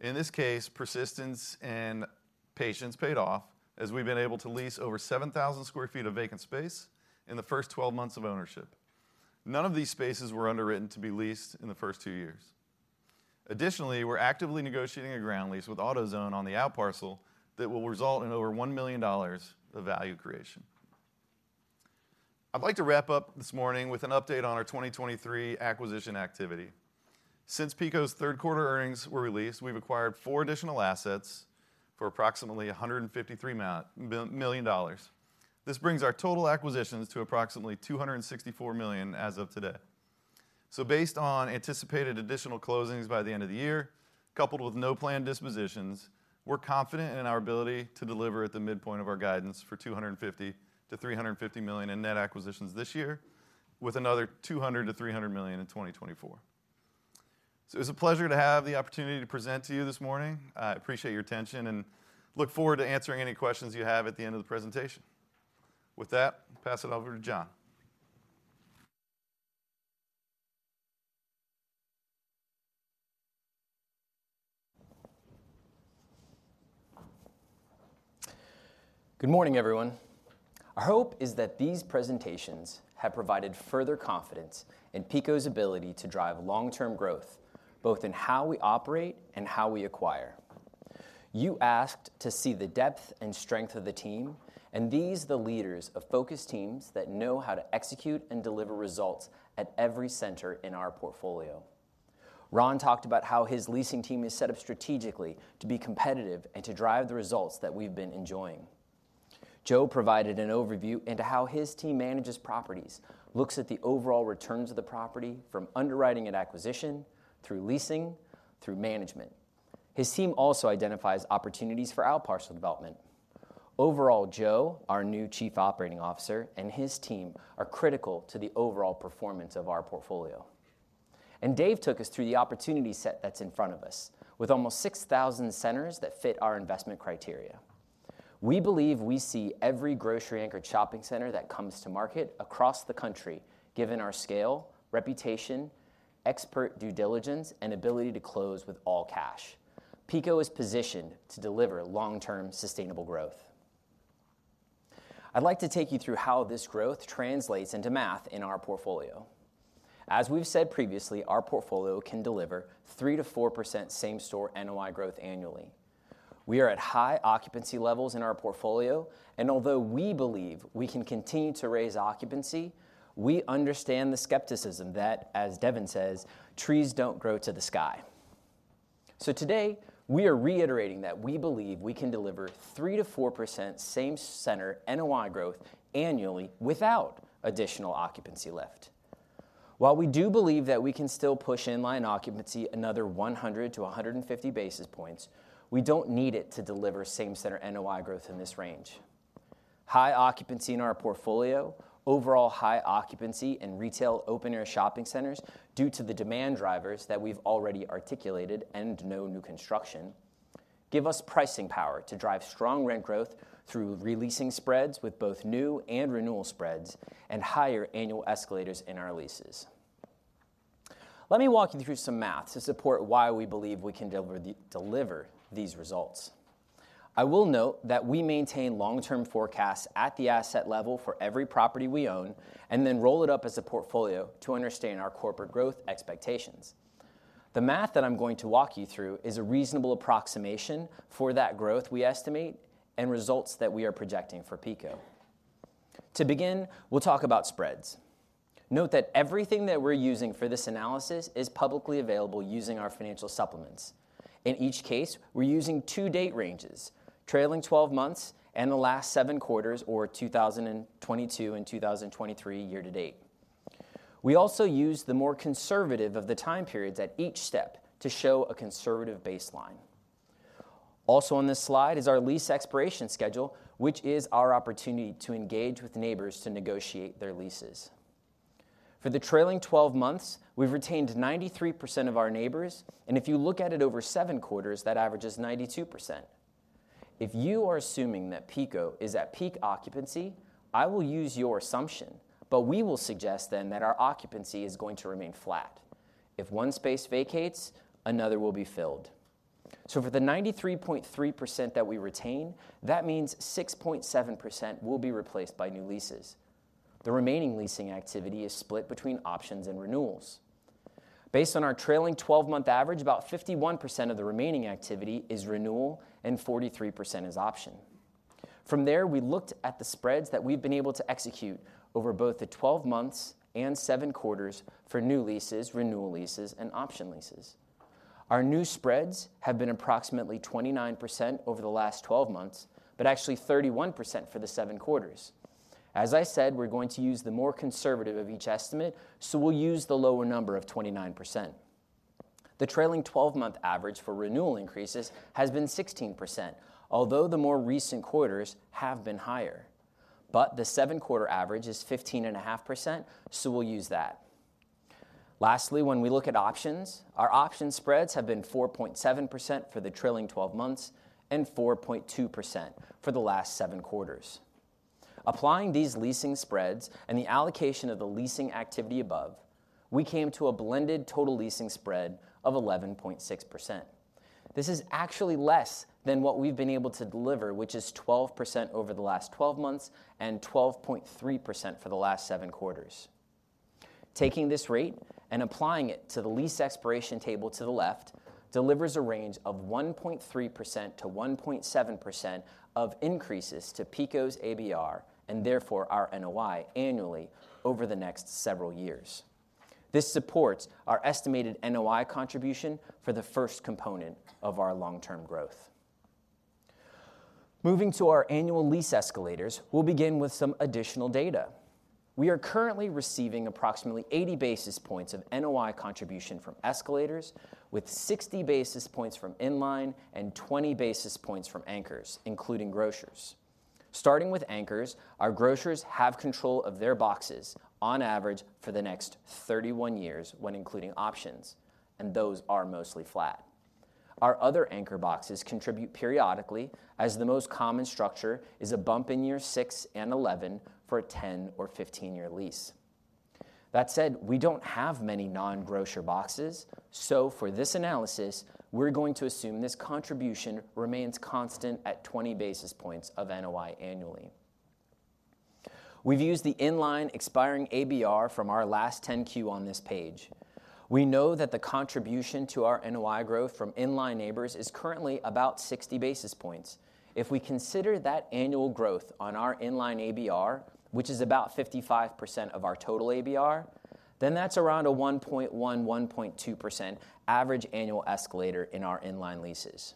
In this case, persistence and patience paid off, as we've been able to lease over 7,000 sq ft of vacant space in the first 12 months of ownership. None of these spaces were underwritten to be leased in the first 2 years. Additionally, we're actively negotiating a ground lease with AutoZone on the outparcel that will result in over $1 million of value creation. I'd like to wrap up this morning with an update on our 2023 acquisition activity. Since PECO's third quarter earnings were released, we've acquired 4 additional assets for approximately $153 million. This brings our total acquisitions to approximately $264 million as of today. So based on anticipated additional closings by the end of the year, coupled with no planned dispositions, we're confident in our ability to deliver at the midpoint of our guidance for $250 million-$350 million in net acquisitions this year, with another $200 million-$300 million in 2024. So it was a pleasure to have the opportunity to present to you this morning. I appreciate your attention and look forward to answering any questions you have at the end of the presentation. With that, pass it over to John. Good morning, everyone. Our hope is that these presentations have provided further confidence in PECO's ability to drive long-term growth, both in how we operate and how we acquire. You asked to see the depth and strength of the team, and these are the leaders of focused teams that know how to execute and deliver results at every center in our portfolio. Ron talked about how his leasing team is set up strategically to be competitive and to drive the results that we've been enjoying. Joe provided an overview into how his team manages properties, looks at the overall returns of the property from underwriting and acquisition through leasing, through management. His team also identifies opportunities for outparcel development. Overall, Joe, our new Chief Operating Officer, and his team are critical to the overall performance of our portfolio. Dave took us through the opportunity set that's in front of us, with almost 6,000 centers that fit our investment criteria. We believe we see every grocery-anchored shopping center that comes to market across the country, given our scale, reputation, expert due diligence, and ability to close with all cash. PECO is positioned to deliver long-term, sustainable growth. I'd like to take you through how this growth translates into math in our portfolio. As we've said previously, our portfolio can deliver 3%-4% same-store NOI growth annually. We are at high occupancy levels in our portfolio, and although we believe we can continue to raise occupancy, we understand the skepticism that, as Devin says, "Trees don't grow to the sky." So today, we are reiterating that we believe we can deliver 3%-4% same center NOI growth annually without additional occupancy lift. While we do believe that we can still push inline occupancy another 100-150 basis points, we don't need it to deliver same-center NOI growth in this range. High occupancy in our portfolio, overall high occupancy in retail open-air shopping centers due to the demand drivers that we've already articulated and no new construction give us pricing power to drive strong rent growth through re-leasing spreads with both new and renewal spreads, and higher annual escalators in our leases. Let me walk you through some math to support why we believe we can deliver the, deliver these results. I will note that we maintain long-term forecasts at the asset level for every property we own, and then roll it up as a portfolio to understand our corporate growth expectations. The math that I'm going to walk you through is a reasonable approximation for that growth we estimate, and results that we are projecting for PECO. To begin, we'll talk about spreads. Note that everything that we're using for this analysis is publicly available using our financial supplements. In each case, we're using two date ranges, trailing 12 months and the last 7 quarters, or 2022 and 2023 year to date. We also use the more conservative of the time periods at each step to show a conservative baseline. Also on this slide is our lease expiration schedule, which is our opportunity to engage with neighbors to negotiate their leases. For the trailing 12 months, we've retained 93% of our neighbors, and if you look at it over 7 quarters, that average is 92%. If you are assuming that PECO is at peak occupancy, I will use your assumption, but we will suggest then that our occupancy is going to remain flat. If one space vacates, another will be filled. So for the 93.3% that we retain, that means 6.7% will be replaced by new leases. The remaining leasing activity is split between options and renewals. Based on our trailing twelve-month average, about 51% of the remaining activity is renewal and 43% is option. From there, we looked at the spreads that we've been able to execute over both the twelve months and 7 quarters for new leases, renewal leases, and option leases. Our new spreads have been approximately 29% over the last twelve months, but actually 31% for the 7 quarters. As I said, we're going to use the more conservative of each estimate, so we'll use the lower number of 29%. The trailing 12-month average for renewal increases has been 16%, although the more recent quarters have been higher. But the 7-quarter average is 15.5%, so we'll use that. Lastly, when we look at options, our option spreads have been 4.7% for the trailing 12 months and 4.2% for the last 7 quarters. Applying these leasing spreads and the allocation of the leasing activity above, we came to a blended total leasing spread of 11.6%. This is actually less than what we've been able to deliver, which is 12% over the last 12 months and 12.3% for the last 7 quarters. Taking this rate and applying it to the lease expiration table to the left, delivers a range of 1.3%-1.7% of increases to PECO's ABR, and therefore, our NOI annually over the next several years. This supports our estimated NOI contribution for the first component of our long-term growth. Moving to our annual lease escalators, we'll begin with some additional data. We are currently receiving approximately 80 basis points of NOI contribution from escalators, with 60 basis points from in-line and 20 basis points from anchors, including grocers. Starting with anchors, our grocers have control of their boxes on average for the next 31 years when including options, and those are mostly flat. Our other anchor boxes contribute periodically, as the most common structure is a bump in year 6 and 11 for a 10- or 15-year lease. That said, we don't have many non-grocer boxes, so for this analysis, we're going to assume this contribution remains constant at 20 basis points of NOI annually. We've used the in-line expiring ABR from our last 10-Q on this page. We know that the contribution to our NOI growth from in-line neighbors is currently about 60 basis points. If we consider that annual growth on our in-line ABR, which is about 55% of our total ABR, then that's around a 1.1-1.2% average annual escalator in our in-line leases.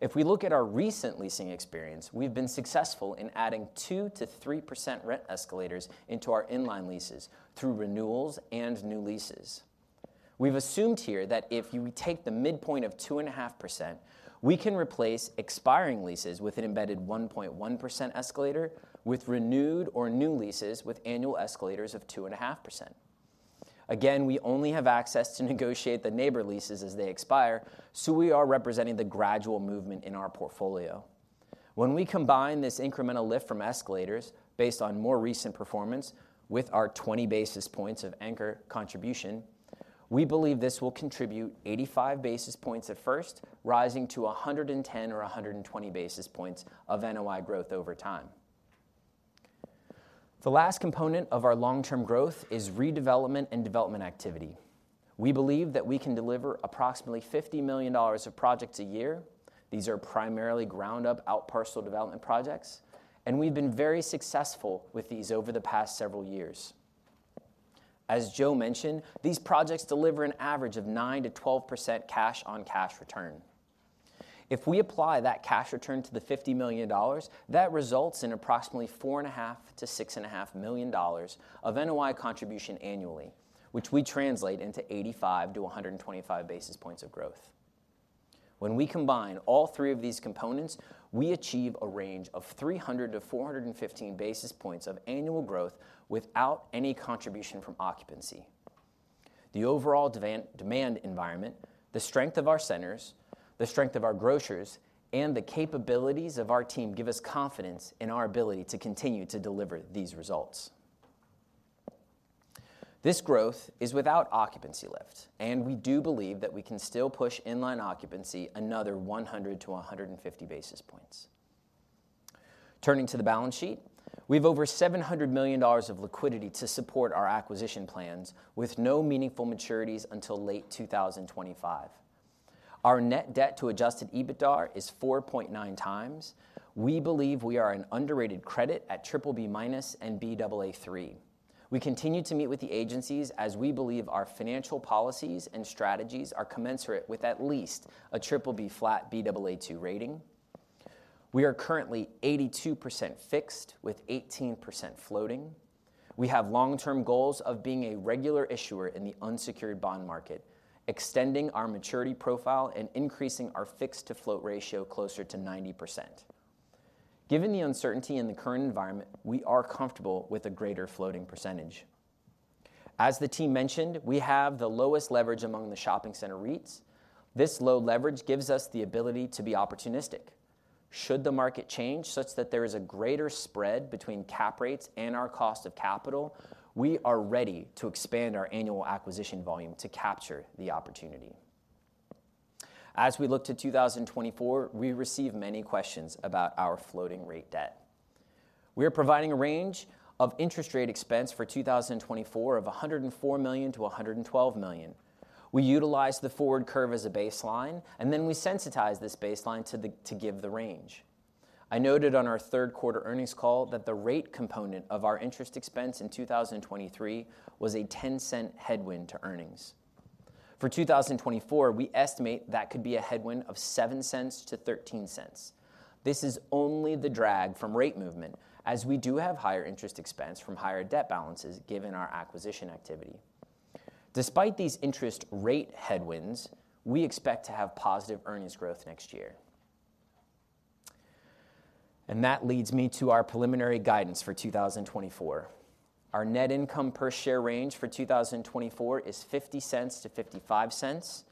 If we look at our recent leasing experience, we've been successful in adding 2%-3% rent escalators into our in-line leases through renewals and new leases. We've assumed here that if you take the midpoint of 2.5%, we can replace expiring leases with an embedded 1.1% escalator, with renewed or new leases, with annual escalators of 2.5%. Again, we only have access to negotiate the neighbor leases as they expire, so we are representing the gradual movement in our portfolio. When we combine this incremental lift from escalators based on more recent performance with our 20 basis points of anchor contribution, we believe this will contribute 85 basis points at first, rising to 110 or 120 basis points of NOI growth over time. The last component of our long-term growth is redevelopment and development activity. We believe that we can deliver approximately $50 million of projects a year. These are primarily ground up outparcel development projects, and we've been very successful with these over the past several years. As Joe mentioned, these projects deliver an average of 9%-12% cash on cash return. If we apply that cash return to the $50 million, that results in approximately $4.5 million-$6.5 million of NOI contribution annually, which we translate into 85-125 basis points of growth. When we combine all three of these components, we achieve a range of 300-415 basis points of annual growth without any contribution from occupancy. The overall demand environment, the strength of our centers, the strength of our grocers, and the capabilities of our team give us confidence in our ability to continue to deliver these results. This growth is without occupancy lift, and we do believe that we can still push inline occupancy another 100-150 basis points. Turning to the balance sheet, we have over $700 million of liquidity to support our acquisition plans, with no meaningful maturities until late 2025. Our net debt to adjusted EBITDA is 4.9 times. We believe we are an underrated credit at BBB- and Baa3. We continue to meet with the agencies as we believe our financial policies and strategies are commensurate with at least a BBB flat Baa2 rating. We are currently 82% fixed with 18% floating. We have long-term goals of being a regular issuer in the unsecured bond market, extending our maturity profile and increasing our fixed to float ratio closer to 90%. Given the uncertainty in the current environment, we are comfortable with a greater floating percentage. As the team mentioned, we have the lowest leverage among the shopping center REITs. This low leverage gives us the ability to be opportunistic. Should the market change such that there is a greater spread between cap rates and our cost of capital, we are ready to expand our annual acquisition volume to capture the opportunity. As we look to 2024, we receive many questions about our floating rate debt. We are providing a range of interest rate expense for 2024 of $104 million-$112 million. We utilize the forward curve as a baseline, and then we sensitize this baseline to give the range. I noted on our third quarter earnings call that the rate component of our interest expense in 2023 was a $0.10 headwind to earnings. For 2024, we estimate that could be a headwind of $0.07-$0.13. This is only the drag from rate movement, as we do have higher interest expense from higher debt balances given our acquisition activity. Despite these interest rate headwinds, we expect to have positive earnings growth next year. That leads me to our preliminary guidance for 2024. Our net income per share range for 2024 is $0.50-$0.55.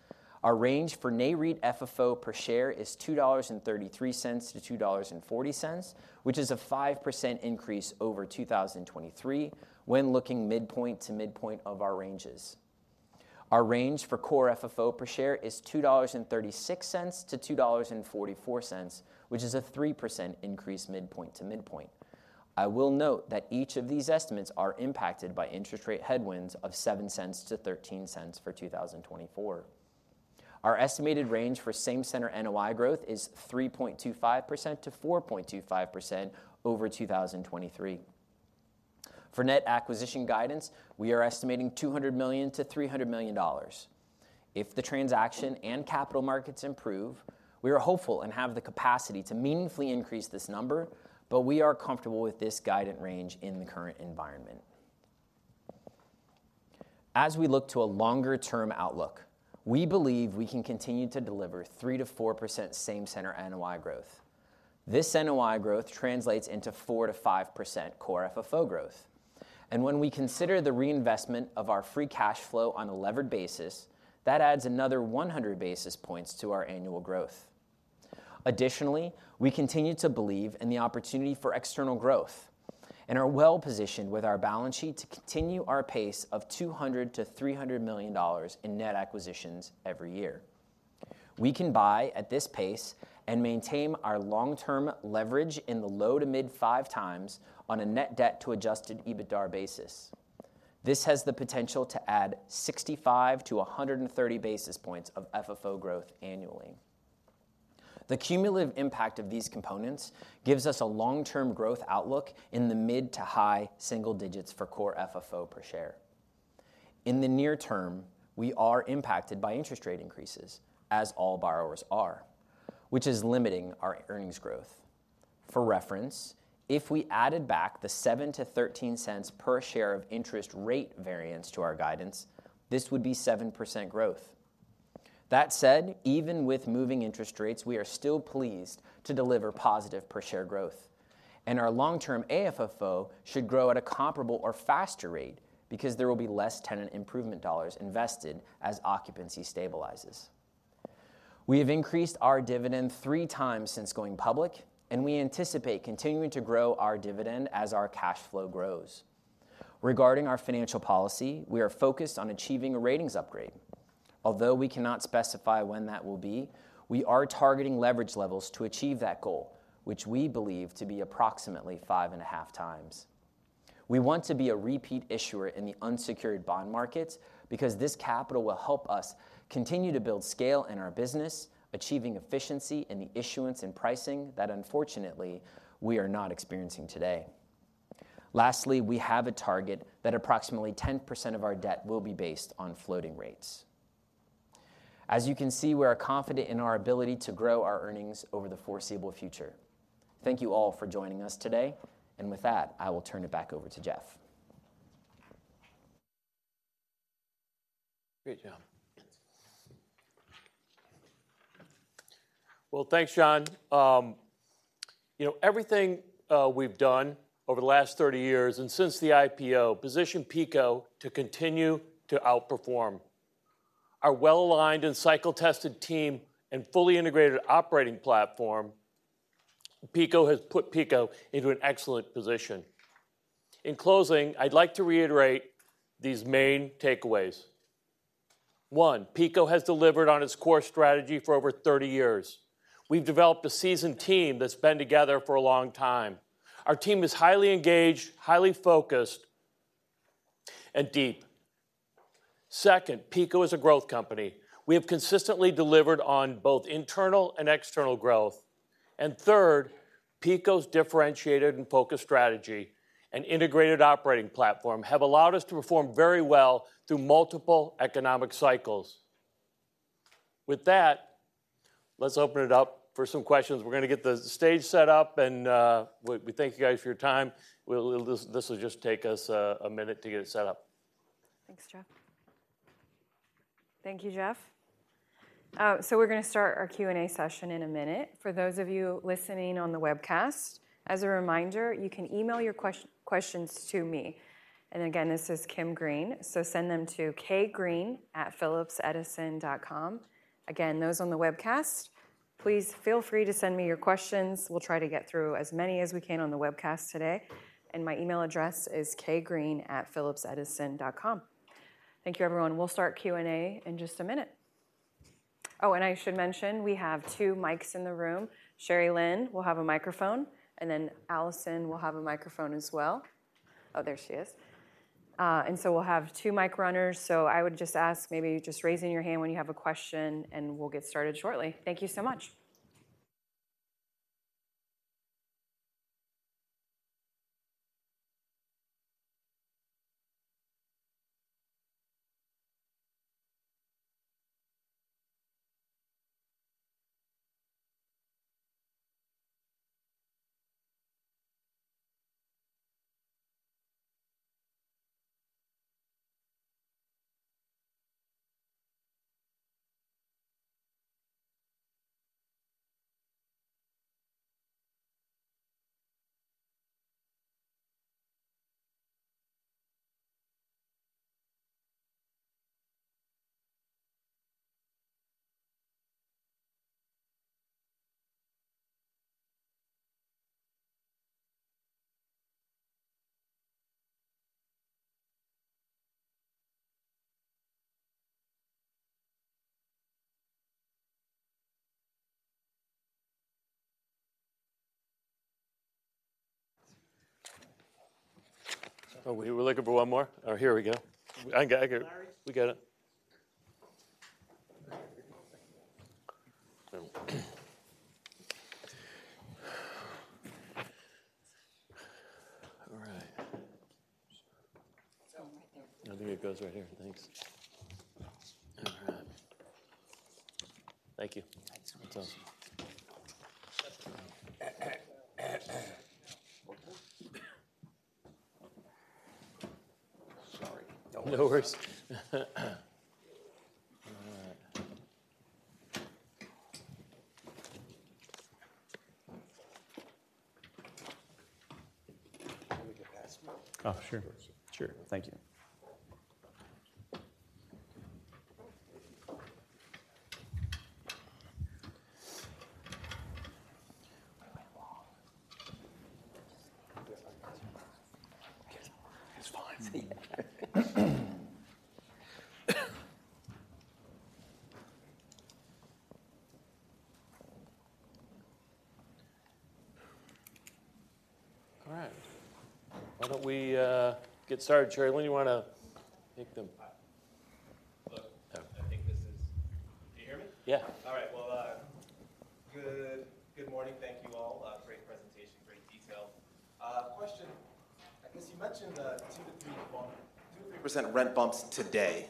Our range for NAREIT FFO per share is $2.33-$2.40, which is a 5% increase over 2023 when looking midpoint to midpoint of our ranges. Our range for Core FFO per share is $2.36-$2.44, which is a 3% increase, midpoint to midpoint. I will note that each of these estimates are impacted by interest rate headwinds of $0.07-$0.13 for 2024. Our estimated range for same-center NOI growth is 3.25%-4.25% over 2023. For net acquisition guidance, we are estimating $200 million-$300 million. If the transaction and capital markets improve, we are hopeful and have the capacity to meaningfully increase this number, but we are comfortable with this guidance range in the current environment. As we look to a longer-term outlook, we believe we can continue to deliver 3%-4% same-center NOI growth. This NOI growth translates into 4%-5% core FFO growth. And when we consider the reinvestment of our free cash flow on a levered basis, that adds another 100 basis points to our annual growth. Additionally, we continue to believe in the opportunity for external growth and are well-positioned with our balance sheet to continue our pace of $200 million-$300 million in net acquisitions every year. We can buy at this pace and maintain our long-term leverage in the low- to mid-5x on a net debt to adjusted EBITDA basis. This has the potential to add 65-130 basis points of FFO growth annually. The cumulative impact of these components gives us a long-term growth outlook in the mid- to high-single digits for core FFO per share. In the near term, we are impacted by interest rate increases, as all borrowers are, which is limiting our earnings growth. For reference, if we added back the 7-13 cents per share of interest rate variance to our guidance, this would be 7% growth. That said, even with moving interest rates, we are still pleased to deliver positive per share growth, and our long-term AFFO should grow at a comparable or faster rate because there will be less tenant improvement dollars invested as occupancy stabilizes. We have increased our dividend three times since going public, and we anticipate continuing to grow our dividend as our cash flow grows. Regarding our financial policy, we are focused on achieving a ratings upgrade. Although we cannot specify when that will be, we are targeting leverage levels to achieve that goal, which we believe to be approximately 5.5x. We want to be a repeat issuer in the unsecured bond markets because this capital will help us continue to build scale in our business, achieving efficiency in the issuance and pricing that unfortunately, we are not experiencing today. Lastly, we have a target that approximately 10% of our debt will be based on floating rates. As you can see, we are confident in our ability to grow our earnings over the foreseeable future. Thank you all for joining us today. With that, I will turn it back over to Jeff. Great job! Well, thanks, John. You know, everything we've done over the last 30 years and since the IPO, positioned PECO to continue to outperform. Our well-aligned and cycle-tested team and fully integrated operating platform, PECO has put PECO into an excellent position. In closing, I'd like to reiterate these main takeaways. One, PECO has delivered on its core strategy for over 30 years. We've developed a seasoned team that's been together for a long time. Our team is highly engaged, highly focused, and deep. Second, PECO is a growth company. We have consistently delivered on both internal and external growth. And third, PECO's differentiated and focused strategy and integrated operating platform have allowed us to perform very well through multiple economic cycles. With that, let's open it up for some questions. We're gonna get the stage set up, and we thank you guys for your time. This will just take us a minute to get it set up. Thanks, Jeff. Thank you, Jeff. So we're gonna start our Q&A session in a minute. For those of you listening on the webcast, as a reminder, you can email your questions to me, and again, this is Kim Green, so send them to kgreen@phillipsedison.com. Again, those on the webcast, please feel free to send me your questions. We'll try to get through as many as we can on the webcast today, and my email address is kgreen@phillipsedison.com. Thank you, everyone. We'll start Q&A in just a minute. Oh, and I should mention, we have two mics in the room. Cherilyn will have a microphone, and then Allison will have a microphone as well. Oh, there she is. And so we'll have two mic runners, so I would just ask maybe just raising your hand when you have a question, and we'll get started shortly. Thank you so much. Oh, we're looking for one more? Oh, here we go. I got it. Larry? We got it. All right. Right there. I think it goes right here. Thanks. All right. Thank you. Thanks so much. Sorry. No worries. All right. Let me get past you. Oh, sure. Of course. Sure. Thank you. We went long. It's fine. All right. Why don't we get started? Cheri, when you wanna take the- Look, I think this is. Can you hear me? Yeah. All right. Well, good morning. Thank you all. Great presentation, great detail. Question: I guess you mentioned 2-3, 2-3% rent bumps today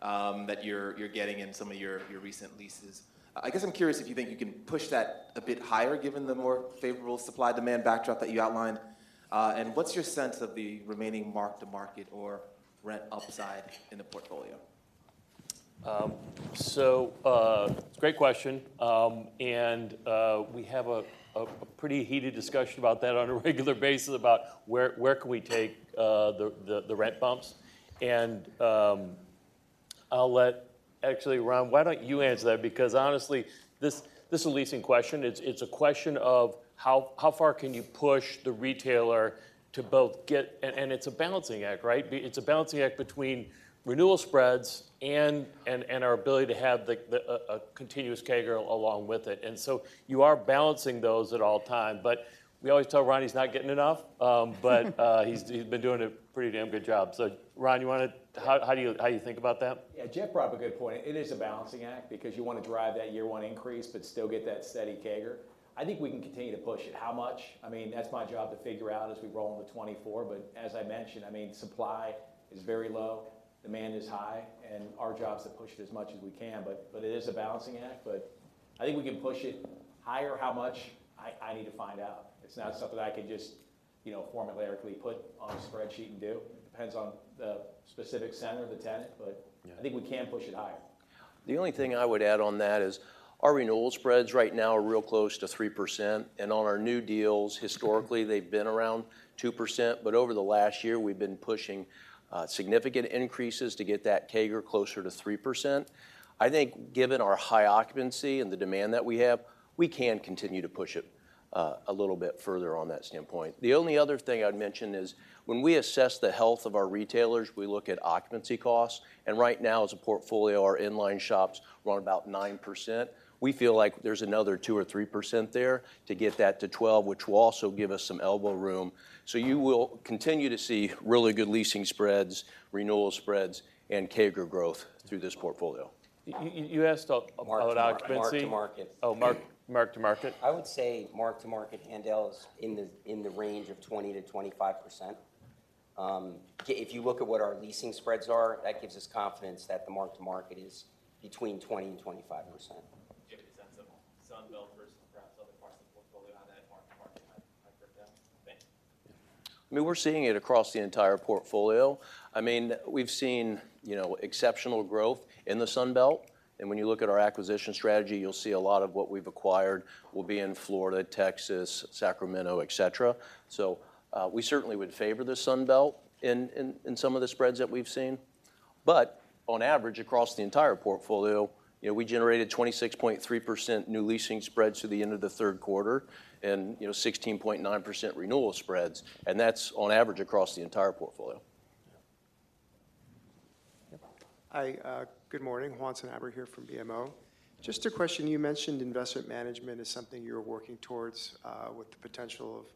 that you're getting in some of your recent leases. I guess I'm curious if you think you can push that a bit higher, given the more favorable supply-demand backdrop that you outlined, and what's your sense of the remaining mark-to-market or rent upside in the portfolio? So, great question. And we have a pretty heated discussion about that on a regular basis, about where we can take the rent bumps? And, I'll let. Actually, Ron, why don't you answer that? Because honestly, this leasing question, it's a question of how far can you push the retailer to both get. And it's a balancing act, right? It's a balancing act between renewal spreads and our ability to have a continuous CAGR along with it. And so you are balancing those at all time. But we always tell Ron he's not getting enough, but he's been doing a pretty damn good job. So Ron, you wanna... How do you think about that? Yeah, Jeff brought up a good point. It is a balancing act because you wanna drive that year-one increase but still get that steady CAGR. I think we can continue to push it. How much? I mean, that's my job to figure out as we roll into 2024. But as I mentioned, I mean, supply is very low, demand is high, and our job is to push it as much as we can. But, but it is a balancing act, but I think we can push it higher. How much? I, I need to find out. It's not something I can just- You know, formally, we put on a spreadsheet and do. Depends on the specific center, the tenant, but- Yeah I think we can push it higher. The only thing I would add on that is our renewal spreads right now are real close to 3%, and on our new deals, historically, they've been around 2%, but over the last year, we've been pushing, significant increases to get that CAGR closer to 3%. I think, given our high occupancy and the demand that we have, we can continue to push it, a little bit further on that standpoint. The only other thing I'd mention is, when we assess the health of our retailers, we look at occupancy costs, and right now, as a portfolio, our inline shops run about 9%. We feel like there's another 2%-3% there to get that to 12%, which will also give us some elbow room. So you will continue to see really good leasing spreads, renewal spreads, and CAGR growth through this portfolio. You asked about occupancy? Mark-to-market. Oh, mark-to-market. I would say mark to market handle is in the range of 20%-25%. If you look at what our leasing spreads are, that gives us confidence that the mark to market is between 20%-25%. Give you a sense of Sun Belt versus perhaps other parts of the portfolio on that mark-to-market, I'd break down. Thanks. I mean, we're seeing it across the entire portfolio. I mean, we've seen, you know, exceptional growth in the Sun Belt, and when you look at our acquisition strategy, you'll see a lot of what we've acquired will be in Florida, Texas, Sacramento, etcetera. So, we certainly would favor the Sun Belt in some of the spreads that we've seen. But on average, across the entire portfolio, you know, we generated 26.3% new leasing spreads through the end of the third quarter, and, you know, 16.9% renewal spreads, and that's on average across the entire portfolio. Yeah. Hi, good morning, Juan Sanabria here from BMO. Just a question, you mentioned investment management is something you're working towards, with the potential of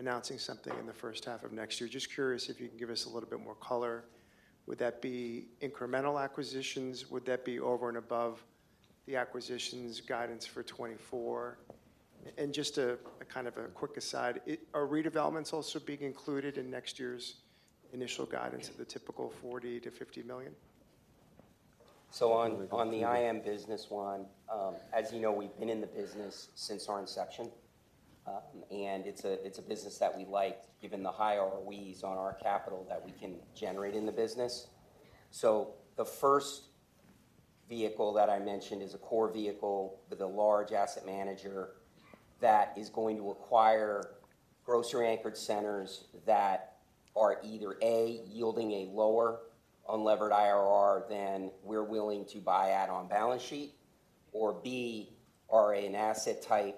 announcing something in the first half of next year. Just curious if you can give us a little bit more color. Would that be incremental acquisitions? Would that be over and above the acquisitions guidance for 2024? And just a kind of a quick aside, are redevelopments also being included in next year's initial guidance of the typical $40 million-$50 million? So on, on the IM business one, as you know, we've been in the business since our inception. And it's a, it's a business that we like, given the high ROEs on our capital that we can generate in the business. So the first vehicle that I mentioned is a core vehicle with a large asset manager that is going to acquire grocery-anchored centers that are either, A, yielding a lower unlevered IRR than we're willing to buy at on balance sheet, or, B, are an asset type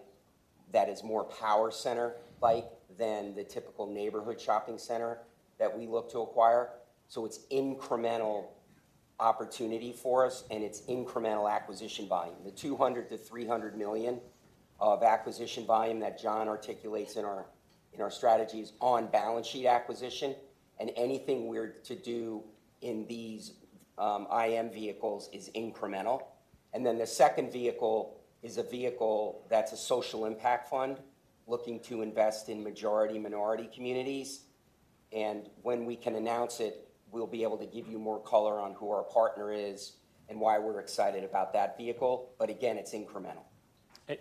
that is more power center-like than the typical neighborhood shopping center that we look to acquire. So it's incremental opportunity for us, and it's incremental acquisition volume. The $200 million-$300 million of acquisition volume that John articulates in our strategies on balance sheet acquisition, and anything we're to do in these IM vehicles is incremental. Then the second vehicle is a vehicle that's a social impact fund, looking to invest in majority minority communities. When we can announce it, we'll be able to give you more color on who our partner is and why we're excited about that vehicle. But again, it's incremental.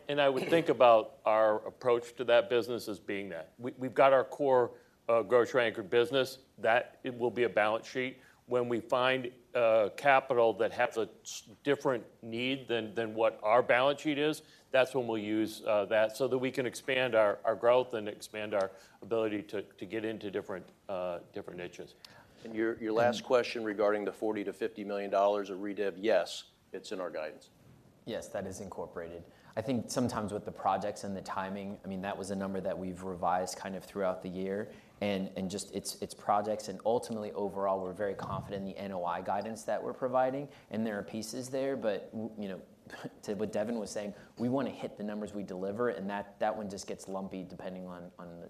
I would think about our approach to that business as being that. We, we've got our core, grocery anchored business, that it will be a balance sheet. When we find, capital that has a different need than, than what our balance sheet is, that's when we'll use, that, so that we can expand our, our growth and expand our ability to, to get into different, different niches. And your, your last question regarding the $40 million-$50 million of redev, yes, it's in our guidance. Yes, that is incorporated. I think sometimes with the projects and the timing, I mean, that was a number that we've revised kind of throughout the year. And just, it's projects, and ultimately, overall, we're very confident in the NOI guidance that we're providing, and there are pieces there. But you know, to what Devin was saying, we wanna hit the numbers we deliver, and that one just gets lumpy depending on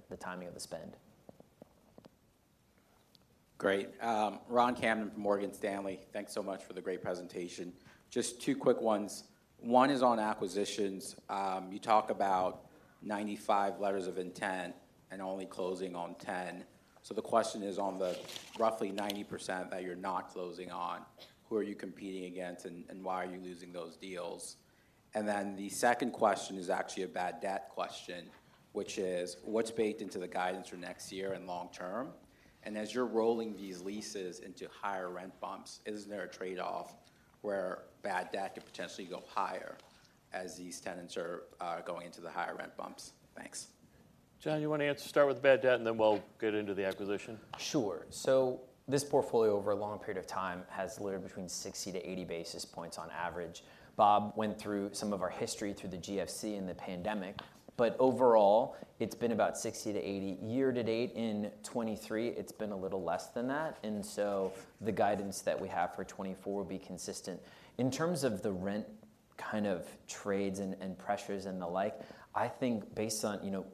the timing of the spend. Great. Ron Kamdem from Morgan Stanley. Thanks so much for the great presentation. Just two quick ones. One is on acquisitions. You talk about 95 letters of intent and only closing on 10. So the question is, on the roughly 90% that you're not closing on, who are you competing against, and, and why are you losing those deals? And then the second question is actually a bad debt question, which is, what's baked into the guidance for next year and long term? And as you're rolling these leases into higher rent bumps, isn't there a trade-off where bad debt could potentially go higher as these tenants are going into the higher rent bumps? Thanks. John, you wanna answer, start with bad debt, and then we'll get into the acquisition? Sure. So this portfolio, over a long period of time, has delivered between 60-80 basis points on average. Bob went through some of our history through the GFC and the pandemic, but overall, it's been about 60-80. Year to date in 2023, it's been a little less than that, and so the guidance that we have for 2024 will be consistent. In terms of the rent kind of trades and, and pressures and the like, I think based on... You know,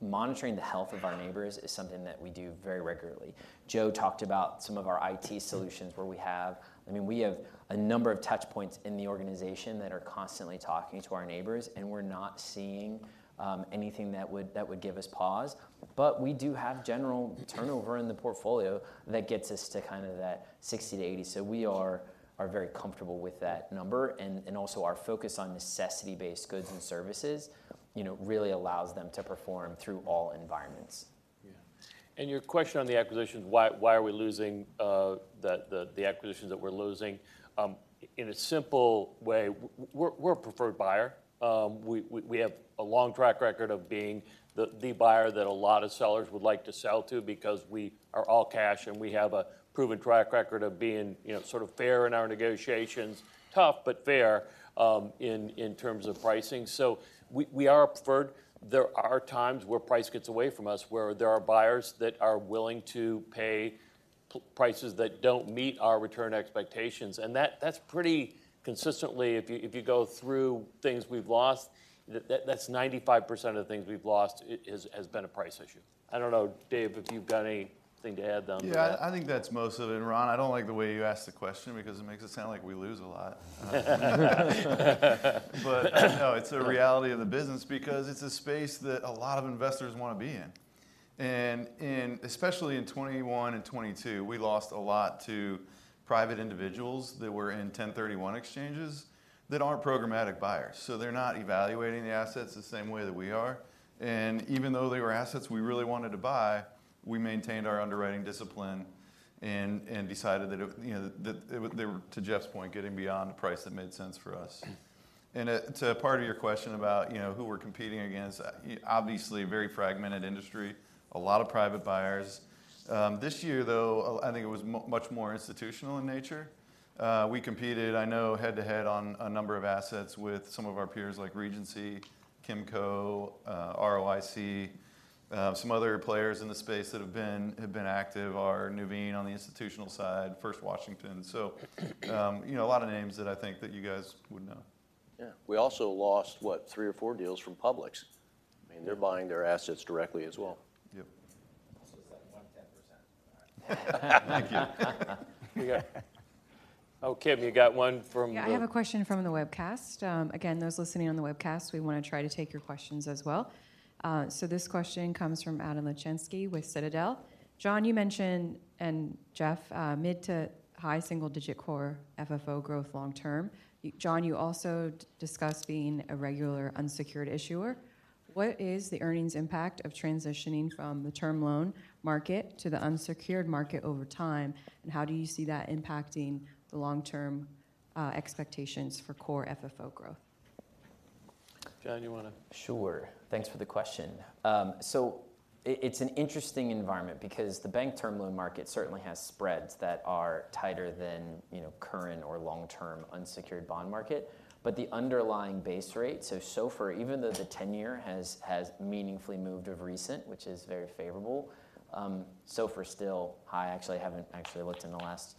monitoring the health of our neighbors is something that we do very regularly. Joe talked about some of our IT solutions, where we have-- I mean, we have a number of touch points in the organization that are constantly talking to our neighbors, and we're not seeing, anything that would, that would give us pause. We do have general turnover in the portfolio that gets us to kind of that 60-80, so we are very comfortable with that number. And also, our focus on necessity-based goods and services, you know, really allows them to perform through all environments. Yeah. Your question on the acquisitions, why are we losing the acquisitions that we're losing? In a simple way, we're a preferred buyer. We have a long track record of being the buyer that a lot of sellers would like to sell to because we are all cash, and we have a proven track record of being, you know, sort of fair in our negotiations, tough but fair, in terms of pricing. So we are preferred. There are times where price gets away from us, where there are buyers that are willing to pay prices that don't meet our return expectations, and that's pretty consistently, if you go through things we've lost, that's 95% of the things we've lost has been a price issue. I don't know, Dave, if you've got anything to add on to that? Yeah, I think that's most of it, Ron. I don't like the way you asked the question because it makes it sound like we lose a lot. But no, it's a reality of the business because it's a space that a lot of investors wanna be in. And especially in 2021 and 2022, we lost a lot to private individuals that were in 1031 exchanges, that aren't programmatic buyers. So they're not evaluating the assets the same way that we are. And even though they were assets we really wanted to buy, we maintained our underwriting discipline and decided that, you know, they were to Jeff's point, getting beyond the price that made sense for us. Mm. To part of your question about, you know, who we're competing against, obviously, a very fragmented industry, a lot of private buyers. This year, though, I think it was much more institutional in nature. We competed, I know, head-to-head on a number of assets with some of our peers, like Regency Centers, Kimco Realty, ROIC. Some other players in the space that have been active are Nuveen, on the institutional side, First Washington. So, you know, a lot of names that I think that you guys would know. Yeah. We also lost, what? Three or four deals from Publix. Yeah. I mean, they're buying their assets directly as well. Yep. It's just like 110%. Thank you. Oh, Kim, you got one from the- Yeah, I have a question from the webcast. Again, those listening on the webcast, we wanna try to take your questions as well. So this question comes from Adam Leszczynski with Citadel. John, you mentioned, and Jeff, mid to high single-digit core FFO growth long term. John, you also discussed being a regular unsecured issuer. What is the earnings impact of transitioning from the term loan market to the unsecured market over time, and how do you see that impacting the long-term expectations for core FFO growth? Jeff, you wanna- Sure. Thanks for the question. So it's an interesting environment because the bank term loan market certainly has spreads that are tighter than, you know, current or long-term unsecured bond market. But the underlying base rate, so far, even though the 10-year has meaningfully moved of recent, which is very favorable, so far still, I actually haven't looked in the last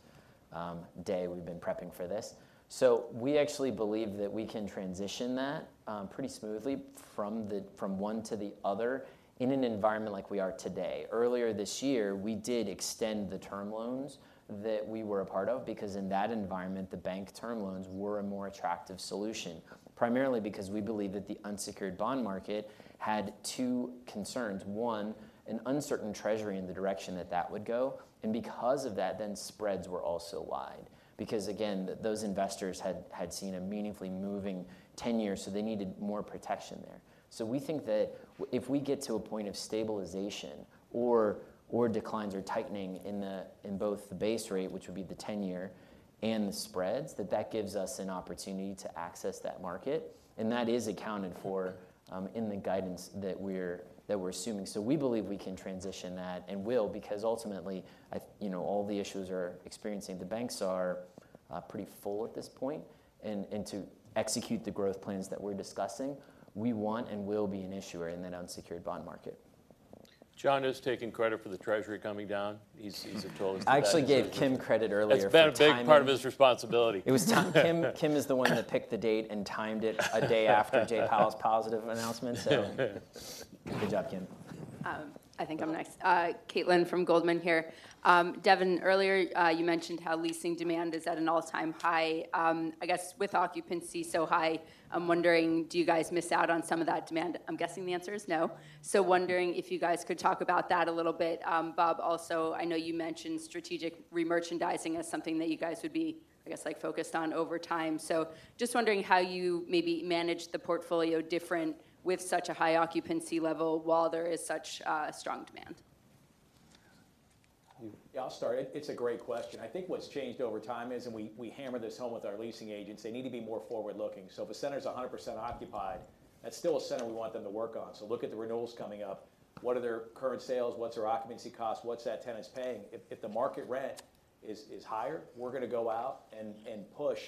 day we've been prepping for this. So we actually believe that we can transition that pretty smoothly from the one to the other in an environment like we are today. Earlier this year, we did extend the term loans that we were a part of, because in that environment, the bank term loans were a more attractive solution, primarily because we believe that the unsecured bond market had two concerns: one, an uncertain Treasury in the direction that that would go, and because of that, then spreads were also wide. Because, again, those investors had seen a meaningfully moving ten-year, so they needed more protection there. So we think that if we get to a point of stabilization or declines or tightening in both the base rate, which would be the ten-year, and the spreads, that gives us an opportunity to access that market, and that is accounted for in the guidance that we're assuming. So we believe we can transition that and will, because ultimately, I, you know, all the issues we're experiencing, the banks are pretty full at this point. And to execute the growth plans that we're discussing, we want and will be an issuer in that unsecured bond market. John is taking credit for the Treasury coming down. He's told us that- I actually gave Kim credit earlier for timing- It's been a big part of his responsibility. It was Tom, Kim. Kim is the one that picked the date and timed it a day after Jay Powell's positive announcement. So good job, Kim. I think I'm next. Caitlin from Goldman here. Devin, earlier, you mentioned how leasing demand is at an all-time high. I guess with occupancy so high, I'm wondering, do you guys miss out on some of that demand? I'm guessing the answer is no. So wondering if you guys could talk about that a little bit. Bob, also, I know you mentioned strategic remerchandising as something that you guys would be, I guess, like, focused on over time. So just wondering how you maybe manage the portfolio different with such a high occupancy level, while there is such strong demand. Yeah, I'll start. It's a great question. I think what's changed over time is, we hammer this home with our leasing agents, they need to be more forward-looking. So if a center is 100% occupied, that's still a center we want them to work on. So look at the renewals coming up. What are their current sales? What's their occupancy cost? What's that tenant paying? If the market rent is higher, we're gonna go out and push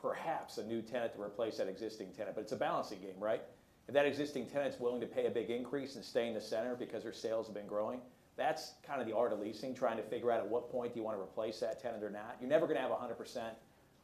perhaps a new tenant to replace that existing tenant. But it's a balancing game, right? If that existing tenant is willing to pay a big increase and stay in the center because their sales have been growing, that's kind of the art of leasing, trying to figure out at what point do you want to replace that tenant or not. You're never gonna have 100%,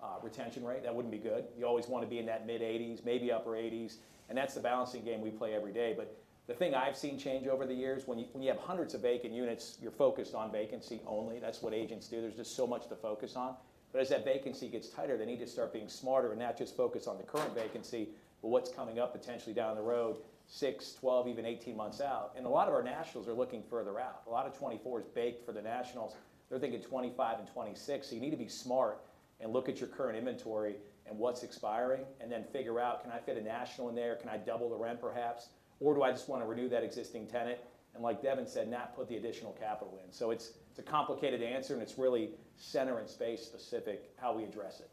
uh, retention rate. That wouldn't be good. You always wanna be in that mid-80s%, maybe upper 80s%, and that's the balancing game we play every day. But the thing I've seen change over the years, when you, when you have hundreds of vacant units, you're focused on vacancy only. That's what agents do. There's just so much to focus on. But as that vacancy gets tighter, they need to start being smarter and not just focus on the current vacancy, but what's coming up potentially down the road, six, 12, even 18 months out. And a lot of our nationals are looking further out. A lot of 2024 is baked for the nationals. They're thinking 2025 and 2026. So you need to be smart and look at your current inventory and what's expiring, and then figure out: Can I fit a national in there? Can I double the rent, perhaps? Or do I just want to renew that existing tenant? And like Devin said, not put the additional capital in. So it's a complicated answer, and it's really center and space specific, how we address it.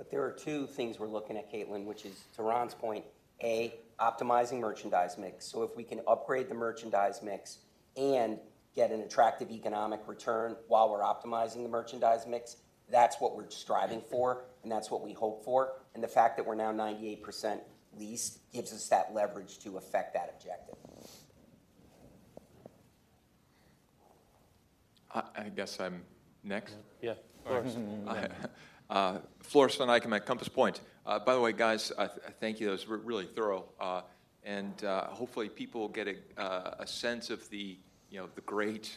But there are two things we're looking at, Caitlin, which is to Ron's point, A, optimizing merchandise mix. So if we can upgrade the merchandise mix and get an attractive economic return while we're optimizing the merchandise mix, that's what we're striving for, and that's what we hope for. And the fact that we're now 98% leased gives us that leverage to affect that objective. I guess I'm next? Yeah, of course. Floris van Dijkum at Compass Point. By the way, guys, I thank you. That was really thorough. And hopefully, people get a sense of the, you know, the great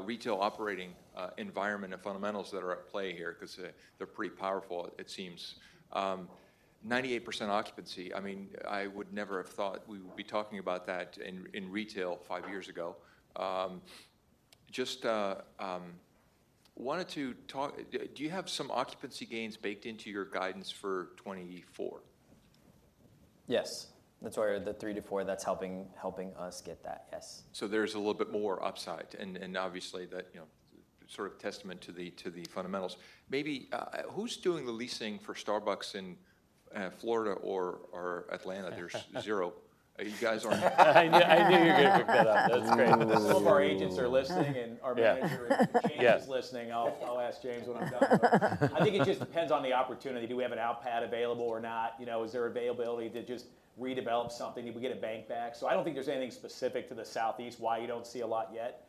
retail operating environment and fundamentals that are at play here 'cause they're pretty powerful, it seems. 98% occupancy, I mean, I would never have thought we would be talking about that in retail five years ago. Just wanted to talk. Do you have some occupancy gains baked into your guidance for 2024? Yes. That's why the 3-4, that's helping, helping us get that. Yes. So there's a little bit more upside, and obviously, that you know sort of testament to the fundamentals. Maybe, who's doing the leasing for Starbucks in Florida or Atlanta? There's zero. You guys aren't- I knew you were gonna pick that up. That's great. Some of our agents are listening, and our manager- Yeah. James is listening. I'll ask James when I'm done. I think it just depends on the opportunity. Do we have an outpad available or not? You know, is there availability to just redevelop something? Do we get a bank back? So I don't think there's anything specific to the Southeast, why you don't see a lot yet.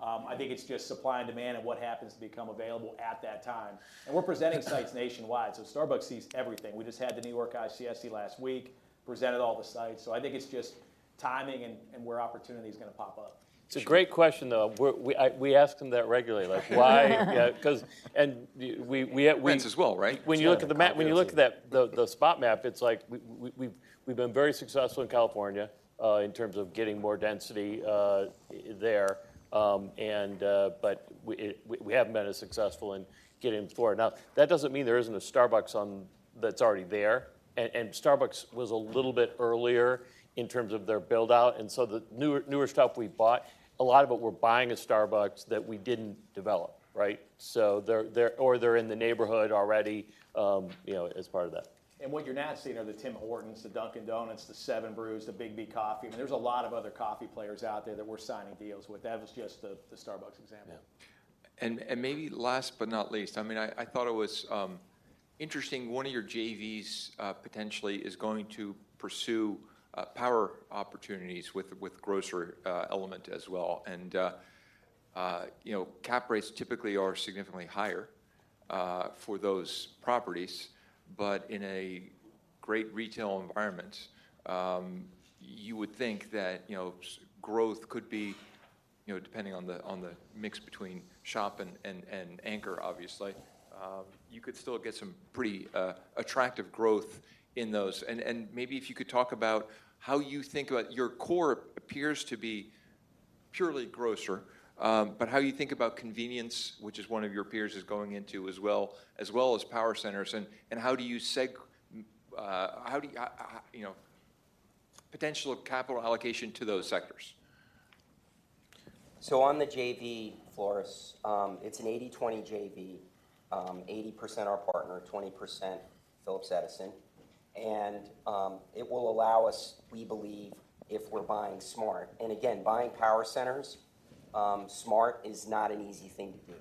I think it's just supply and demand and what happens to become available at that time. And we're presenting sites nationwide, so Starbucks sees everything. We just had the New York ICSC last week, presented all the sites. So I think it's just timing and where opportunity is gonna pop up. It's a great question, though. We ask them that regularly. Why? Yeah, 'cause... And we, we, we- As well, right? When you look at the map, when you look at that, the spot map, it's like we've been very successful in California in terms of getting more density there. But we haven't been as successful in getting forward. Now, that doesn't mean there isn't a Starbucks on-- that's already there, and Starbucks was a little bit earlier in terms of their build-out, and so the newer stuff we've bought, a lot of it we're buying a Starbucks that we didn't develop, right? So they're-- or they're in the neighborhood already, you know, as part of that. What you're not seeing are the Tim Hortons, the Dunkin' Donuts, the 7 Brew, the Biggby Coffee. I mean, there's a lot of other coffee players out there that we're signing deals with. That was just the Starbucks example. Yeah. And maybe last but not least, I mean, I thought it was interesting, one of your JVs potentially is going to pursue power opportunities with grocery element as well. And you know, cap rates typically are significantly higher for those properties, but in a great retail environment, you would think that, you know, growth could be, you know, depending on the mix between shop and anchor, obviously. You could still get some pretty attractive growth in those. Maybe if you could talk about how you think about your core appears to be purely grocery, but how you think about convenience, which is one of your peers is going into as well, as well as power centers, and how do you, you know, potential of capital allocation to those sectors? So on the JV, Floris, it's an 80/20 JV, 80% our partner, 20% Phillips Edison. It will allow us, we believe, if we're buying smart, and again, buying power centers, smart is not an easy thing to do.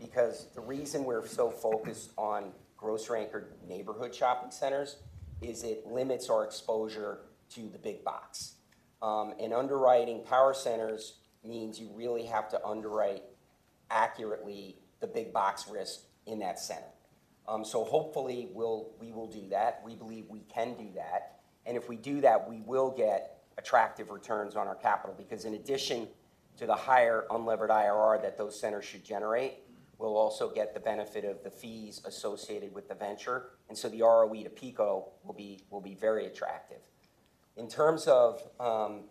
Because the reason we're so focused on grocery-anchored neighborhood shopping centers is it limits our exposure to the big box. Underwriting power centers means you really have to underwrite accurately the big box risk in that center. So hopefully, we'll- we will do that. We believe we can do that, and if we do that, we will get attractive returns on our capital, because in addition to the higher unlevered IRR that those centers should generate, we'll also get the benefit of the fees associated with the venture, and so the ROE to PECO will be, will be very attractive. In terms of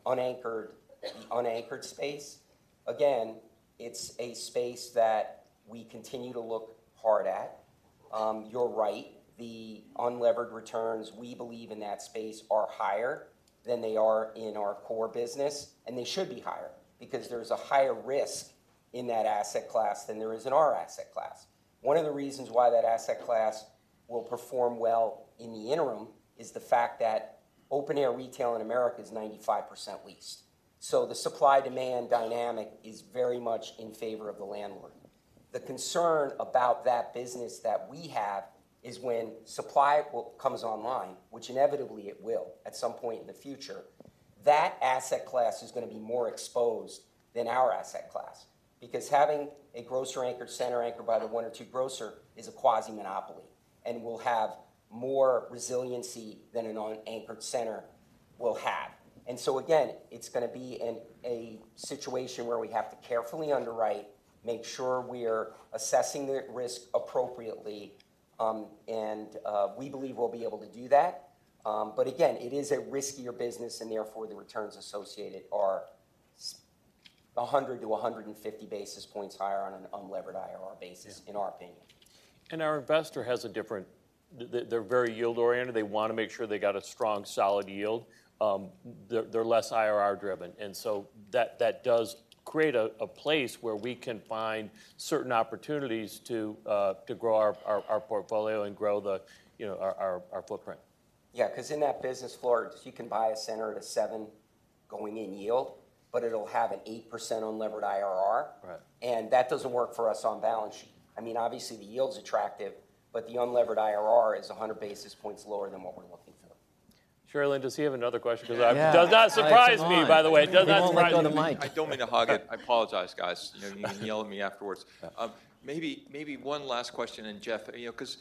unanchored space, again, it's a space that we continue to look hard at. You're right, the unlevered returns, we believe in that space, are higher than they are in our core business, and they should be higher because there's a higher risk in that asset class than there is in our asset class. One of the reasons why that asset class will perform well in the interim is the fact that open-air retail in America is 95% leased. So the supply-demand dynamic is very much in favor of the landlord. The concern about that business that we have is when supply comes online, which inevitably it will, at some point in the future, that asset class is gonna be more exposed than our asset class, because having a grocer-anchored center anchored by the one or two grocer is a quasi-monopoly and will have more resiliency than an unanchored center will have. And so again, it's gonna be in a situation where we have to carefully underwrite, make sure we're assessing the risk appropriately, we believe we'll be able to do that. But again, it is a riskier business, and therefore, the returns associated are 100-150 basis points higher on an unlevered IRR basis, in our opinion. Our investor has a different... They're very yield-oriented. They wanna make sure they got a strong, solid yield. They're less IRR-driven, and so that does create a place where we can find certain opportunities to grow our portfolio and grow, you know, our footprint. Yeah, 'cause in that business, Floris, you can buy a center at a 7 going-in yield, but it'll have an 8% unlevered IRR. Right. That doesn't work for us on balance sheet. I mean, obviously, the yield's attractive, but the unlevered IRR is 100 basis points lower than what we're looking for. Cherilyn, does he have another question? Yeah. 'Cause it does not surprise me, by the way. It does not surprise me. We won't let go of the mic. I don't mean to hog it. I apologize, guys. You can yell at me afterwards. Maybe, maybe one last question, and Jeff, you know, 'cause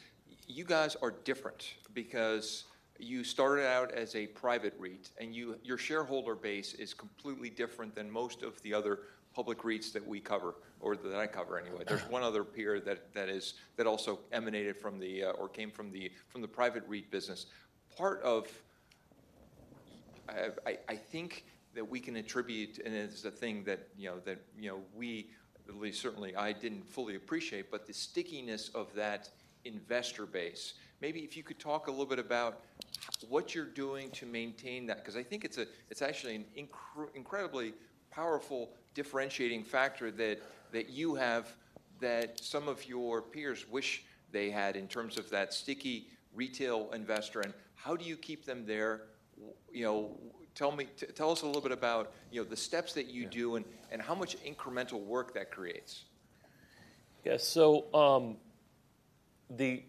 you guys are different because you started out as a private REIT, and you, your shareholder base is completely different than most of the other public REITs that we cover, or that I cover anyway. There's one other peer that also emanated from the, or came from the, from the private REIT business. Part of... I think that we can attribute, and it's a thing that, you know, we, at least certainly I didn't fully appreciate, but the stickiness of that investor base. Maybe if you could talk a little bit about what you're doing to maintain that, 'cause I think it's actually an incredibly powerful differentiating factor that you have that some of your peers wish they had in terms of that sticky retail investor, and how do you keep them there? You know, tell us a little bit about, you know, the steps that you do- Yeah And how much incremental work that creates. Yeah, so, the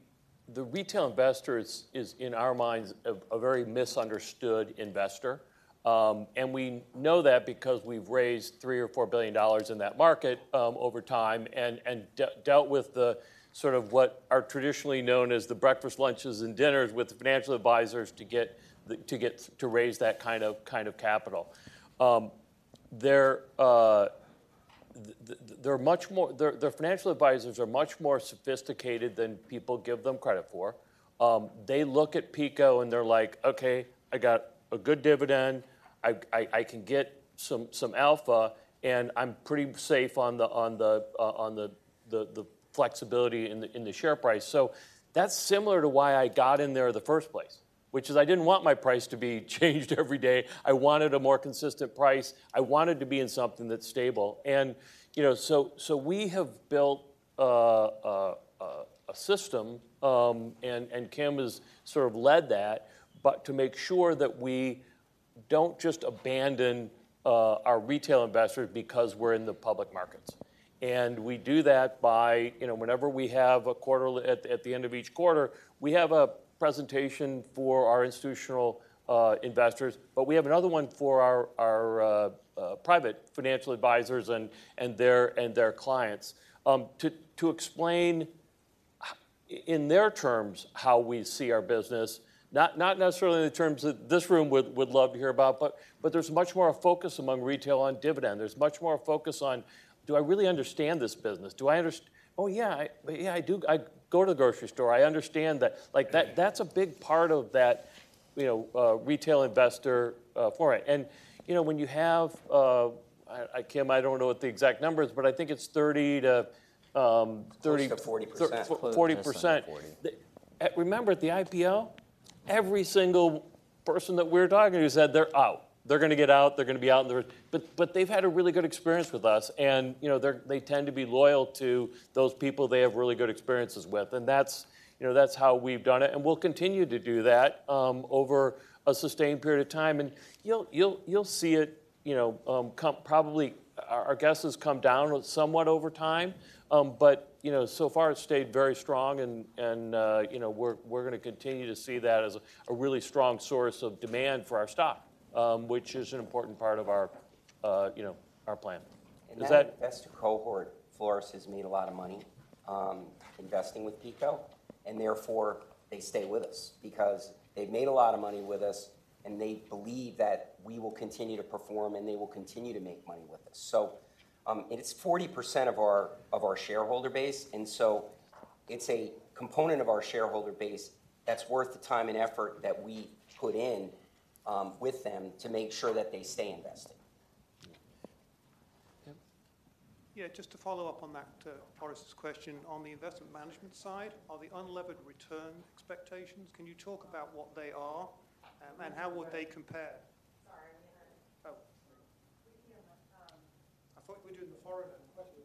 retail investor is in our minds a very misunderstood investor. And we know that because we've raised $3 billion or $4 billion in that market over time, and dealt with the sort of what are traditionally known as the breakfast, lunches, and dinners with the financial advisors to get to raise that kind of capital. They're much more-- their financial advisors are much more sophisticated than people give them credit for. They look at PECO, and they're like: "Okay, I got a good dividend. I can get some alpha, and I'm pretty safe on the flexibility in the share price." So that's similar to why I got in there in the first place, which is I didn't want my price to be changed every day. I wanted a more consistent price. I wanted to be in something that's stable. And, you know, so we have built a system, and Kim has sort of led that, but to make sure that we don't just abandon our retail investors because we're in the public markets. And we do that by, you know, whenever we have a quarterly... At the end of each quarter, we have a presentation for our institutional investors, but we have another one for our private financial advisors and their clients, to explain in their terms, how we see our business, not necessarily in the terms that this room would love to hear about, but there's much more a focus among retail on dividend. There's much more a focus on: Do I really understand this business? Do I understand—"Oh, yeah, yeah, I do. I go to the grocery store. I understand that." Like, that's a big part of that, you know, retail investor for it. And, you know, when you have... I, Kim, I don't know what the exact number is, but I think it's 30 to 30- Close to 40%. 440%. Forty. Remember, at the IPO, every single person that we were talking to said they're out. They're gonna get out, they're gonna be out. But they've had a really good experience with us, and, you know, they tend to be loyal to those people they have really good experiences with. And that's, you know, that's how we've done it, and we'll continue to do that over a sustained period of time. And you'll see it, you know, come probably our guesses come down somewhat over time. But, you know, so far, it's stayed very strong, and you know, we're going to continue to see that as a really strong source of demand for our stock, which is an important part of our, you know, our plan. Does that- That investor cohort, Floris, has made a lot of money, investing with PECO, and therefore, they stay with us because they've made a lot of money with us, and they believe that we will continue to perform, and they will continue to make money with us. So, and it's 40% of our shareholder base, and so it's a component of our shareholder base that's worth the time and effort that we put in, with them to make sure that they stay invested. Yeah. Kim? Yeah, just to follow up on that, Floris's question, on the investment management side, on the unlevered return expectations, can you talk about what they are, and how would they compare? Sorry, I didn't hear you. Oh. Sorry. I thought we were doing the foreign question.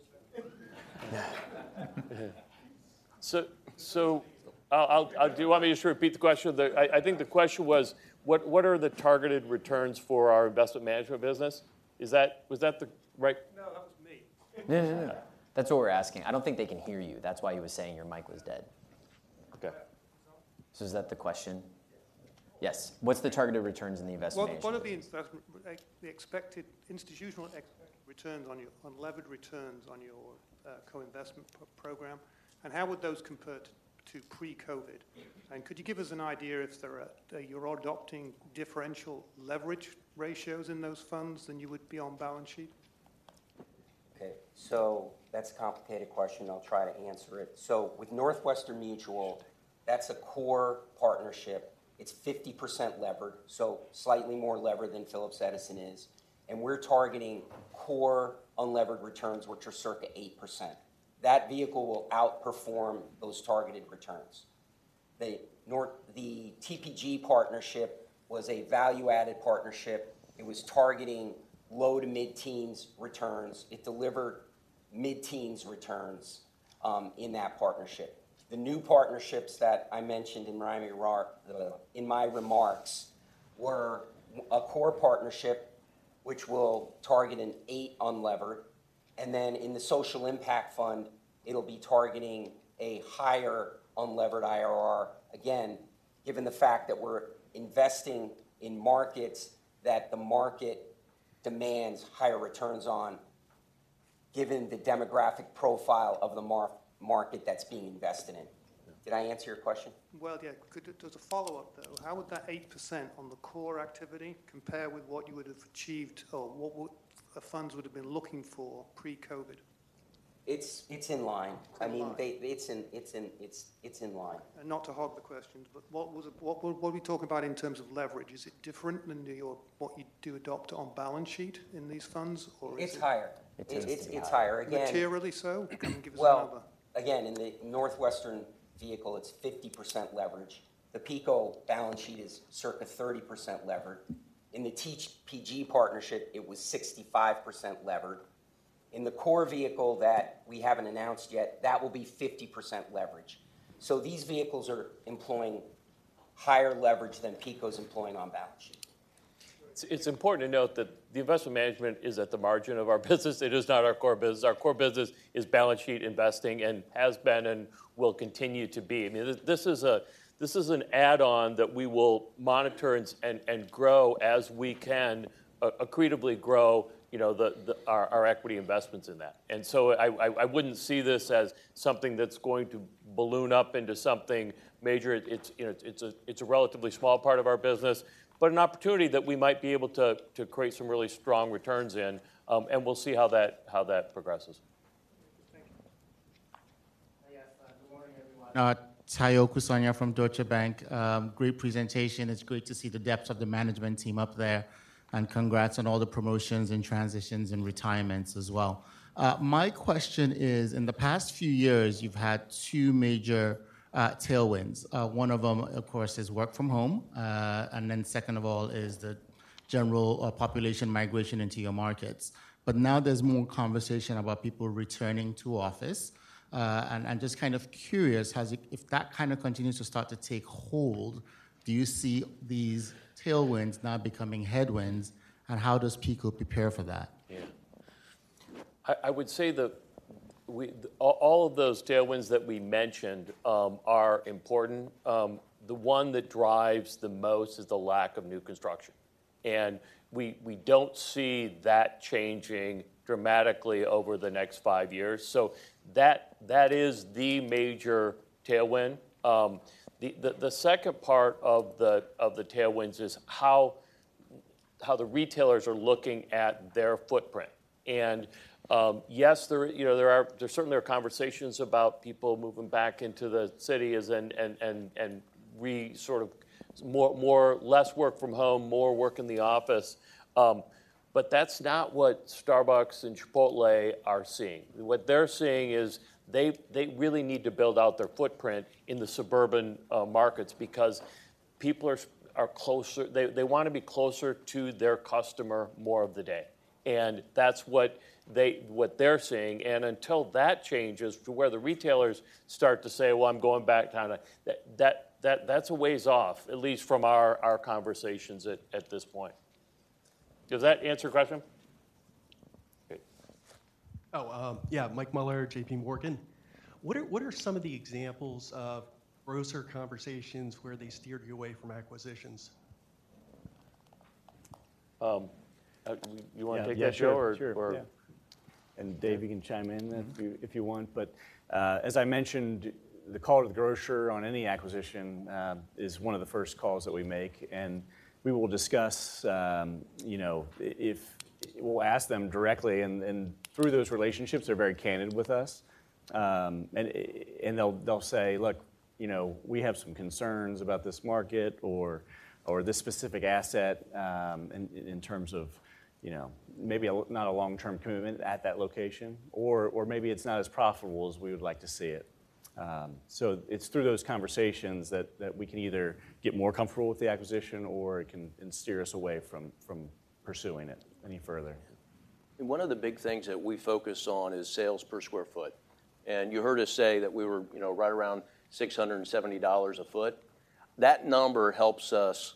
So, I'll... Do you want me to just repeat the question? I think the question was: What are the targeted returns for our investment management business? Was that the right- No, that was me. No, no, no. That's what we're asking. I don't think they can hear you. That's why he was saying your mic was dead. Okay. So is that the question? Yes. Yes. What's the targeted returns in the investment management? Well, one of the investment, like, the expected, institutional expected returns on your, unlevered returns on your, co-investment program, and how would those compare to pre-COVID? And could you give us an idea if you're adopting differential leverage ratios in those funds than you would be on balance sheet? Okay, so that's a complicated question. I'll try to answer it. So with Northwestern Mutual, that's a core partnership. It's 50% levered, so slightly more levered than Phillips Edison is, and we're targeting core unlevered returns, which are circa 8%. That vehicle will outperform those targeted returns. The TPG partnership was a value-added partnership. It was targeting low- to mid-teens returns. It delivered- Mid-teens returns in that partnership. The new partnerships that I mentioned in my IRR, in my remarks were a core partnership which will target an 8 unlevered, and then in the social impact fund, it'll be targeting a higher unlevered IRR. Again, given the fact that we're investing in markets that the market demands higher returns on, given the demographic profile of the market that's being invested in. Did I answer your question? Well, yeah. Could, as a follow-up, though, how would that 8% on the core activity compare with what you would have achieved or what would funds would have been looking for pre-COVID? It's in line. In line. I mean, they, it's in line. Not to hog the questions, but what was it, what are we talking about in terms of leverage? Is it different than what you do adopt on balance sheet in these funds, or is it- It's higher. It is. It's higher. Again- Materially so? Can you give us a number? Well, again, in the Northwestern vehicle, it's 50% leverage. The PECO balance sheet is circa 30% levered. In the TPG partnership, it was 65% levered. In the core vehicle that we haven't announced yet, that will be 50% leverage. So these vehicles are employing higher leverage than PECO's employing on balance sheet. It's important to note that the investment management is at the margin of our business. It is not our core business. Our core business is balance sheet investing, and has been and will continue to be. I mean, this is an add-on that we will monitor and grow as we can, accretively grow, you know, our equity investments in that. And so I wouldn't see this as something that's going to balloon up into something major. It's, you know, a relatively small part of our business, but an opportunity that we might be able to create some really strong returns in, and we'll see how that progresses. Thank you. Hi, yes. Good morning, everyone. Tayo Okusanya from Deutsche Bank. Great presentation. It's great to see the depth of the management team up there, and congrats on all the promotions and transitions and retirements as well. My question is: in the past few years, you've had two major tailwinds. One of them, of course, is work from home, and then second of all is the general population migration into your markets. But now there's more conversation about people returning to office, and I'm just kind of curious, has it-- if that kind of continues to start to take hold, do you see these tailwinds now becoming headwinds, and how does PECO prepare for that? Yeah. I would say that all of those tailwinds that we mentioned are important. The one that drives the most is the lack of new construction, and we don't see that changing dramatically over the next five years. So that is the major tailwind. The second part of the tailwinds is how the retailers are looking at their footprint. And yes, you know, there certainly are conversations about people moving back into the cities and we sort of more... less work from home, more work in the office. But that's not what Starbucks and Chipotle are seeing. What they're seeing is they really need to build out their footprint in the suburban markets because people are closer, they want to be closer to their customer more of the day. And that's what they're seeing. And until that changes to where the retailers start to say, "Well, I'm going back," kinda, that's a ways off, at least from our conversations at this point. Does that answer your question? Great. Oh, yeah. Mike Mueller, JPMorgan. What are some of the examples of grocer conversations where they steered you away from acquisitions? You want to take that, Joe? Yeah, sure. Sure. Or, or- Yeah. And Dave, you can chime in if you want. But as I mentioned, the call to the grocer on any acquisition is one of the first calls that we make. And we will discuss, you know, if—we'll ask them directly, and through those relationships, they're very candid with us. And they'll say: Look, you know, we have some concerns about this market or this specific asset, in terms of, you know, maybe not a long-term commitment at that location, or maybe it's not as profitable as we would like to see it. So it's through those conversations that we can either get more comfortable with the acquisition or it can steer us away from pursuing it any further. One of the big things that we focus on is sales per square foot. You heard us say that we were, you know, right around $670 a foot. That number helps us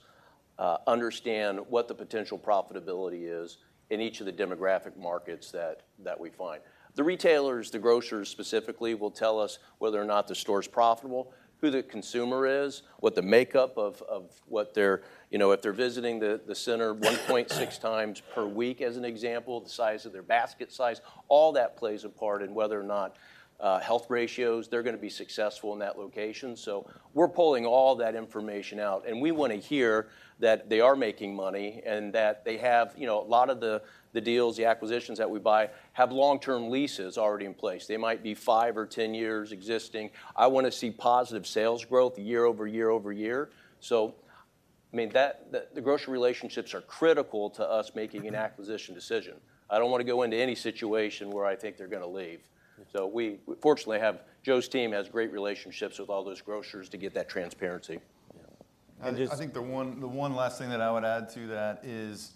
understand what the potential profitability is in each of the demographic markets that we find. The retailers, the grocers specifically, will tell us whether or not the store's profitable, who the consumer is, what the makeup of what they're, you know, if they're visiting the center 1.6 times per week, as an example, the size of their basket size. All that plays a part in whether or not health ratios, they're gonna be successful in that location. We're pulling all that information out, and we want to hear that they are making money and that they have... You know, a lot of the deals, the acquisitions that we buy have long-term leases already in place. They might be 5 or 10 years existing. I want to see positive sales growth year-over-year. So, I mean, that the grocer relationships are critical to us making an acquisition decision. I don't want to go into any situation where I think they're gonna leave. So we fortunately have. Joe's team has great relationships with all those grocers to get that transparency. I just, I think the one, the one last thing that I would add to that is,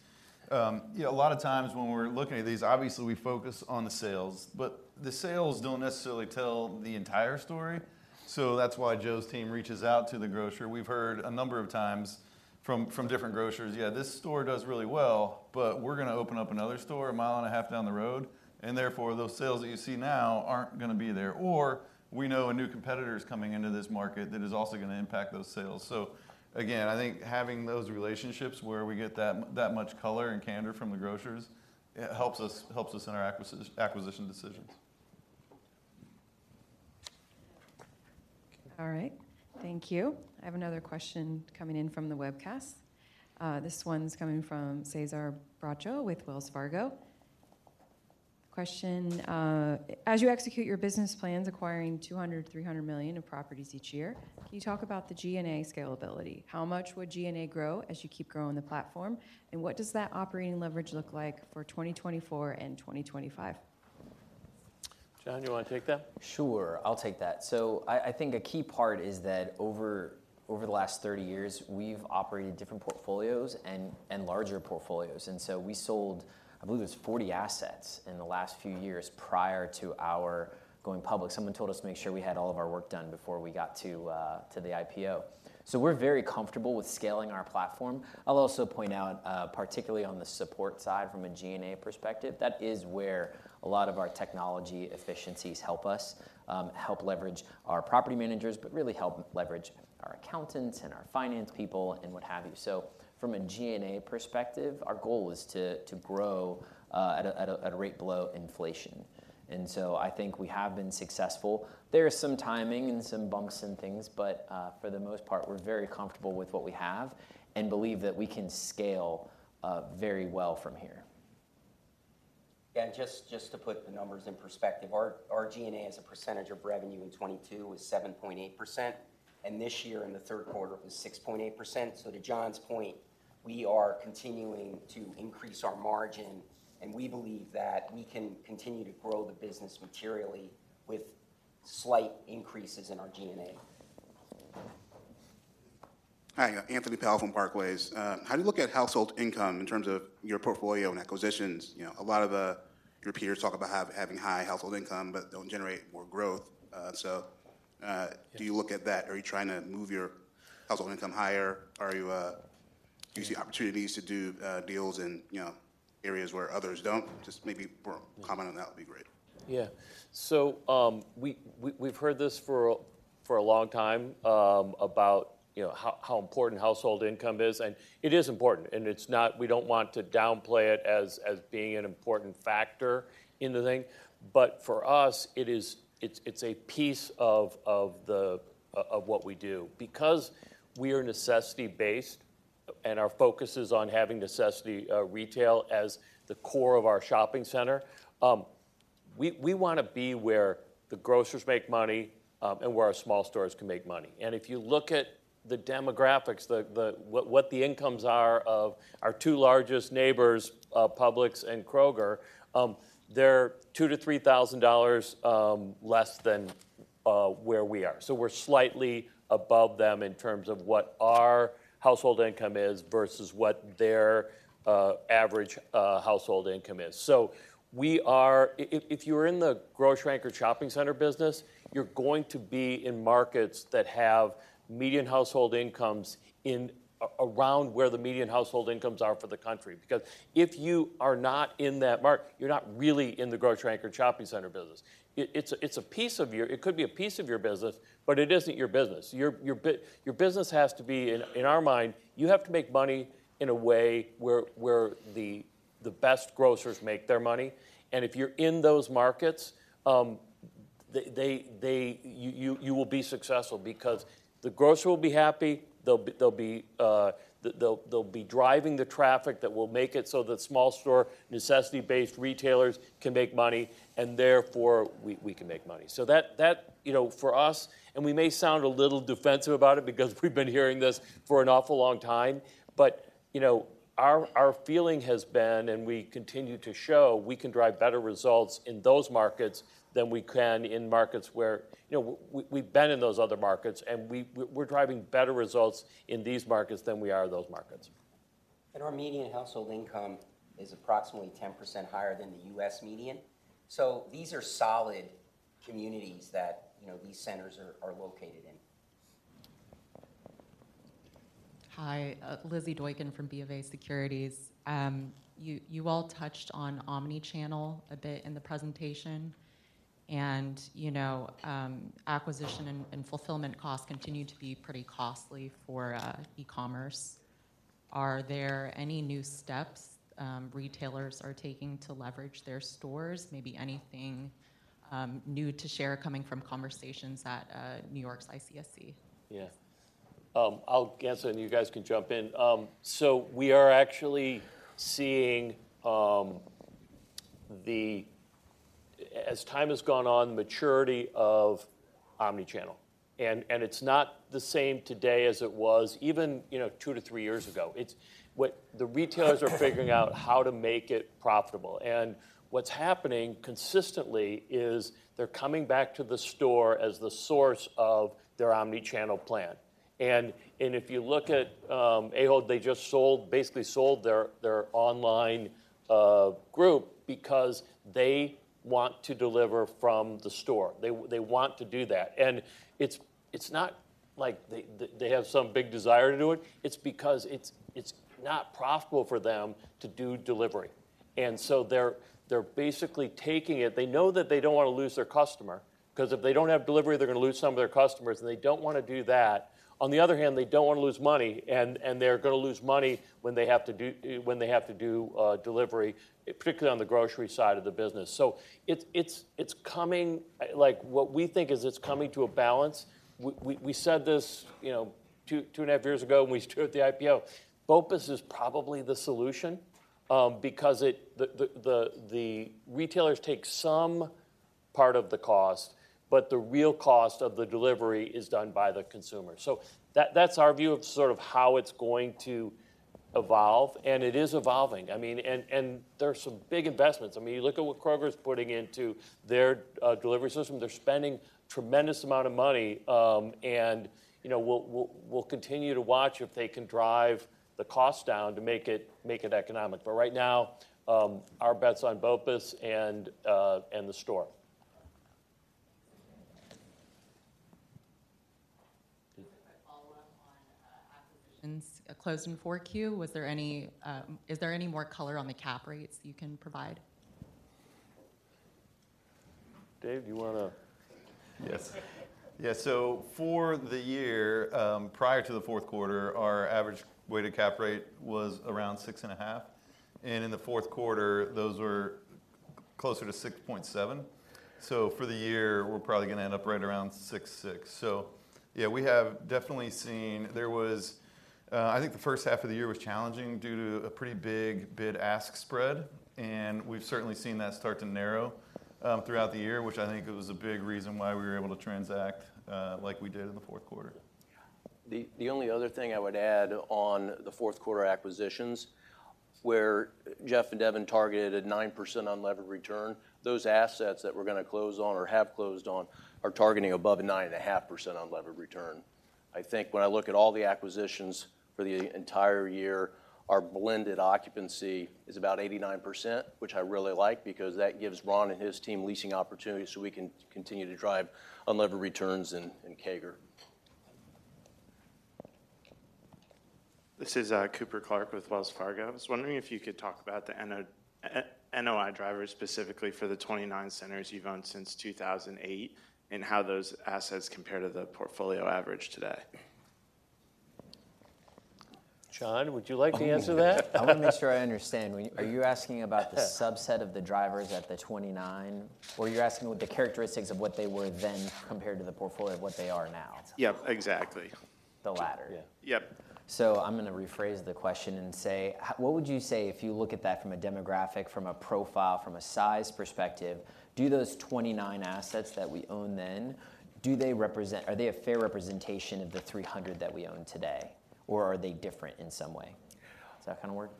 you know, a lot of times when we're looking at these, obviously we focus on the sales, but the sales don't necessarily tell the entire story. So that's why Joe's team reaches out to the grocer. We've heard a number of times from, from different grocers, "Yeah, this store does really well, but we're gonna open up another store a mile and a half down the road, and therefore, those sales that you see now aren't gonna be there." Or, "We know a new competitor is coming into this market that is also gonna impact those sales." So again, I think having those relationships where we get that much color and candor from the grocers, it helps us, helps us in our acquisition decisions. All right. Thank you. I have another question coming in from the webcast. This one's coming from Cesar Bracho with Wells Fargo. The question: as you execute your business plans, acquiring $200 million-$300 million of properties each year, can you talk about the G&A scalability? How much would G&A grow as you keep growing the platform? And what does that operating leverage look like for 2024 and 2025? John, do you wanna take that? Sure, I'll take that. So I think a key part is that over the last 30 years, we've operated different portfolios and larger portfolios. And so we sold, I believe it's 40 assets in the last few years prior to our going public. Someone told us to make sure we had all of our work done before we got to the IPO. So we're very comfortable with scaling our platform. I'll also point out, particularly on the support side from a G&A perspective, that is where a lot of our technology efficiencies help us help leverage our property managers, but really help leverage our accountants and our finance people, and what have you. So from a G&A perspective, our goal is to grow at a rate below inflation. And so I think we have been successful. There is some timing and some bumps and things, but for the most part, we're very comfortable with what we have and believe that we can scale very well from here. Yeah, just to put the numbers in perspective, our G&A as a percentage of revenue in 2022 was 7.8%, and this year in the third quarter, it was 6.8%. So to John's point, we are continuing to increase our margin, and we believe that we can continue to grow the business materially with slight increases in our G&A. Hi, Anthony Paolone from JPMorgan. How do you look at household income in terms of your portfolio and acquisitions? You know, a lot of your peers talk about having high household income, but don't generate more growth. So, Yeah Do you look at that? Are you trying to move your household income higher? Are you, Yeah Do you see opportunities to do, you know, deals in areas where others don't? Just maybe more comment on that would be great. Yeah. So, we've heard this for a long time about, you know, how important household income is, and it is important, and it's not, we don't want to downplay it as being an important factor in the thing. But for us, it is... it's a piece of what we do. Because we are necessity-based, and our focus is on having necessity retail as the core of our shopping center, we wanna be where the grocers make money, and where our small stores can make money. And if you look at the demographics, the, what the incomes are of our two largest neighbors, Publix and Kroger, they're $2,000-$3,000 less than where we are. So we're slightly above them in terms of what our household income is versus what their average household income is. So we are—if you're in the grocery anchor shopping center business, you're going to be in markets that have median household incomes around where the median household incomes are for the country. Because if you are not in that market, you're not really in the grocery anchor shopping center business. It's a piece of your—it could be a piece of your business, but it isn't your business. Your business has to be, in our mind, you have to make money in a way where the best grocers make their money. And if you're in those markets, you will be successful because the grocer will be happy. They'll be driving the traffic that will make it so that small store, necessity-based retailers can make money, and therefore, we can make money. So, you know, for us, we may sound a little defensive about it because we've been hearing this for an awful long time, but, you know, our feeling has been, and we continue to show, we can drive better results in those markets than we can in markets where... You know, we've been in those other markets, and we're driving better results in these markets than we are in those markets. Our median household income is approximately 10% higher than the U.S. median. These are solid communities that, you know, these centers are located in. Hi, Lizzy Doykan from BofA Securities. You all touched on omni-channel a bit in the presentation, and, you know, acquisition and fulfillment costs continue to be pretty costly for e-commerce. Are there any new steps retailers are taking to leverage their stores? Maybe anything new to share coming from conversations at New York's ICSC? Yeah. I'll guess, and you guys can jump in. So we are actually seeing, as, as time has gone on, maturity of omni-channel. And, and it's not the same today as it was even, you know, 2-3 years ago. It's the retailers are figuring out how to make it profitable. And what's happening consistently is they're coming back to the store as the source of their omni-channel plan. And, and if you look at Ahold, they just sold, basically sold their, their online group because they want to deliver from the store. They they want to do that. And it's, it's not like they, they have some big desire to do it, it's because it's, it's not profitable for them to do delivery. And so they're, they're basically taking it... They know that they don't wanna lose their customer, 'cause if they don't have delivery, they're gonna lose some of their customers, and they don't wanna do that. On the other hand, they don't wanna lose money, and, and they're gonna lose money when they have to do delivery, particularly on the grocery side of the business. So it's coming, like, what we think is it's coming to a balance. We said this, you know, 2, 2.5 years ago when we started the IPO. BOPUS is probably the solution, because it... the retailers take some part of the cost, but the real cost of the delivery is done by the consumer. So that, that's our view of sort of how it's going to evolve, and it is evolving. I mean, there are some big investments. I mean, you look at what Kroger's putting into their delivery system, they're spending tremendous amount of money. And, you know, we'll continue to watch if they can drive the cost down to make it economic. But right now, our bet's on BOPUS and the store. A follow-up on acquisitions closed in 4Q. Was there any... Is there any more color on the cap rates you can provide? Dave, do you wanna- Yes. Yeah, so for the year, prior to the fourth quarter, our average weighted cap rate was around 6.5, and in the fourth quarter, those were closer to 6.7. So for the year, we're probably gonna end up right around 6.6. So yeah, we have definitely seen... There was, I think the first half of the year was challenging due to a pretty big bid-ask spread, and we've certainly seen that start to narrow, throughout the year, which I think it was a big reason why we were able to transact, like we did in the fourth quarter. The only other thing I would add on the fourth quarter acquisitions, where Jeff and Devin targeted a 9% unlevered return, those assets that we're gonna close on or have closed on are targeting above a 9.5% unlevered return. I think when I look at all the acquisitions for the entire year, our blended occupancy is about 89%, which I really like because that gives Ron and his team leasing opportunities, so we can continue to drive unlevered returns and, and CAGR. This is Cooper Clark with Wells Fargo. I was wondering if you could talk about the NOI drivers, specifically for the 29 centers you've owned since 2008, and how those assets compare to the portfolio average today? John, would you like to answer that? I wanna make sure I understand. When are you asking about the subset of the drivers at the 29, or you're asking what the characteristics of what they were then compared to the portfolio of what they are now? Yeah, exactly. The latter. Yeah. Yep. So I'm gonna rephrase the question and say: what would you say if you look at that from a demographic, from a profile, from a size perspective, do those 29 assets that we owned then, do they represent, are they a fair representation of the 300 that we own today, or are they different in some way? Does that kind of work?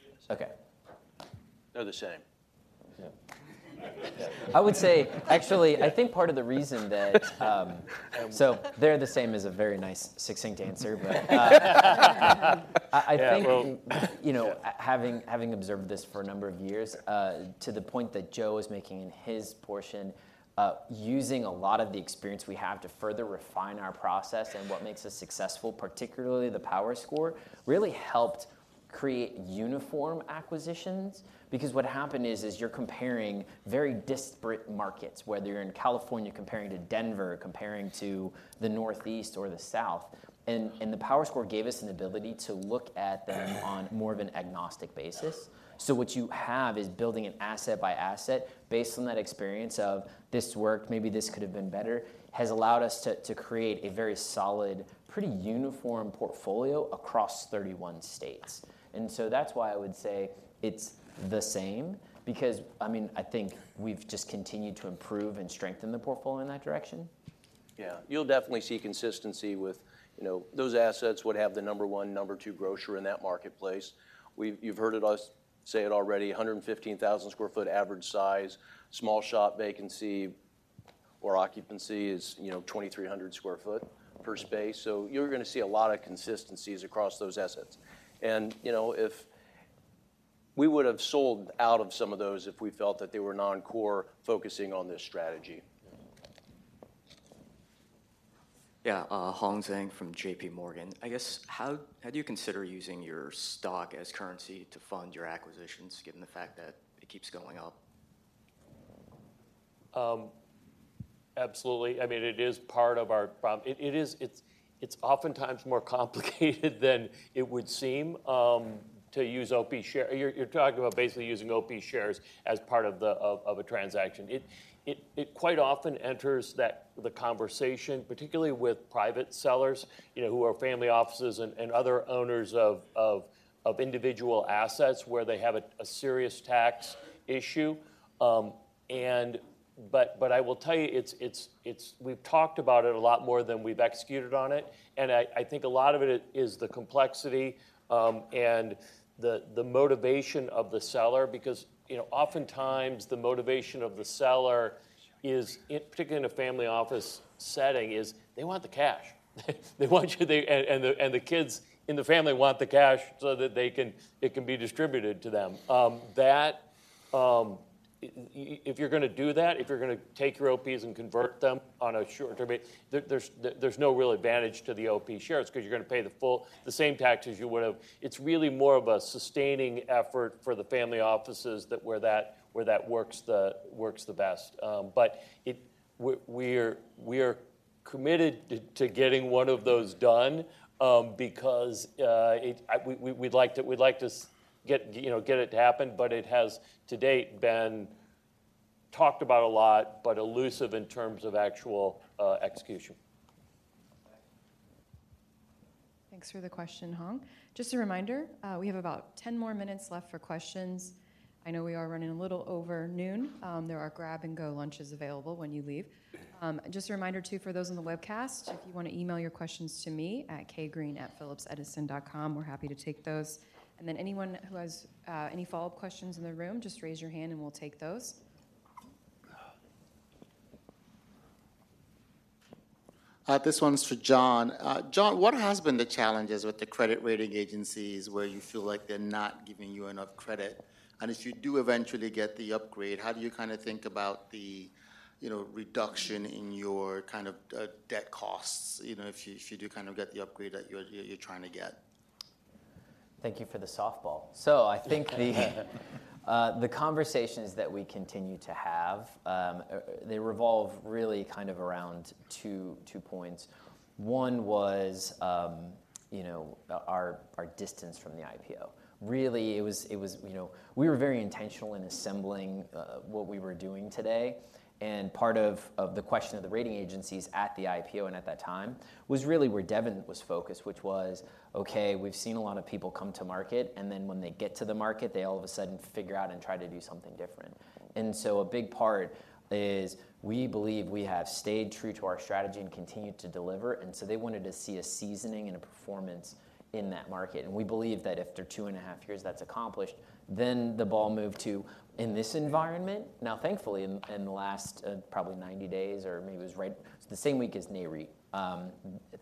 Yes. Okay. They're the same. Yeah. I would say... Actually, I think part of the reason that, so, "they're the same" is a very nice, succinct answer, but... Yeah, well- I think, you know, having observed this for a number of years, to the point that Joe is making in his portion, using a lot of the experience we have to further refine our process and what makes us successful, particularly the Power Score, really helped create uniform acquisitions. Because what happened is you're comparing very disparate markets, whether you're in California comparing to Denver, comparing to the Northeast or the South. And the Power Score gave us an ability to look at them on more of an agnostic basis. So what you have is building an asset by asset, based on that experience of, "This worked, maybe this could have been better," has allowed us to create a very solid, pretty uniform portfolio across 31 states. And so that's why I would say it's the same, because, I mean, I think we've just continued to improve and strengthen the portfolio in that direction. Yeah. You'll definitely see consistency with... You know, those assets would have the number one, number two grocer in that marketplace. You've heard of us say it already, a 115,000 sq ft average size, small shop vacancy or occupancy is, you know, 2,300 sq ft per space. So you're gonna see a lot of consistencies across those assets. And, you know, if-- We would have sold out of some of those if we felt that they were non-core, focusing on this strategy. Yeah, Hong Zhang from JPMorgan. I guess, how do you consider using your stock as currency to fund your acquisitions, given the fact that it keeps going up? Absolutely. I mean, it is part of our. It's oftentimes more complicated than it would seem to use OP share. You're talking about basically using OP shares as part of the transaction. It quite often enters the conversation, particularly with private sellers, you know, who are family offices and other owners of individual assets, where they have a serious tax issue. But I will tell you, it's we've talked about it a lot more than we've executed on it, and I think a lot of it is the complexity and the motivation of the seller. Because, you know, oftentimes, the motivation of the seller is, particularly in a family office setting, they want the cash. They want you-- and the kids in the family want the cash so that they can-- it can be distributed to them. That, if you're gonna do that, if you're gonna take your OPs and convert them on a short-term basis, there's no real advantage to the OP shares, 'cause you're gonna pay the full- the same taxes you would have. It's really more of a sustaining effort for the family offices that, where that works the best. But we're committed to getting one of those done, because we, we'd like to get it to happen, but it has, to date, been talked about a lot, but elusive in terms of actual execution. Thanks for the question, Hong. Just a reminder, we have about 10 more minutes left for questions. I know we are running a little over noon. There are grab-and-go lunches available when you leave. Just a reminder too, for those on the webcast, if you want to email your questions to me at kgreen@phillipsedison.com, we're happy to take those. And then anyone who has any follow-up questions in the room, just raise your hand and we'll take those. This one's for John. John, what has been the challenges with the credit rating agencies, where you feel like they're not giving you enough credit? If you do eventually get the upgrade, how do you kind of think about the, you know, reduction in your kind of debt costs, you know, if you do kind of get the upgrade that you're trying to get? Thank you for the softball. So I think the conversations that we continue to have, they revolve really kind of around 2, 2 points. One was, you know, our distance from the IPO. Really, it was, you know, we were very intentional in assembling what we were doing today. And part of the question of the rating agencies at the IPO and at that time, was really where Devin was focused, which was: Okay, we've seen a lot of people come to market, and then when they get to the market, they all of a sudden figure out and try to do something different. And so a big part is, we believe we have stayed true to our strategy and continued to deliver, and so they wanted to see a seasoning and a performance in that market. We believe that after two and a half years, that's accomplished. Then the ball moved to, in this environment. Now, thankfully, in the last, probably 90 days, or maybe it was right, the same week as NAREIT,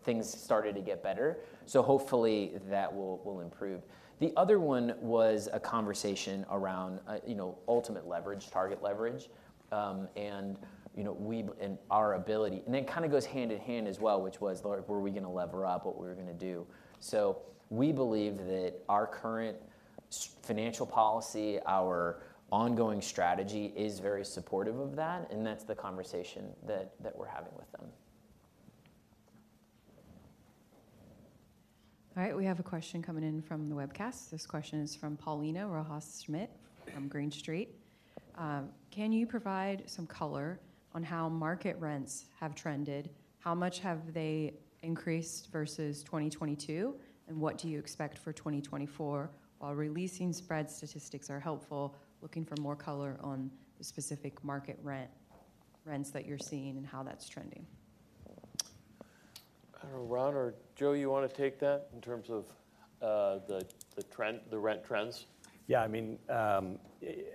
things started to get better, so hopefully that will improve. The other one was a conversation around, you know, ultimate leverage, target leverage, and, you know, and our ability. And it kind of goes hand in hand as well, which was, like, were we gonna lever up? What we were gonna do? So we believe that our current financial policy, our ongoing strategy, is very supportive of that, and that's the conversation that we're having with them. All right, we have a question coming in from the webcast. This question is from Paulina Rojas Schmidt from Green Street. Can you provide some color on how market rents have trended? How much have they increased versus 2022, and what do you expect for 2024? While re-leasing spread statistics are helpful, looking for more color on the specific market rent, rents that you're seeing and how that's trending. I don't know, Ron or Joe, you want to take that, in terms of the trend, the rent trends? Yeah, I mean,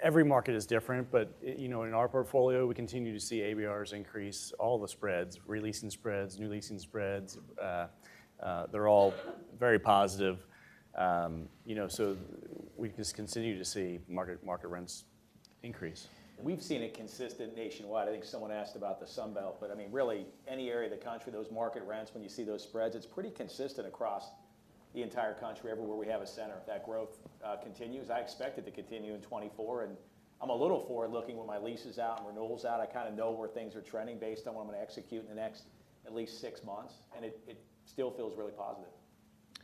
every market is different, but, you know, in our portfolio, we continue to see ABRs increase, all the spreads, re-leasing spreads, new leasing spreads, they're all very positive. You know, so we just continue to see market rents increase. We've seen it consistent nationwide. I think someone asked about the Sun Belt, but I mean, really, any area of the country, those market rents, when you see those spreads, it's pretty consistent across the entire country, everywhere we have a center. If that growth continues, I expect it to continue in 2024, and I'm a little forward-looking when my leases out and renewals out. I kind of know where things are trending based on what I'm going to execute in the next at least six months, and it still feels really positive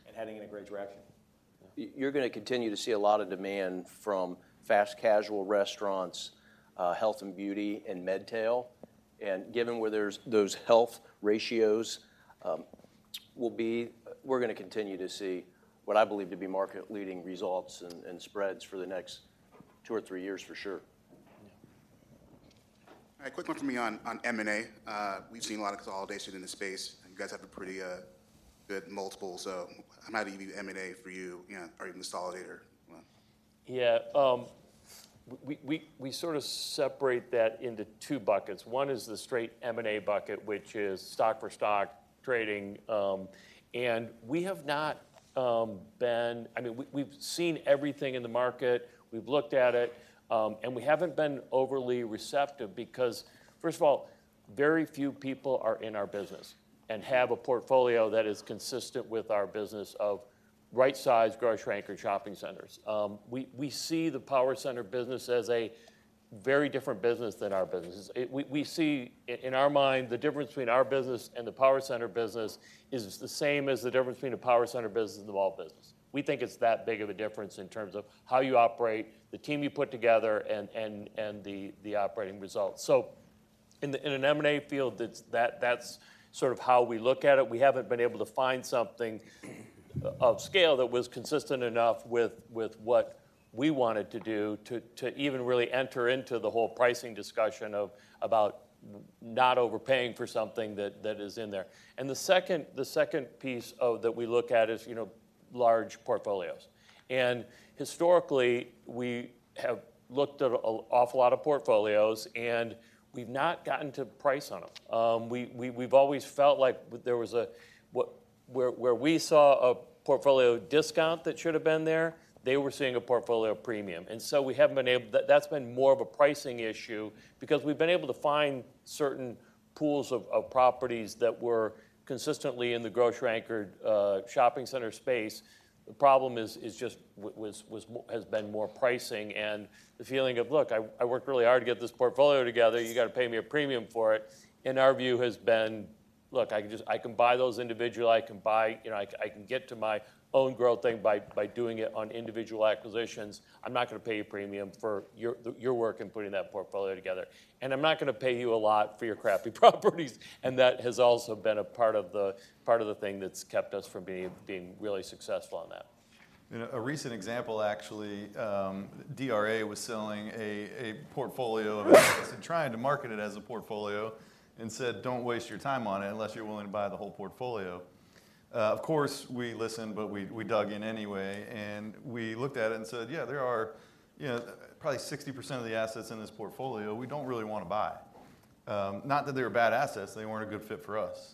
and heading in a great direction. You're gonna continue to see a lot of demand from fast casual restaurants, health and beauty, and MedTail. And given where those health ratios will be, we're gonna continue to see what I believe to be market-leading results and spreads for the next two or three years, for sure. All right. Quick one from me on M&A. We've seen a lot of consolidation in this space, and you guys have a pretty good multiple. So I'm out of M&A for you, you know, are you a consolidator? Well... Yeah. We sort of separate that into two buckets. One is the straight M&A bucket, which is stock-for-stock trading, and we have not been. I mean, we've seen everything in the market, we've looked at it, and we haven't been overly receptive because, first of all, very few people are in our business and have a portfolio that is consistent with our business of right-sized grocery anchor shopping centers. We see the power center business as a very different business than our businesses. We see in our mind, the difference between our business and the power center business is the same as the difference between a power center business and the mall business. We think it's that big of a difference in terms of how you operate, the team you put together, and the operating results. So in an M&A field, that's sort of how we look at it. We haven't been able to find something of scale that was consistent enough with what we wanted to do to even really enter into the whole pricing discussion of about not overpaying for something that is in there. And the second piece of that we look at is, you know, large portfolios. And historically, we have looked at an awful lot of portfolios, and we've not gotten to price on them. We've always felt like there was a... where we saw a portfolio discount that should have been there, they were seeing a portfolio premium, and so we haven't been able... That's been more of a pricing issue because we've been able to find certain pools of properties that were consistently in the grocery-anchored shopping center space. The problem is just has been more pricing and the feeling of, "Look, I worked really hard to get this portfolio together. You got to pay me a premium for it." And our view has been: Look, I can just - I can buy those individual. I can buy, you know, I can get to my own growth thing by doing it on individual acquisitions. I'm not going to pay a premium for your work in putting that portfolio together, and I'm not going to pay you a lot for your crappy properties. That has also been a part of the thing that's kept us from being really successful on that. You know, a recent example, actually, DRA was selling a portfolio and trying to market it as a portfolio and said: "Don't waste your time on it unless you're willing to buy the whole portfolio." Of course, we listened, but we dug in anyway, and we looked at it and said, "Yeah, there are, you know, probably 60% of the assets in this portfolio we don't really want to buy." Not that they were bad assets. They weren't a good fit for us,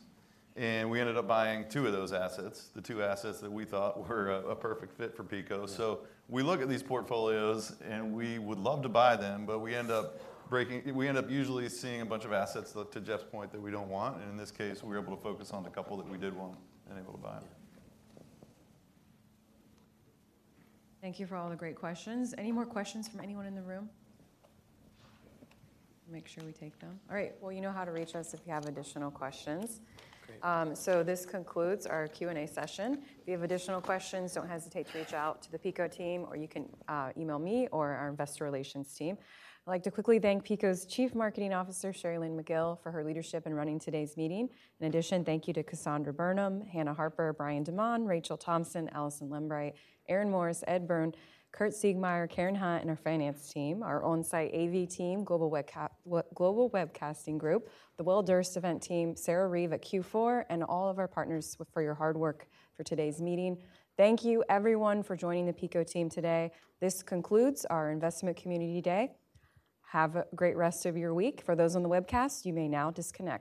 and we ended up buying two of those assets, the two assets that we thought were a perfect fit for PECO. Yeah. So we look at these portfolios, and we would love to buy them, but we end up breaking... We end up usually seeing a bunch of assets, that to Jeff's point, that we don't want, and in this case, we were able to focus on the couple that we did want and able to buy. Thank you for all the great questions. Any more questions from anyone in the room? Make sure we take them. All right, well, you know how to reach us if you have additional questions. Great. So this concludes our Q&A session. If you have additional questions, don't hesitate to reach out to the PECO team, or you can email me or our investor relations team. I'd like to quickly thank PECO's Chief Marketing Officer, Cherilyn Megill, for her leadership in running today's meeting. In addition, thank you to Cassandra Burnham, Hannah Harper, Brian Demman, Rachel Thompson, Allison Lambright, Aaron Morris, Ed Byrne, Kirt Siegmeyer, Karen Hunt, and our finance team, our on-site AV team, Global Webcasting Group, the Wilder event team, Sarah Reeve at Q4, and all of our partners with for your hard work for today's meeting. Thank you, everyone, for joining the PECO team today. This concludes our Investment Community Day. Have a great rest of your week. For those on the webcast, you may now disconnect.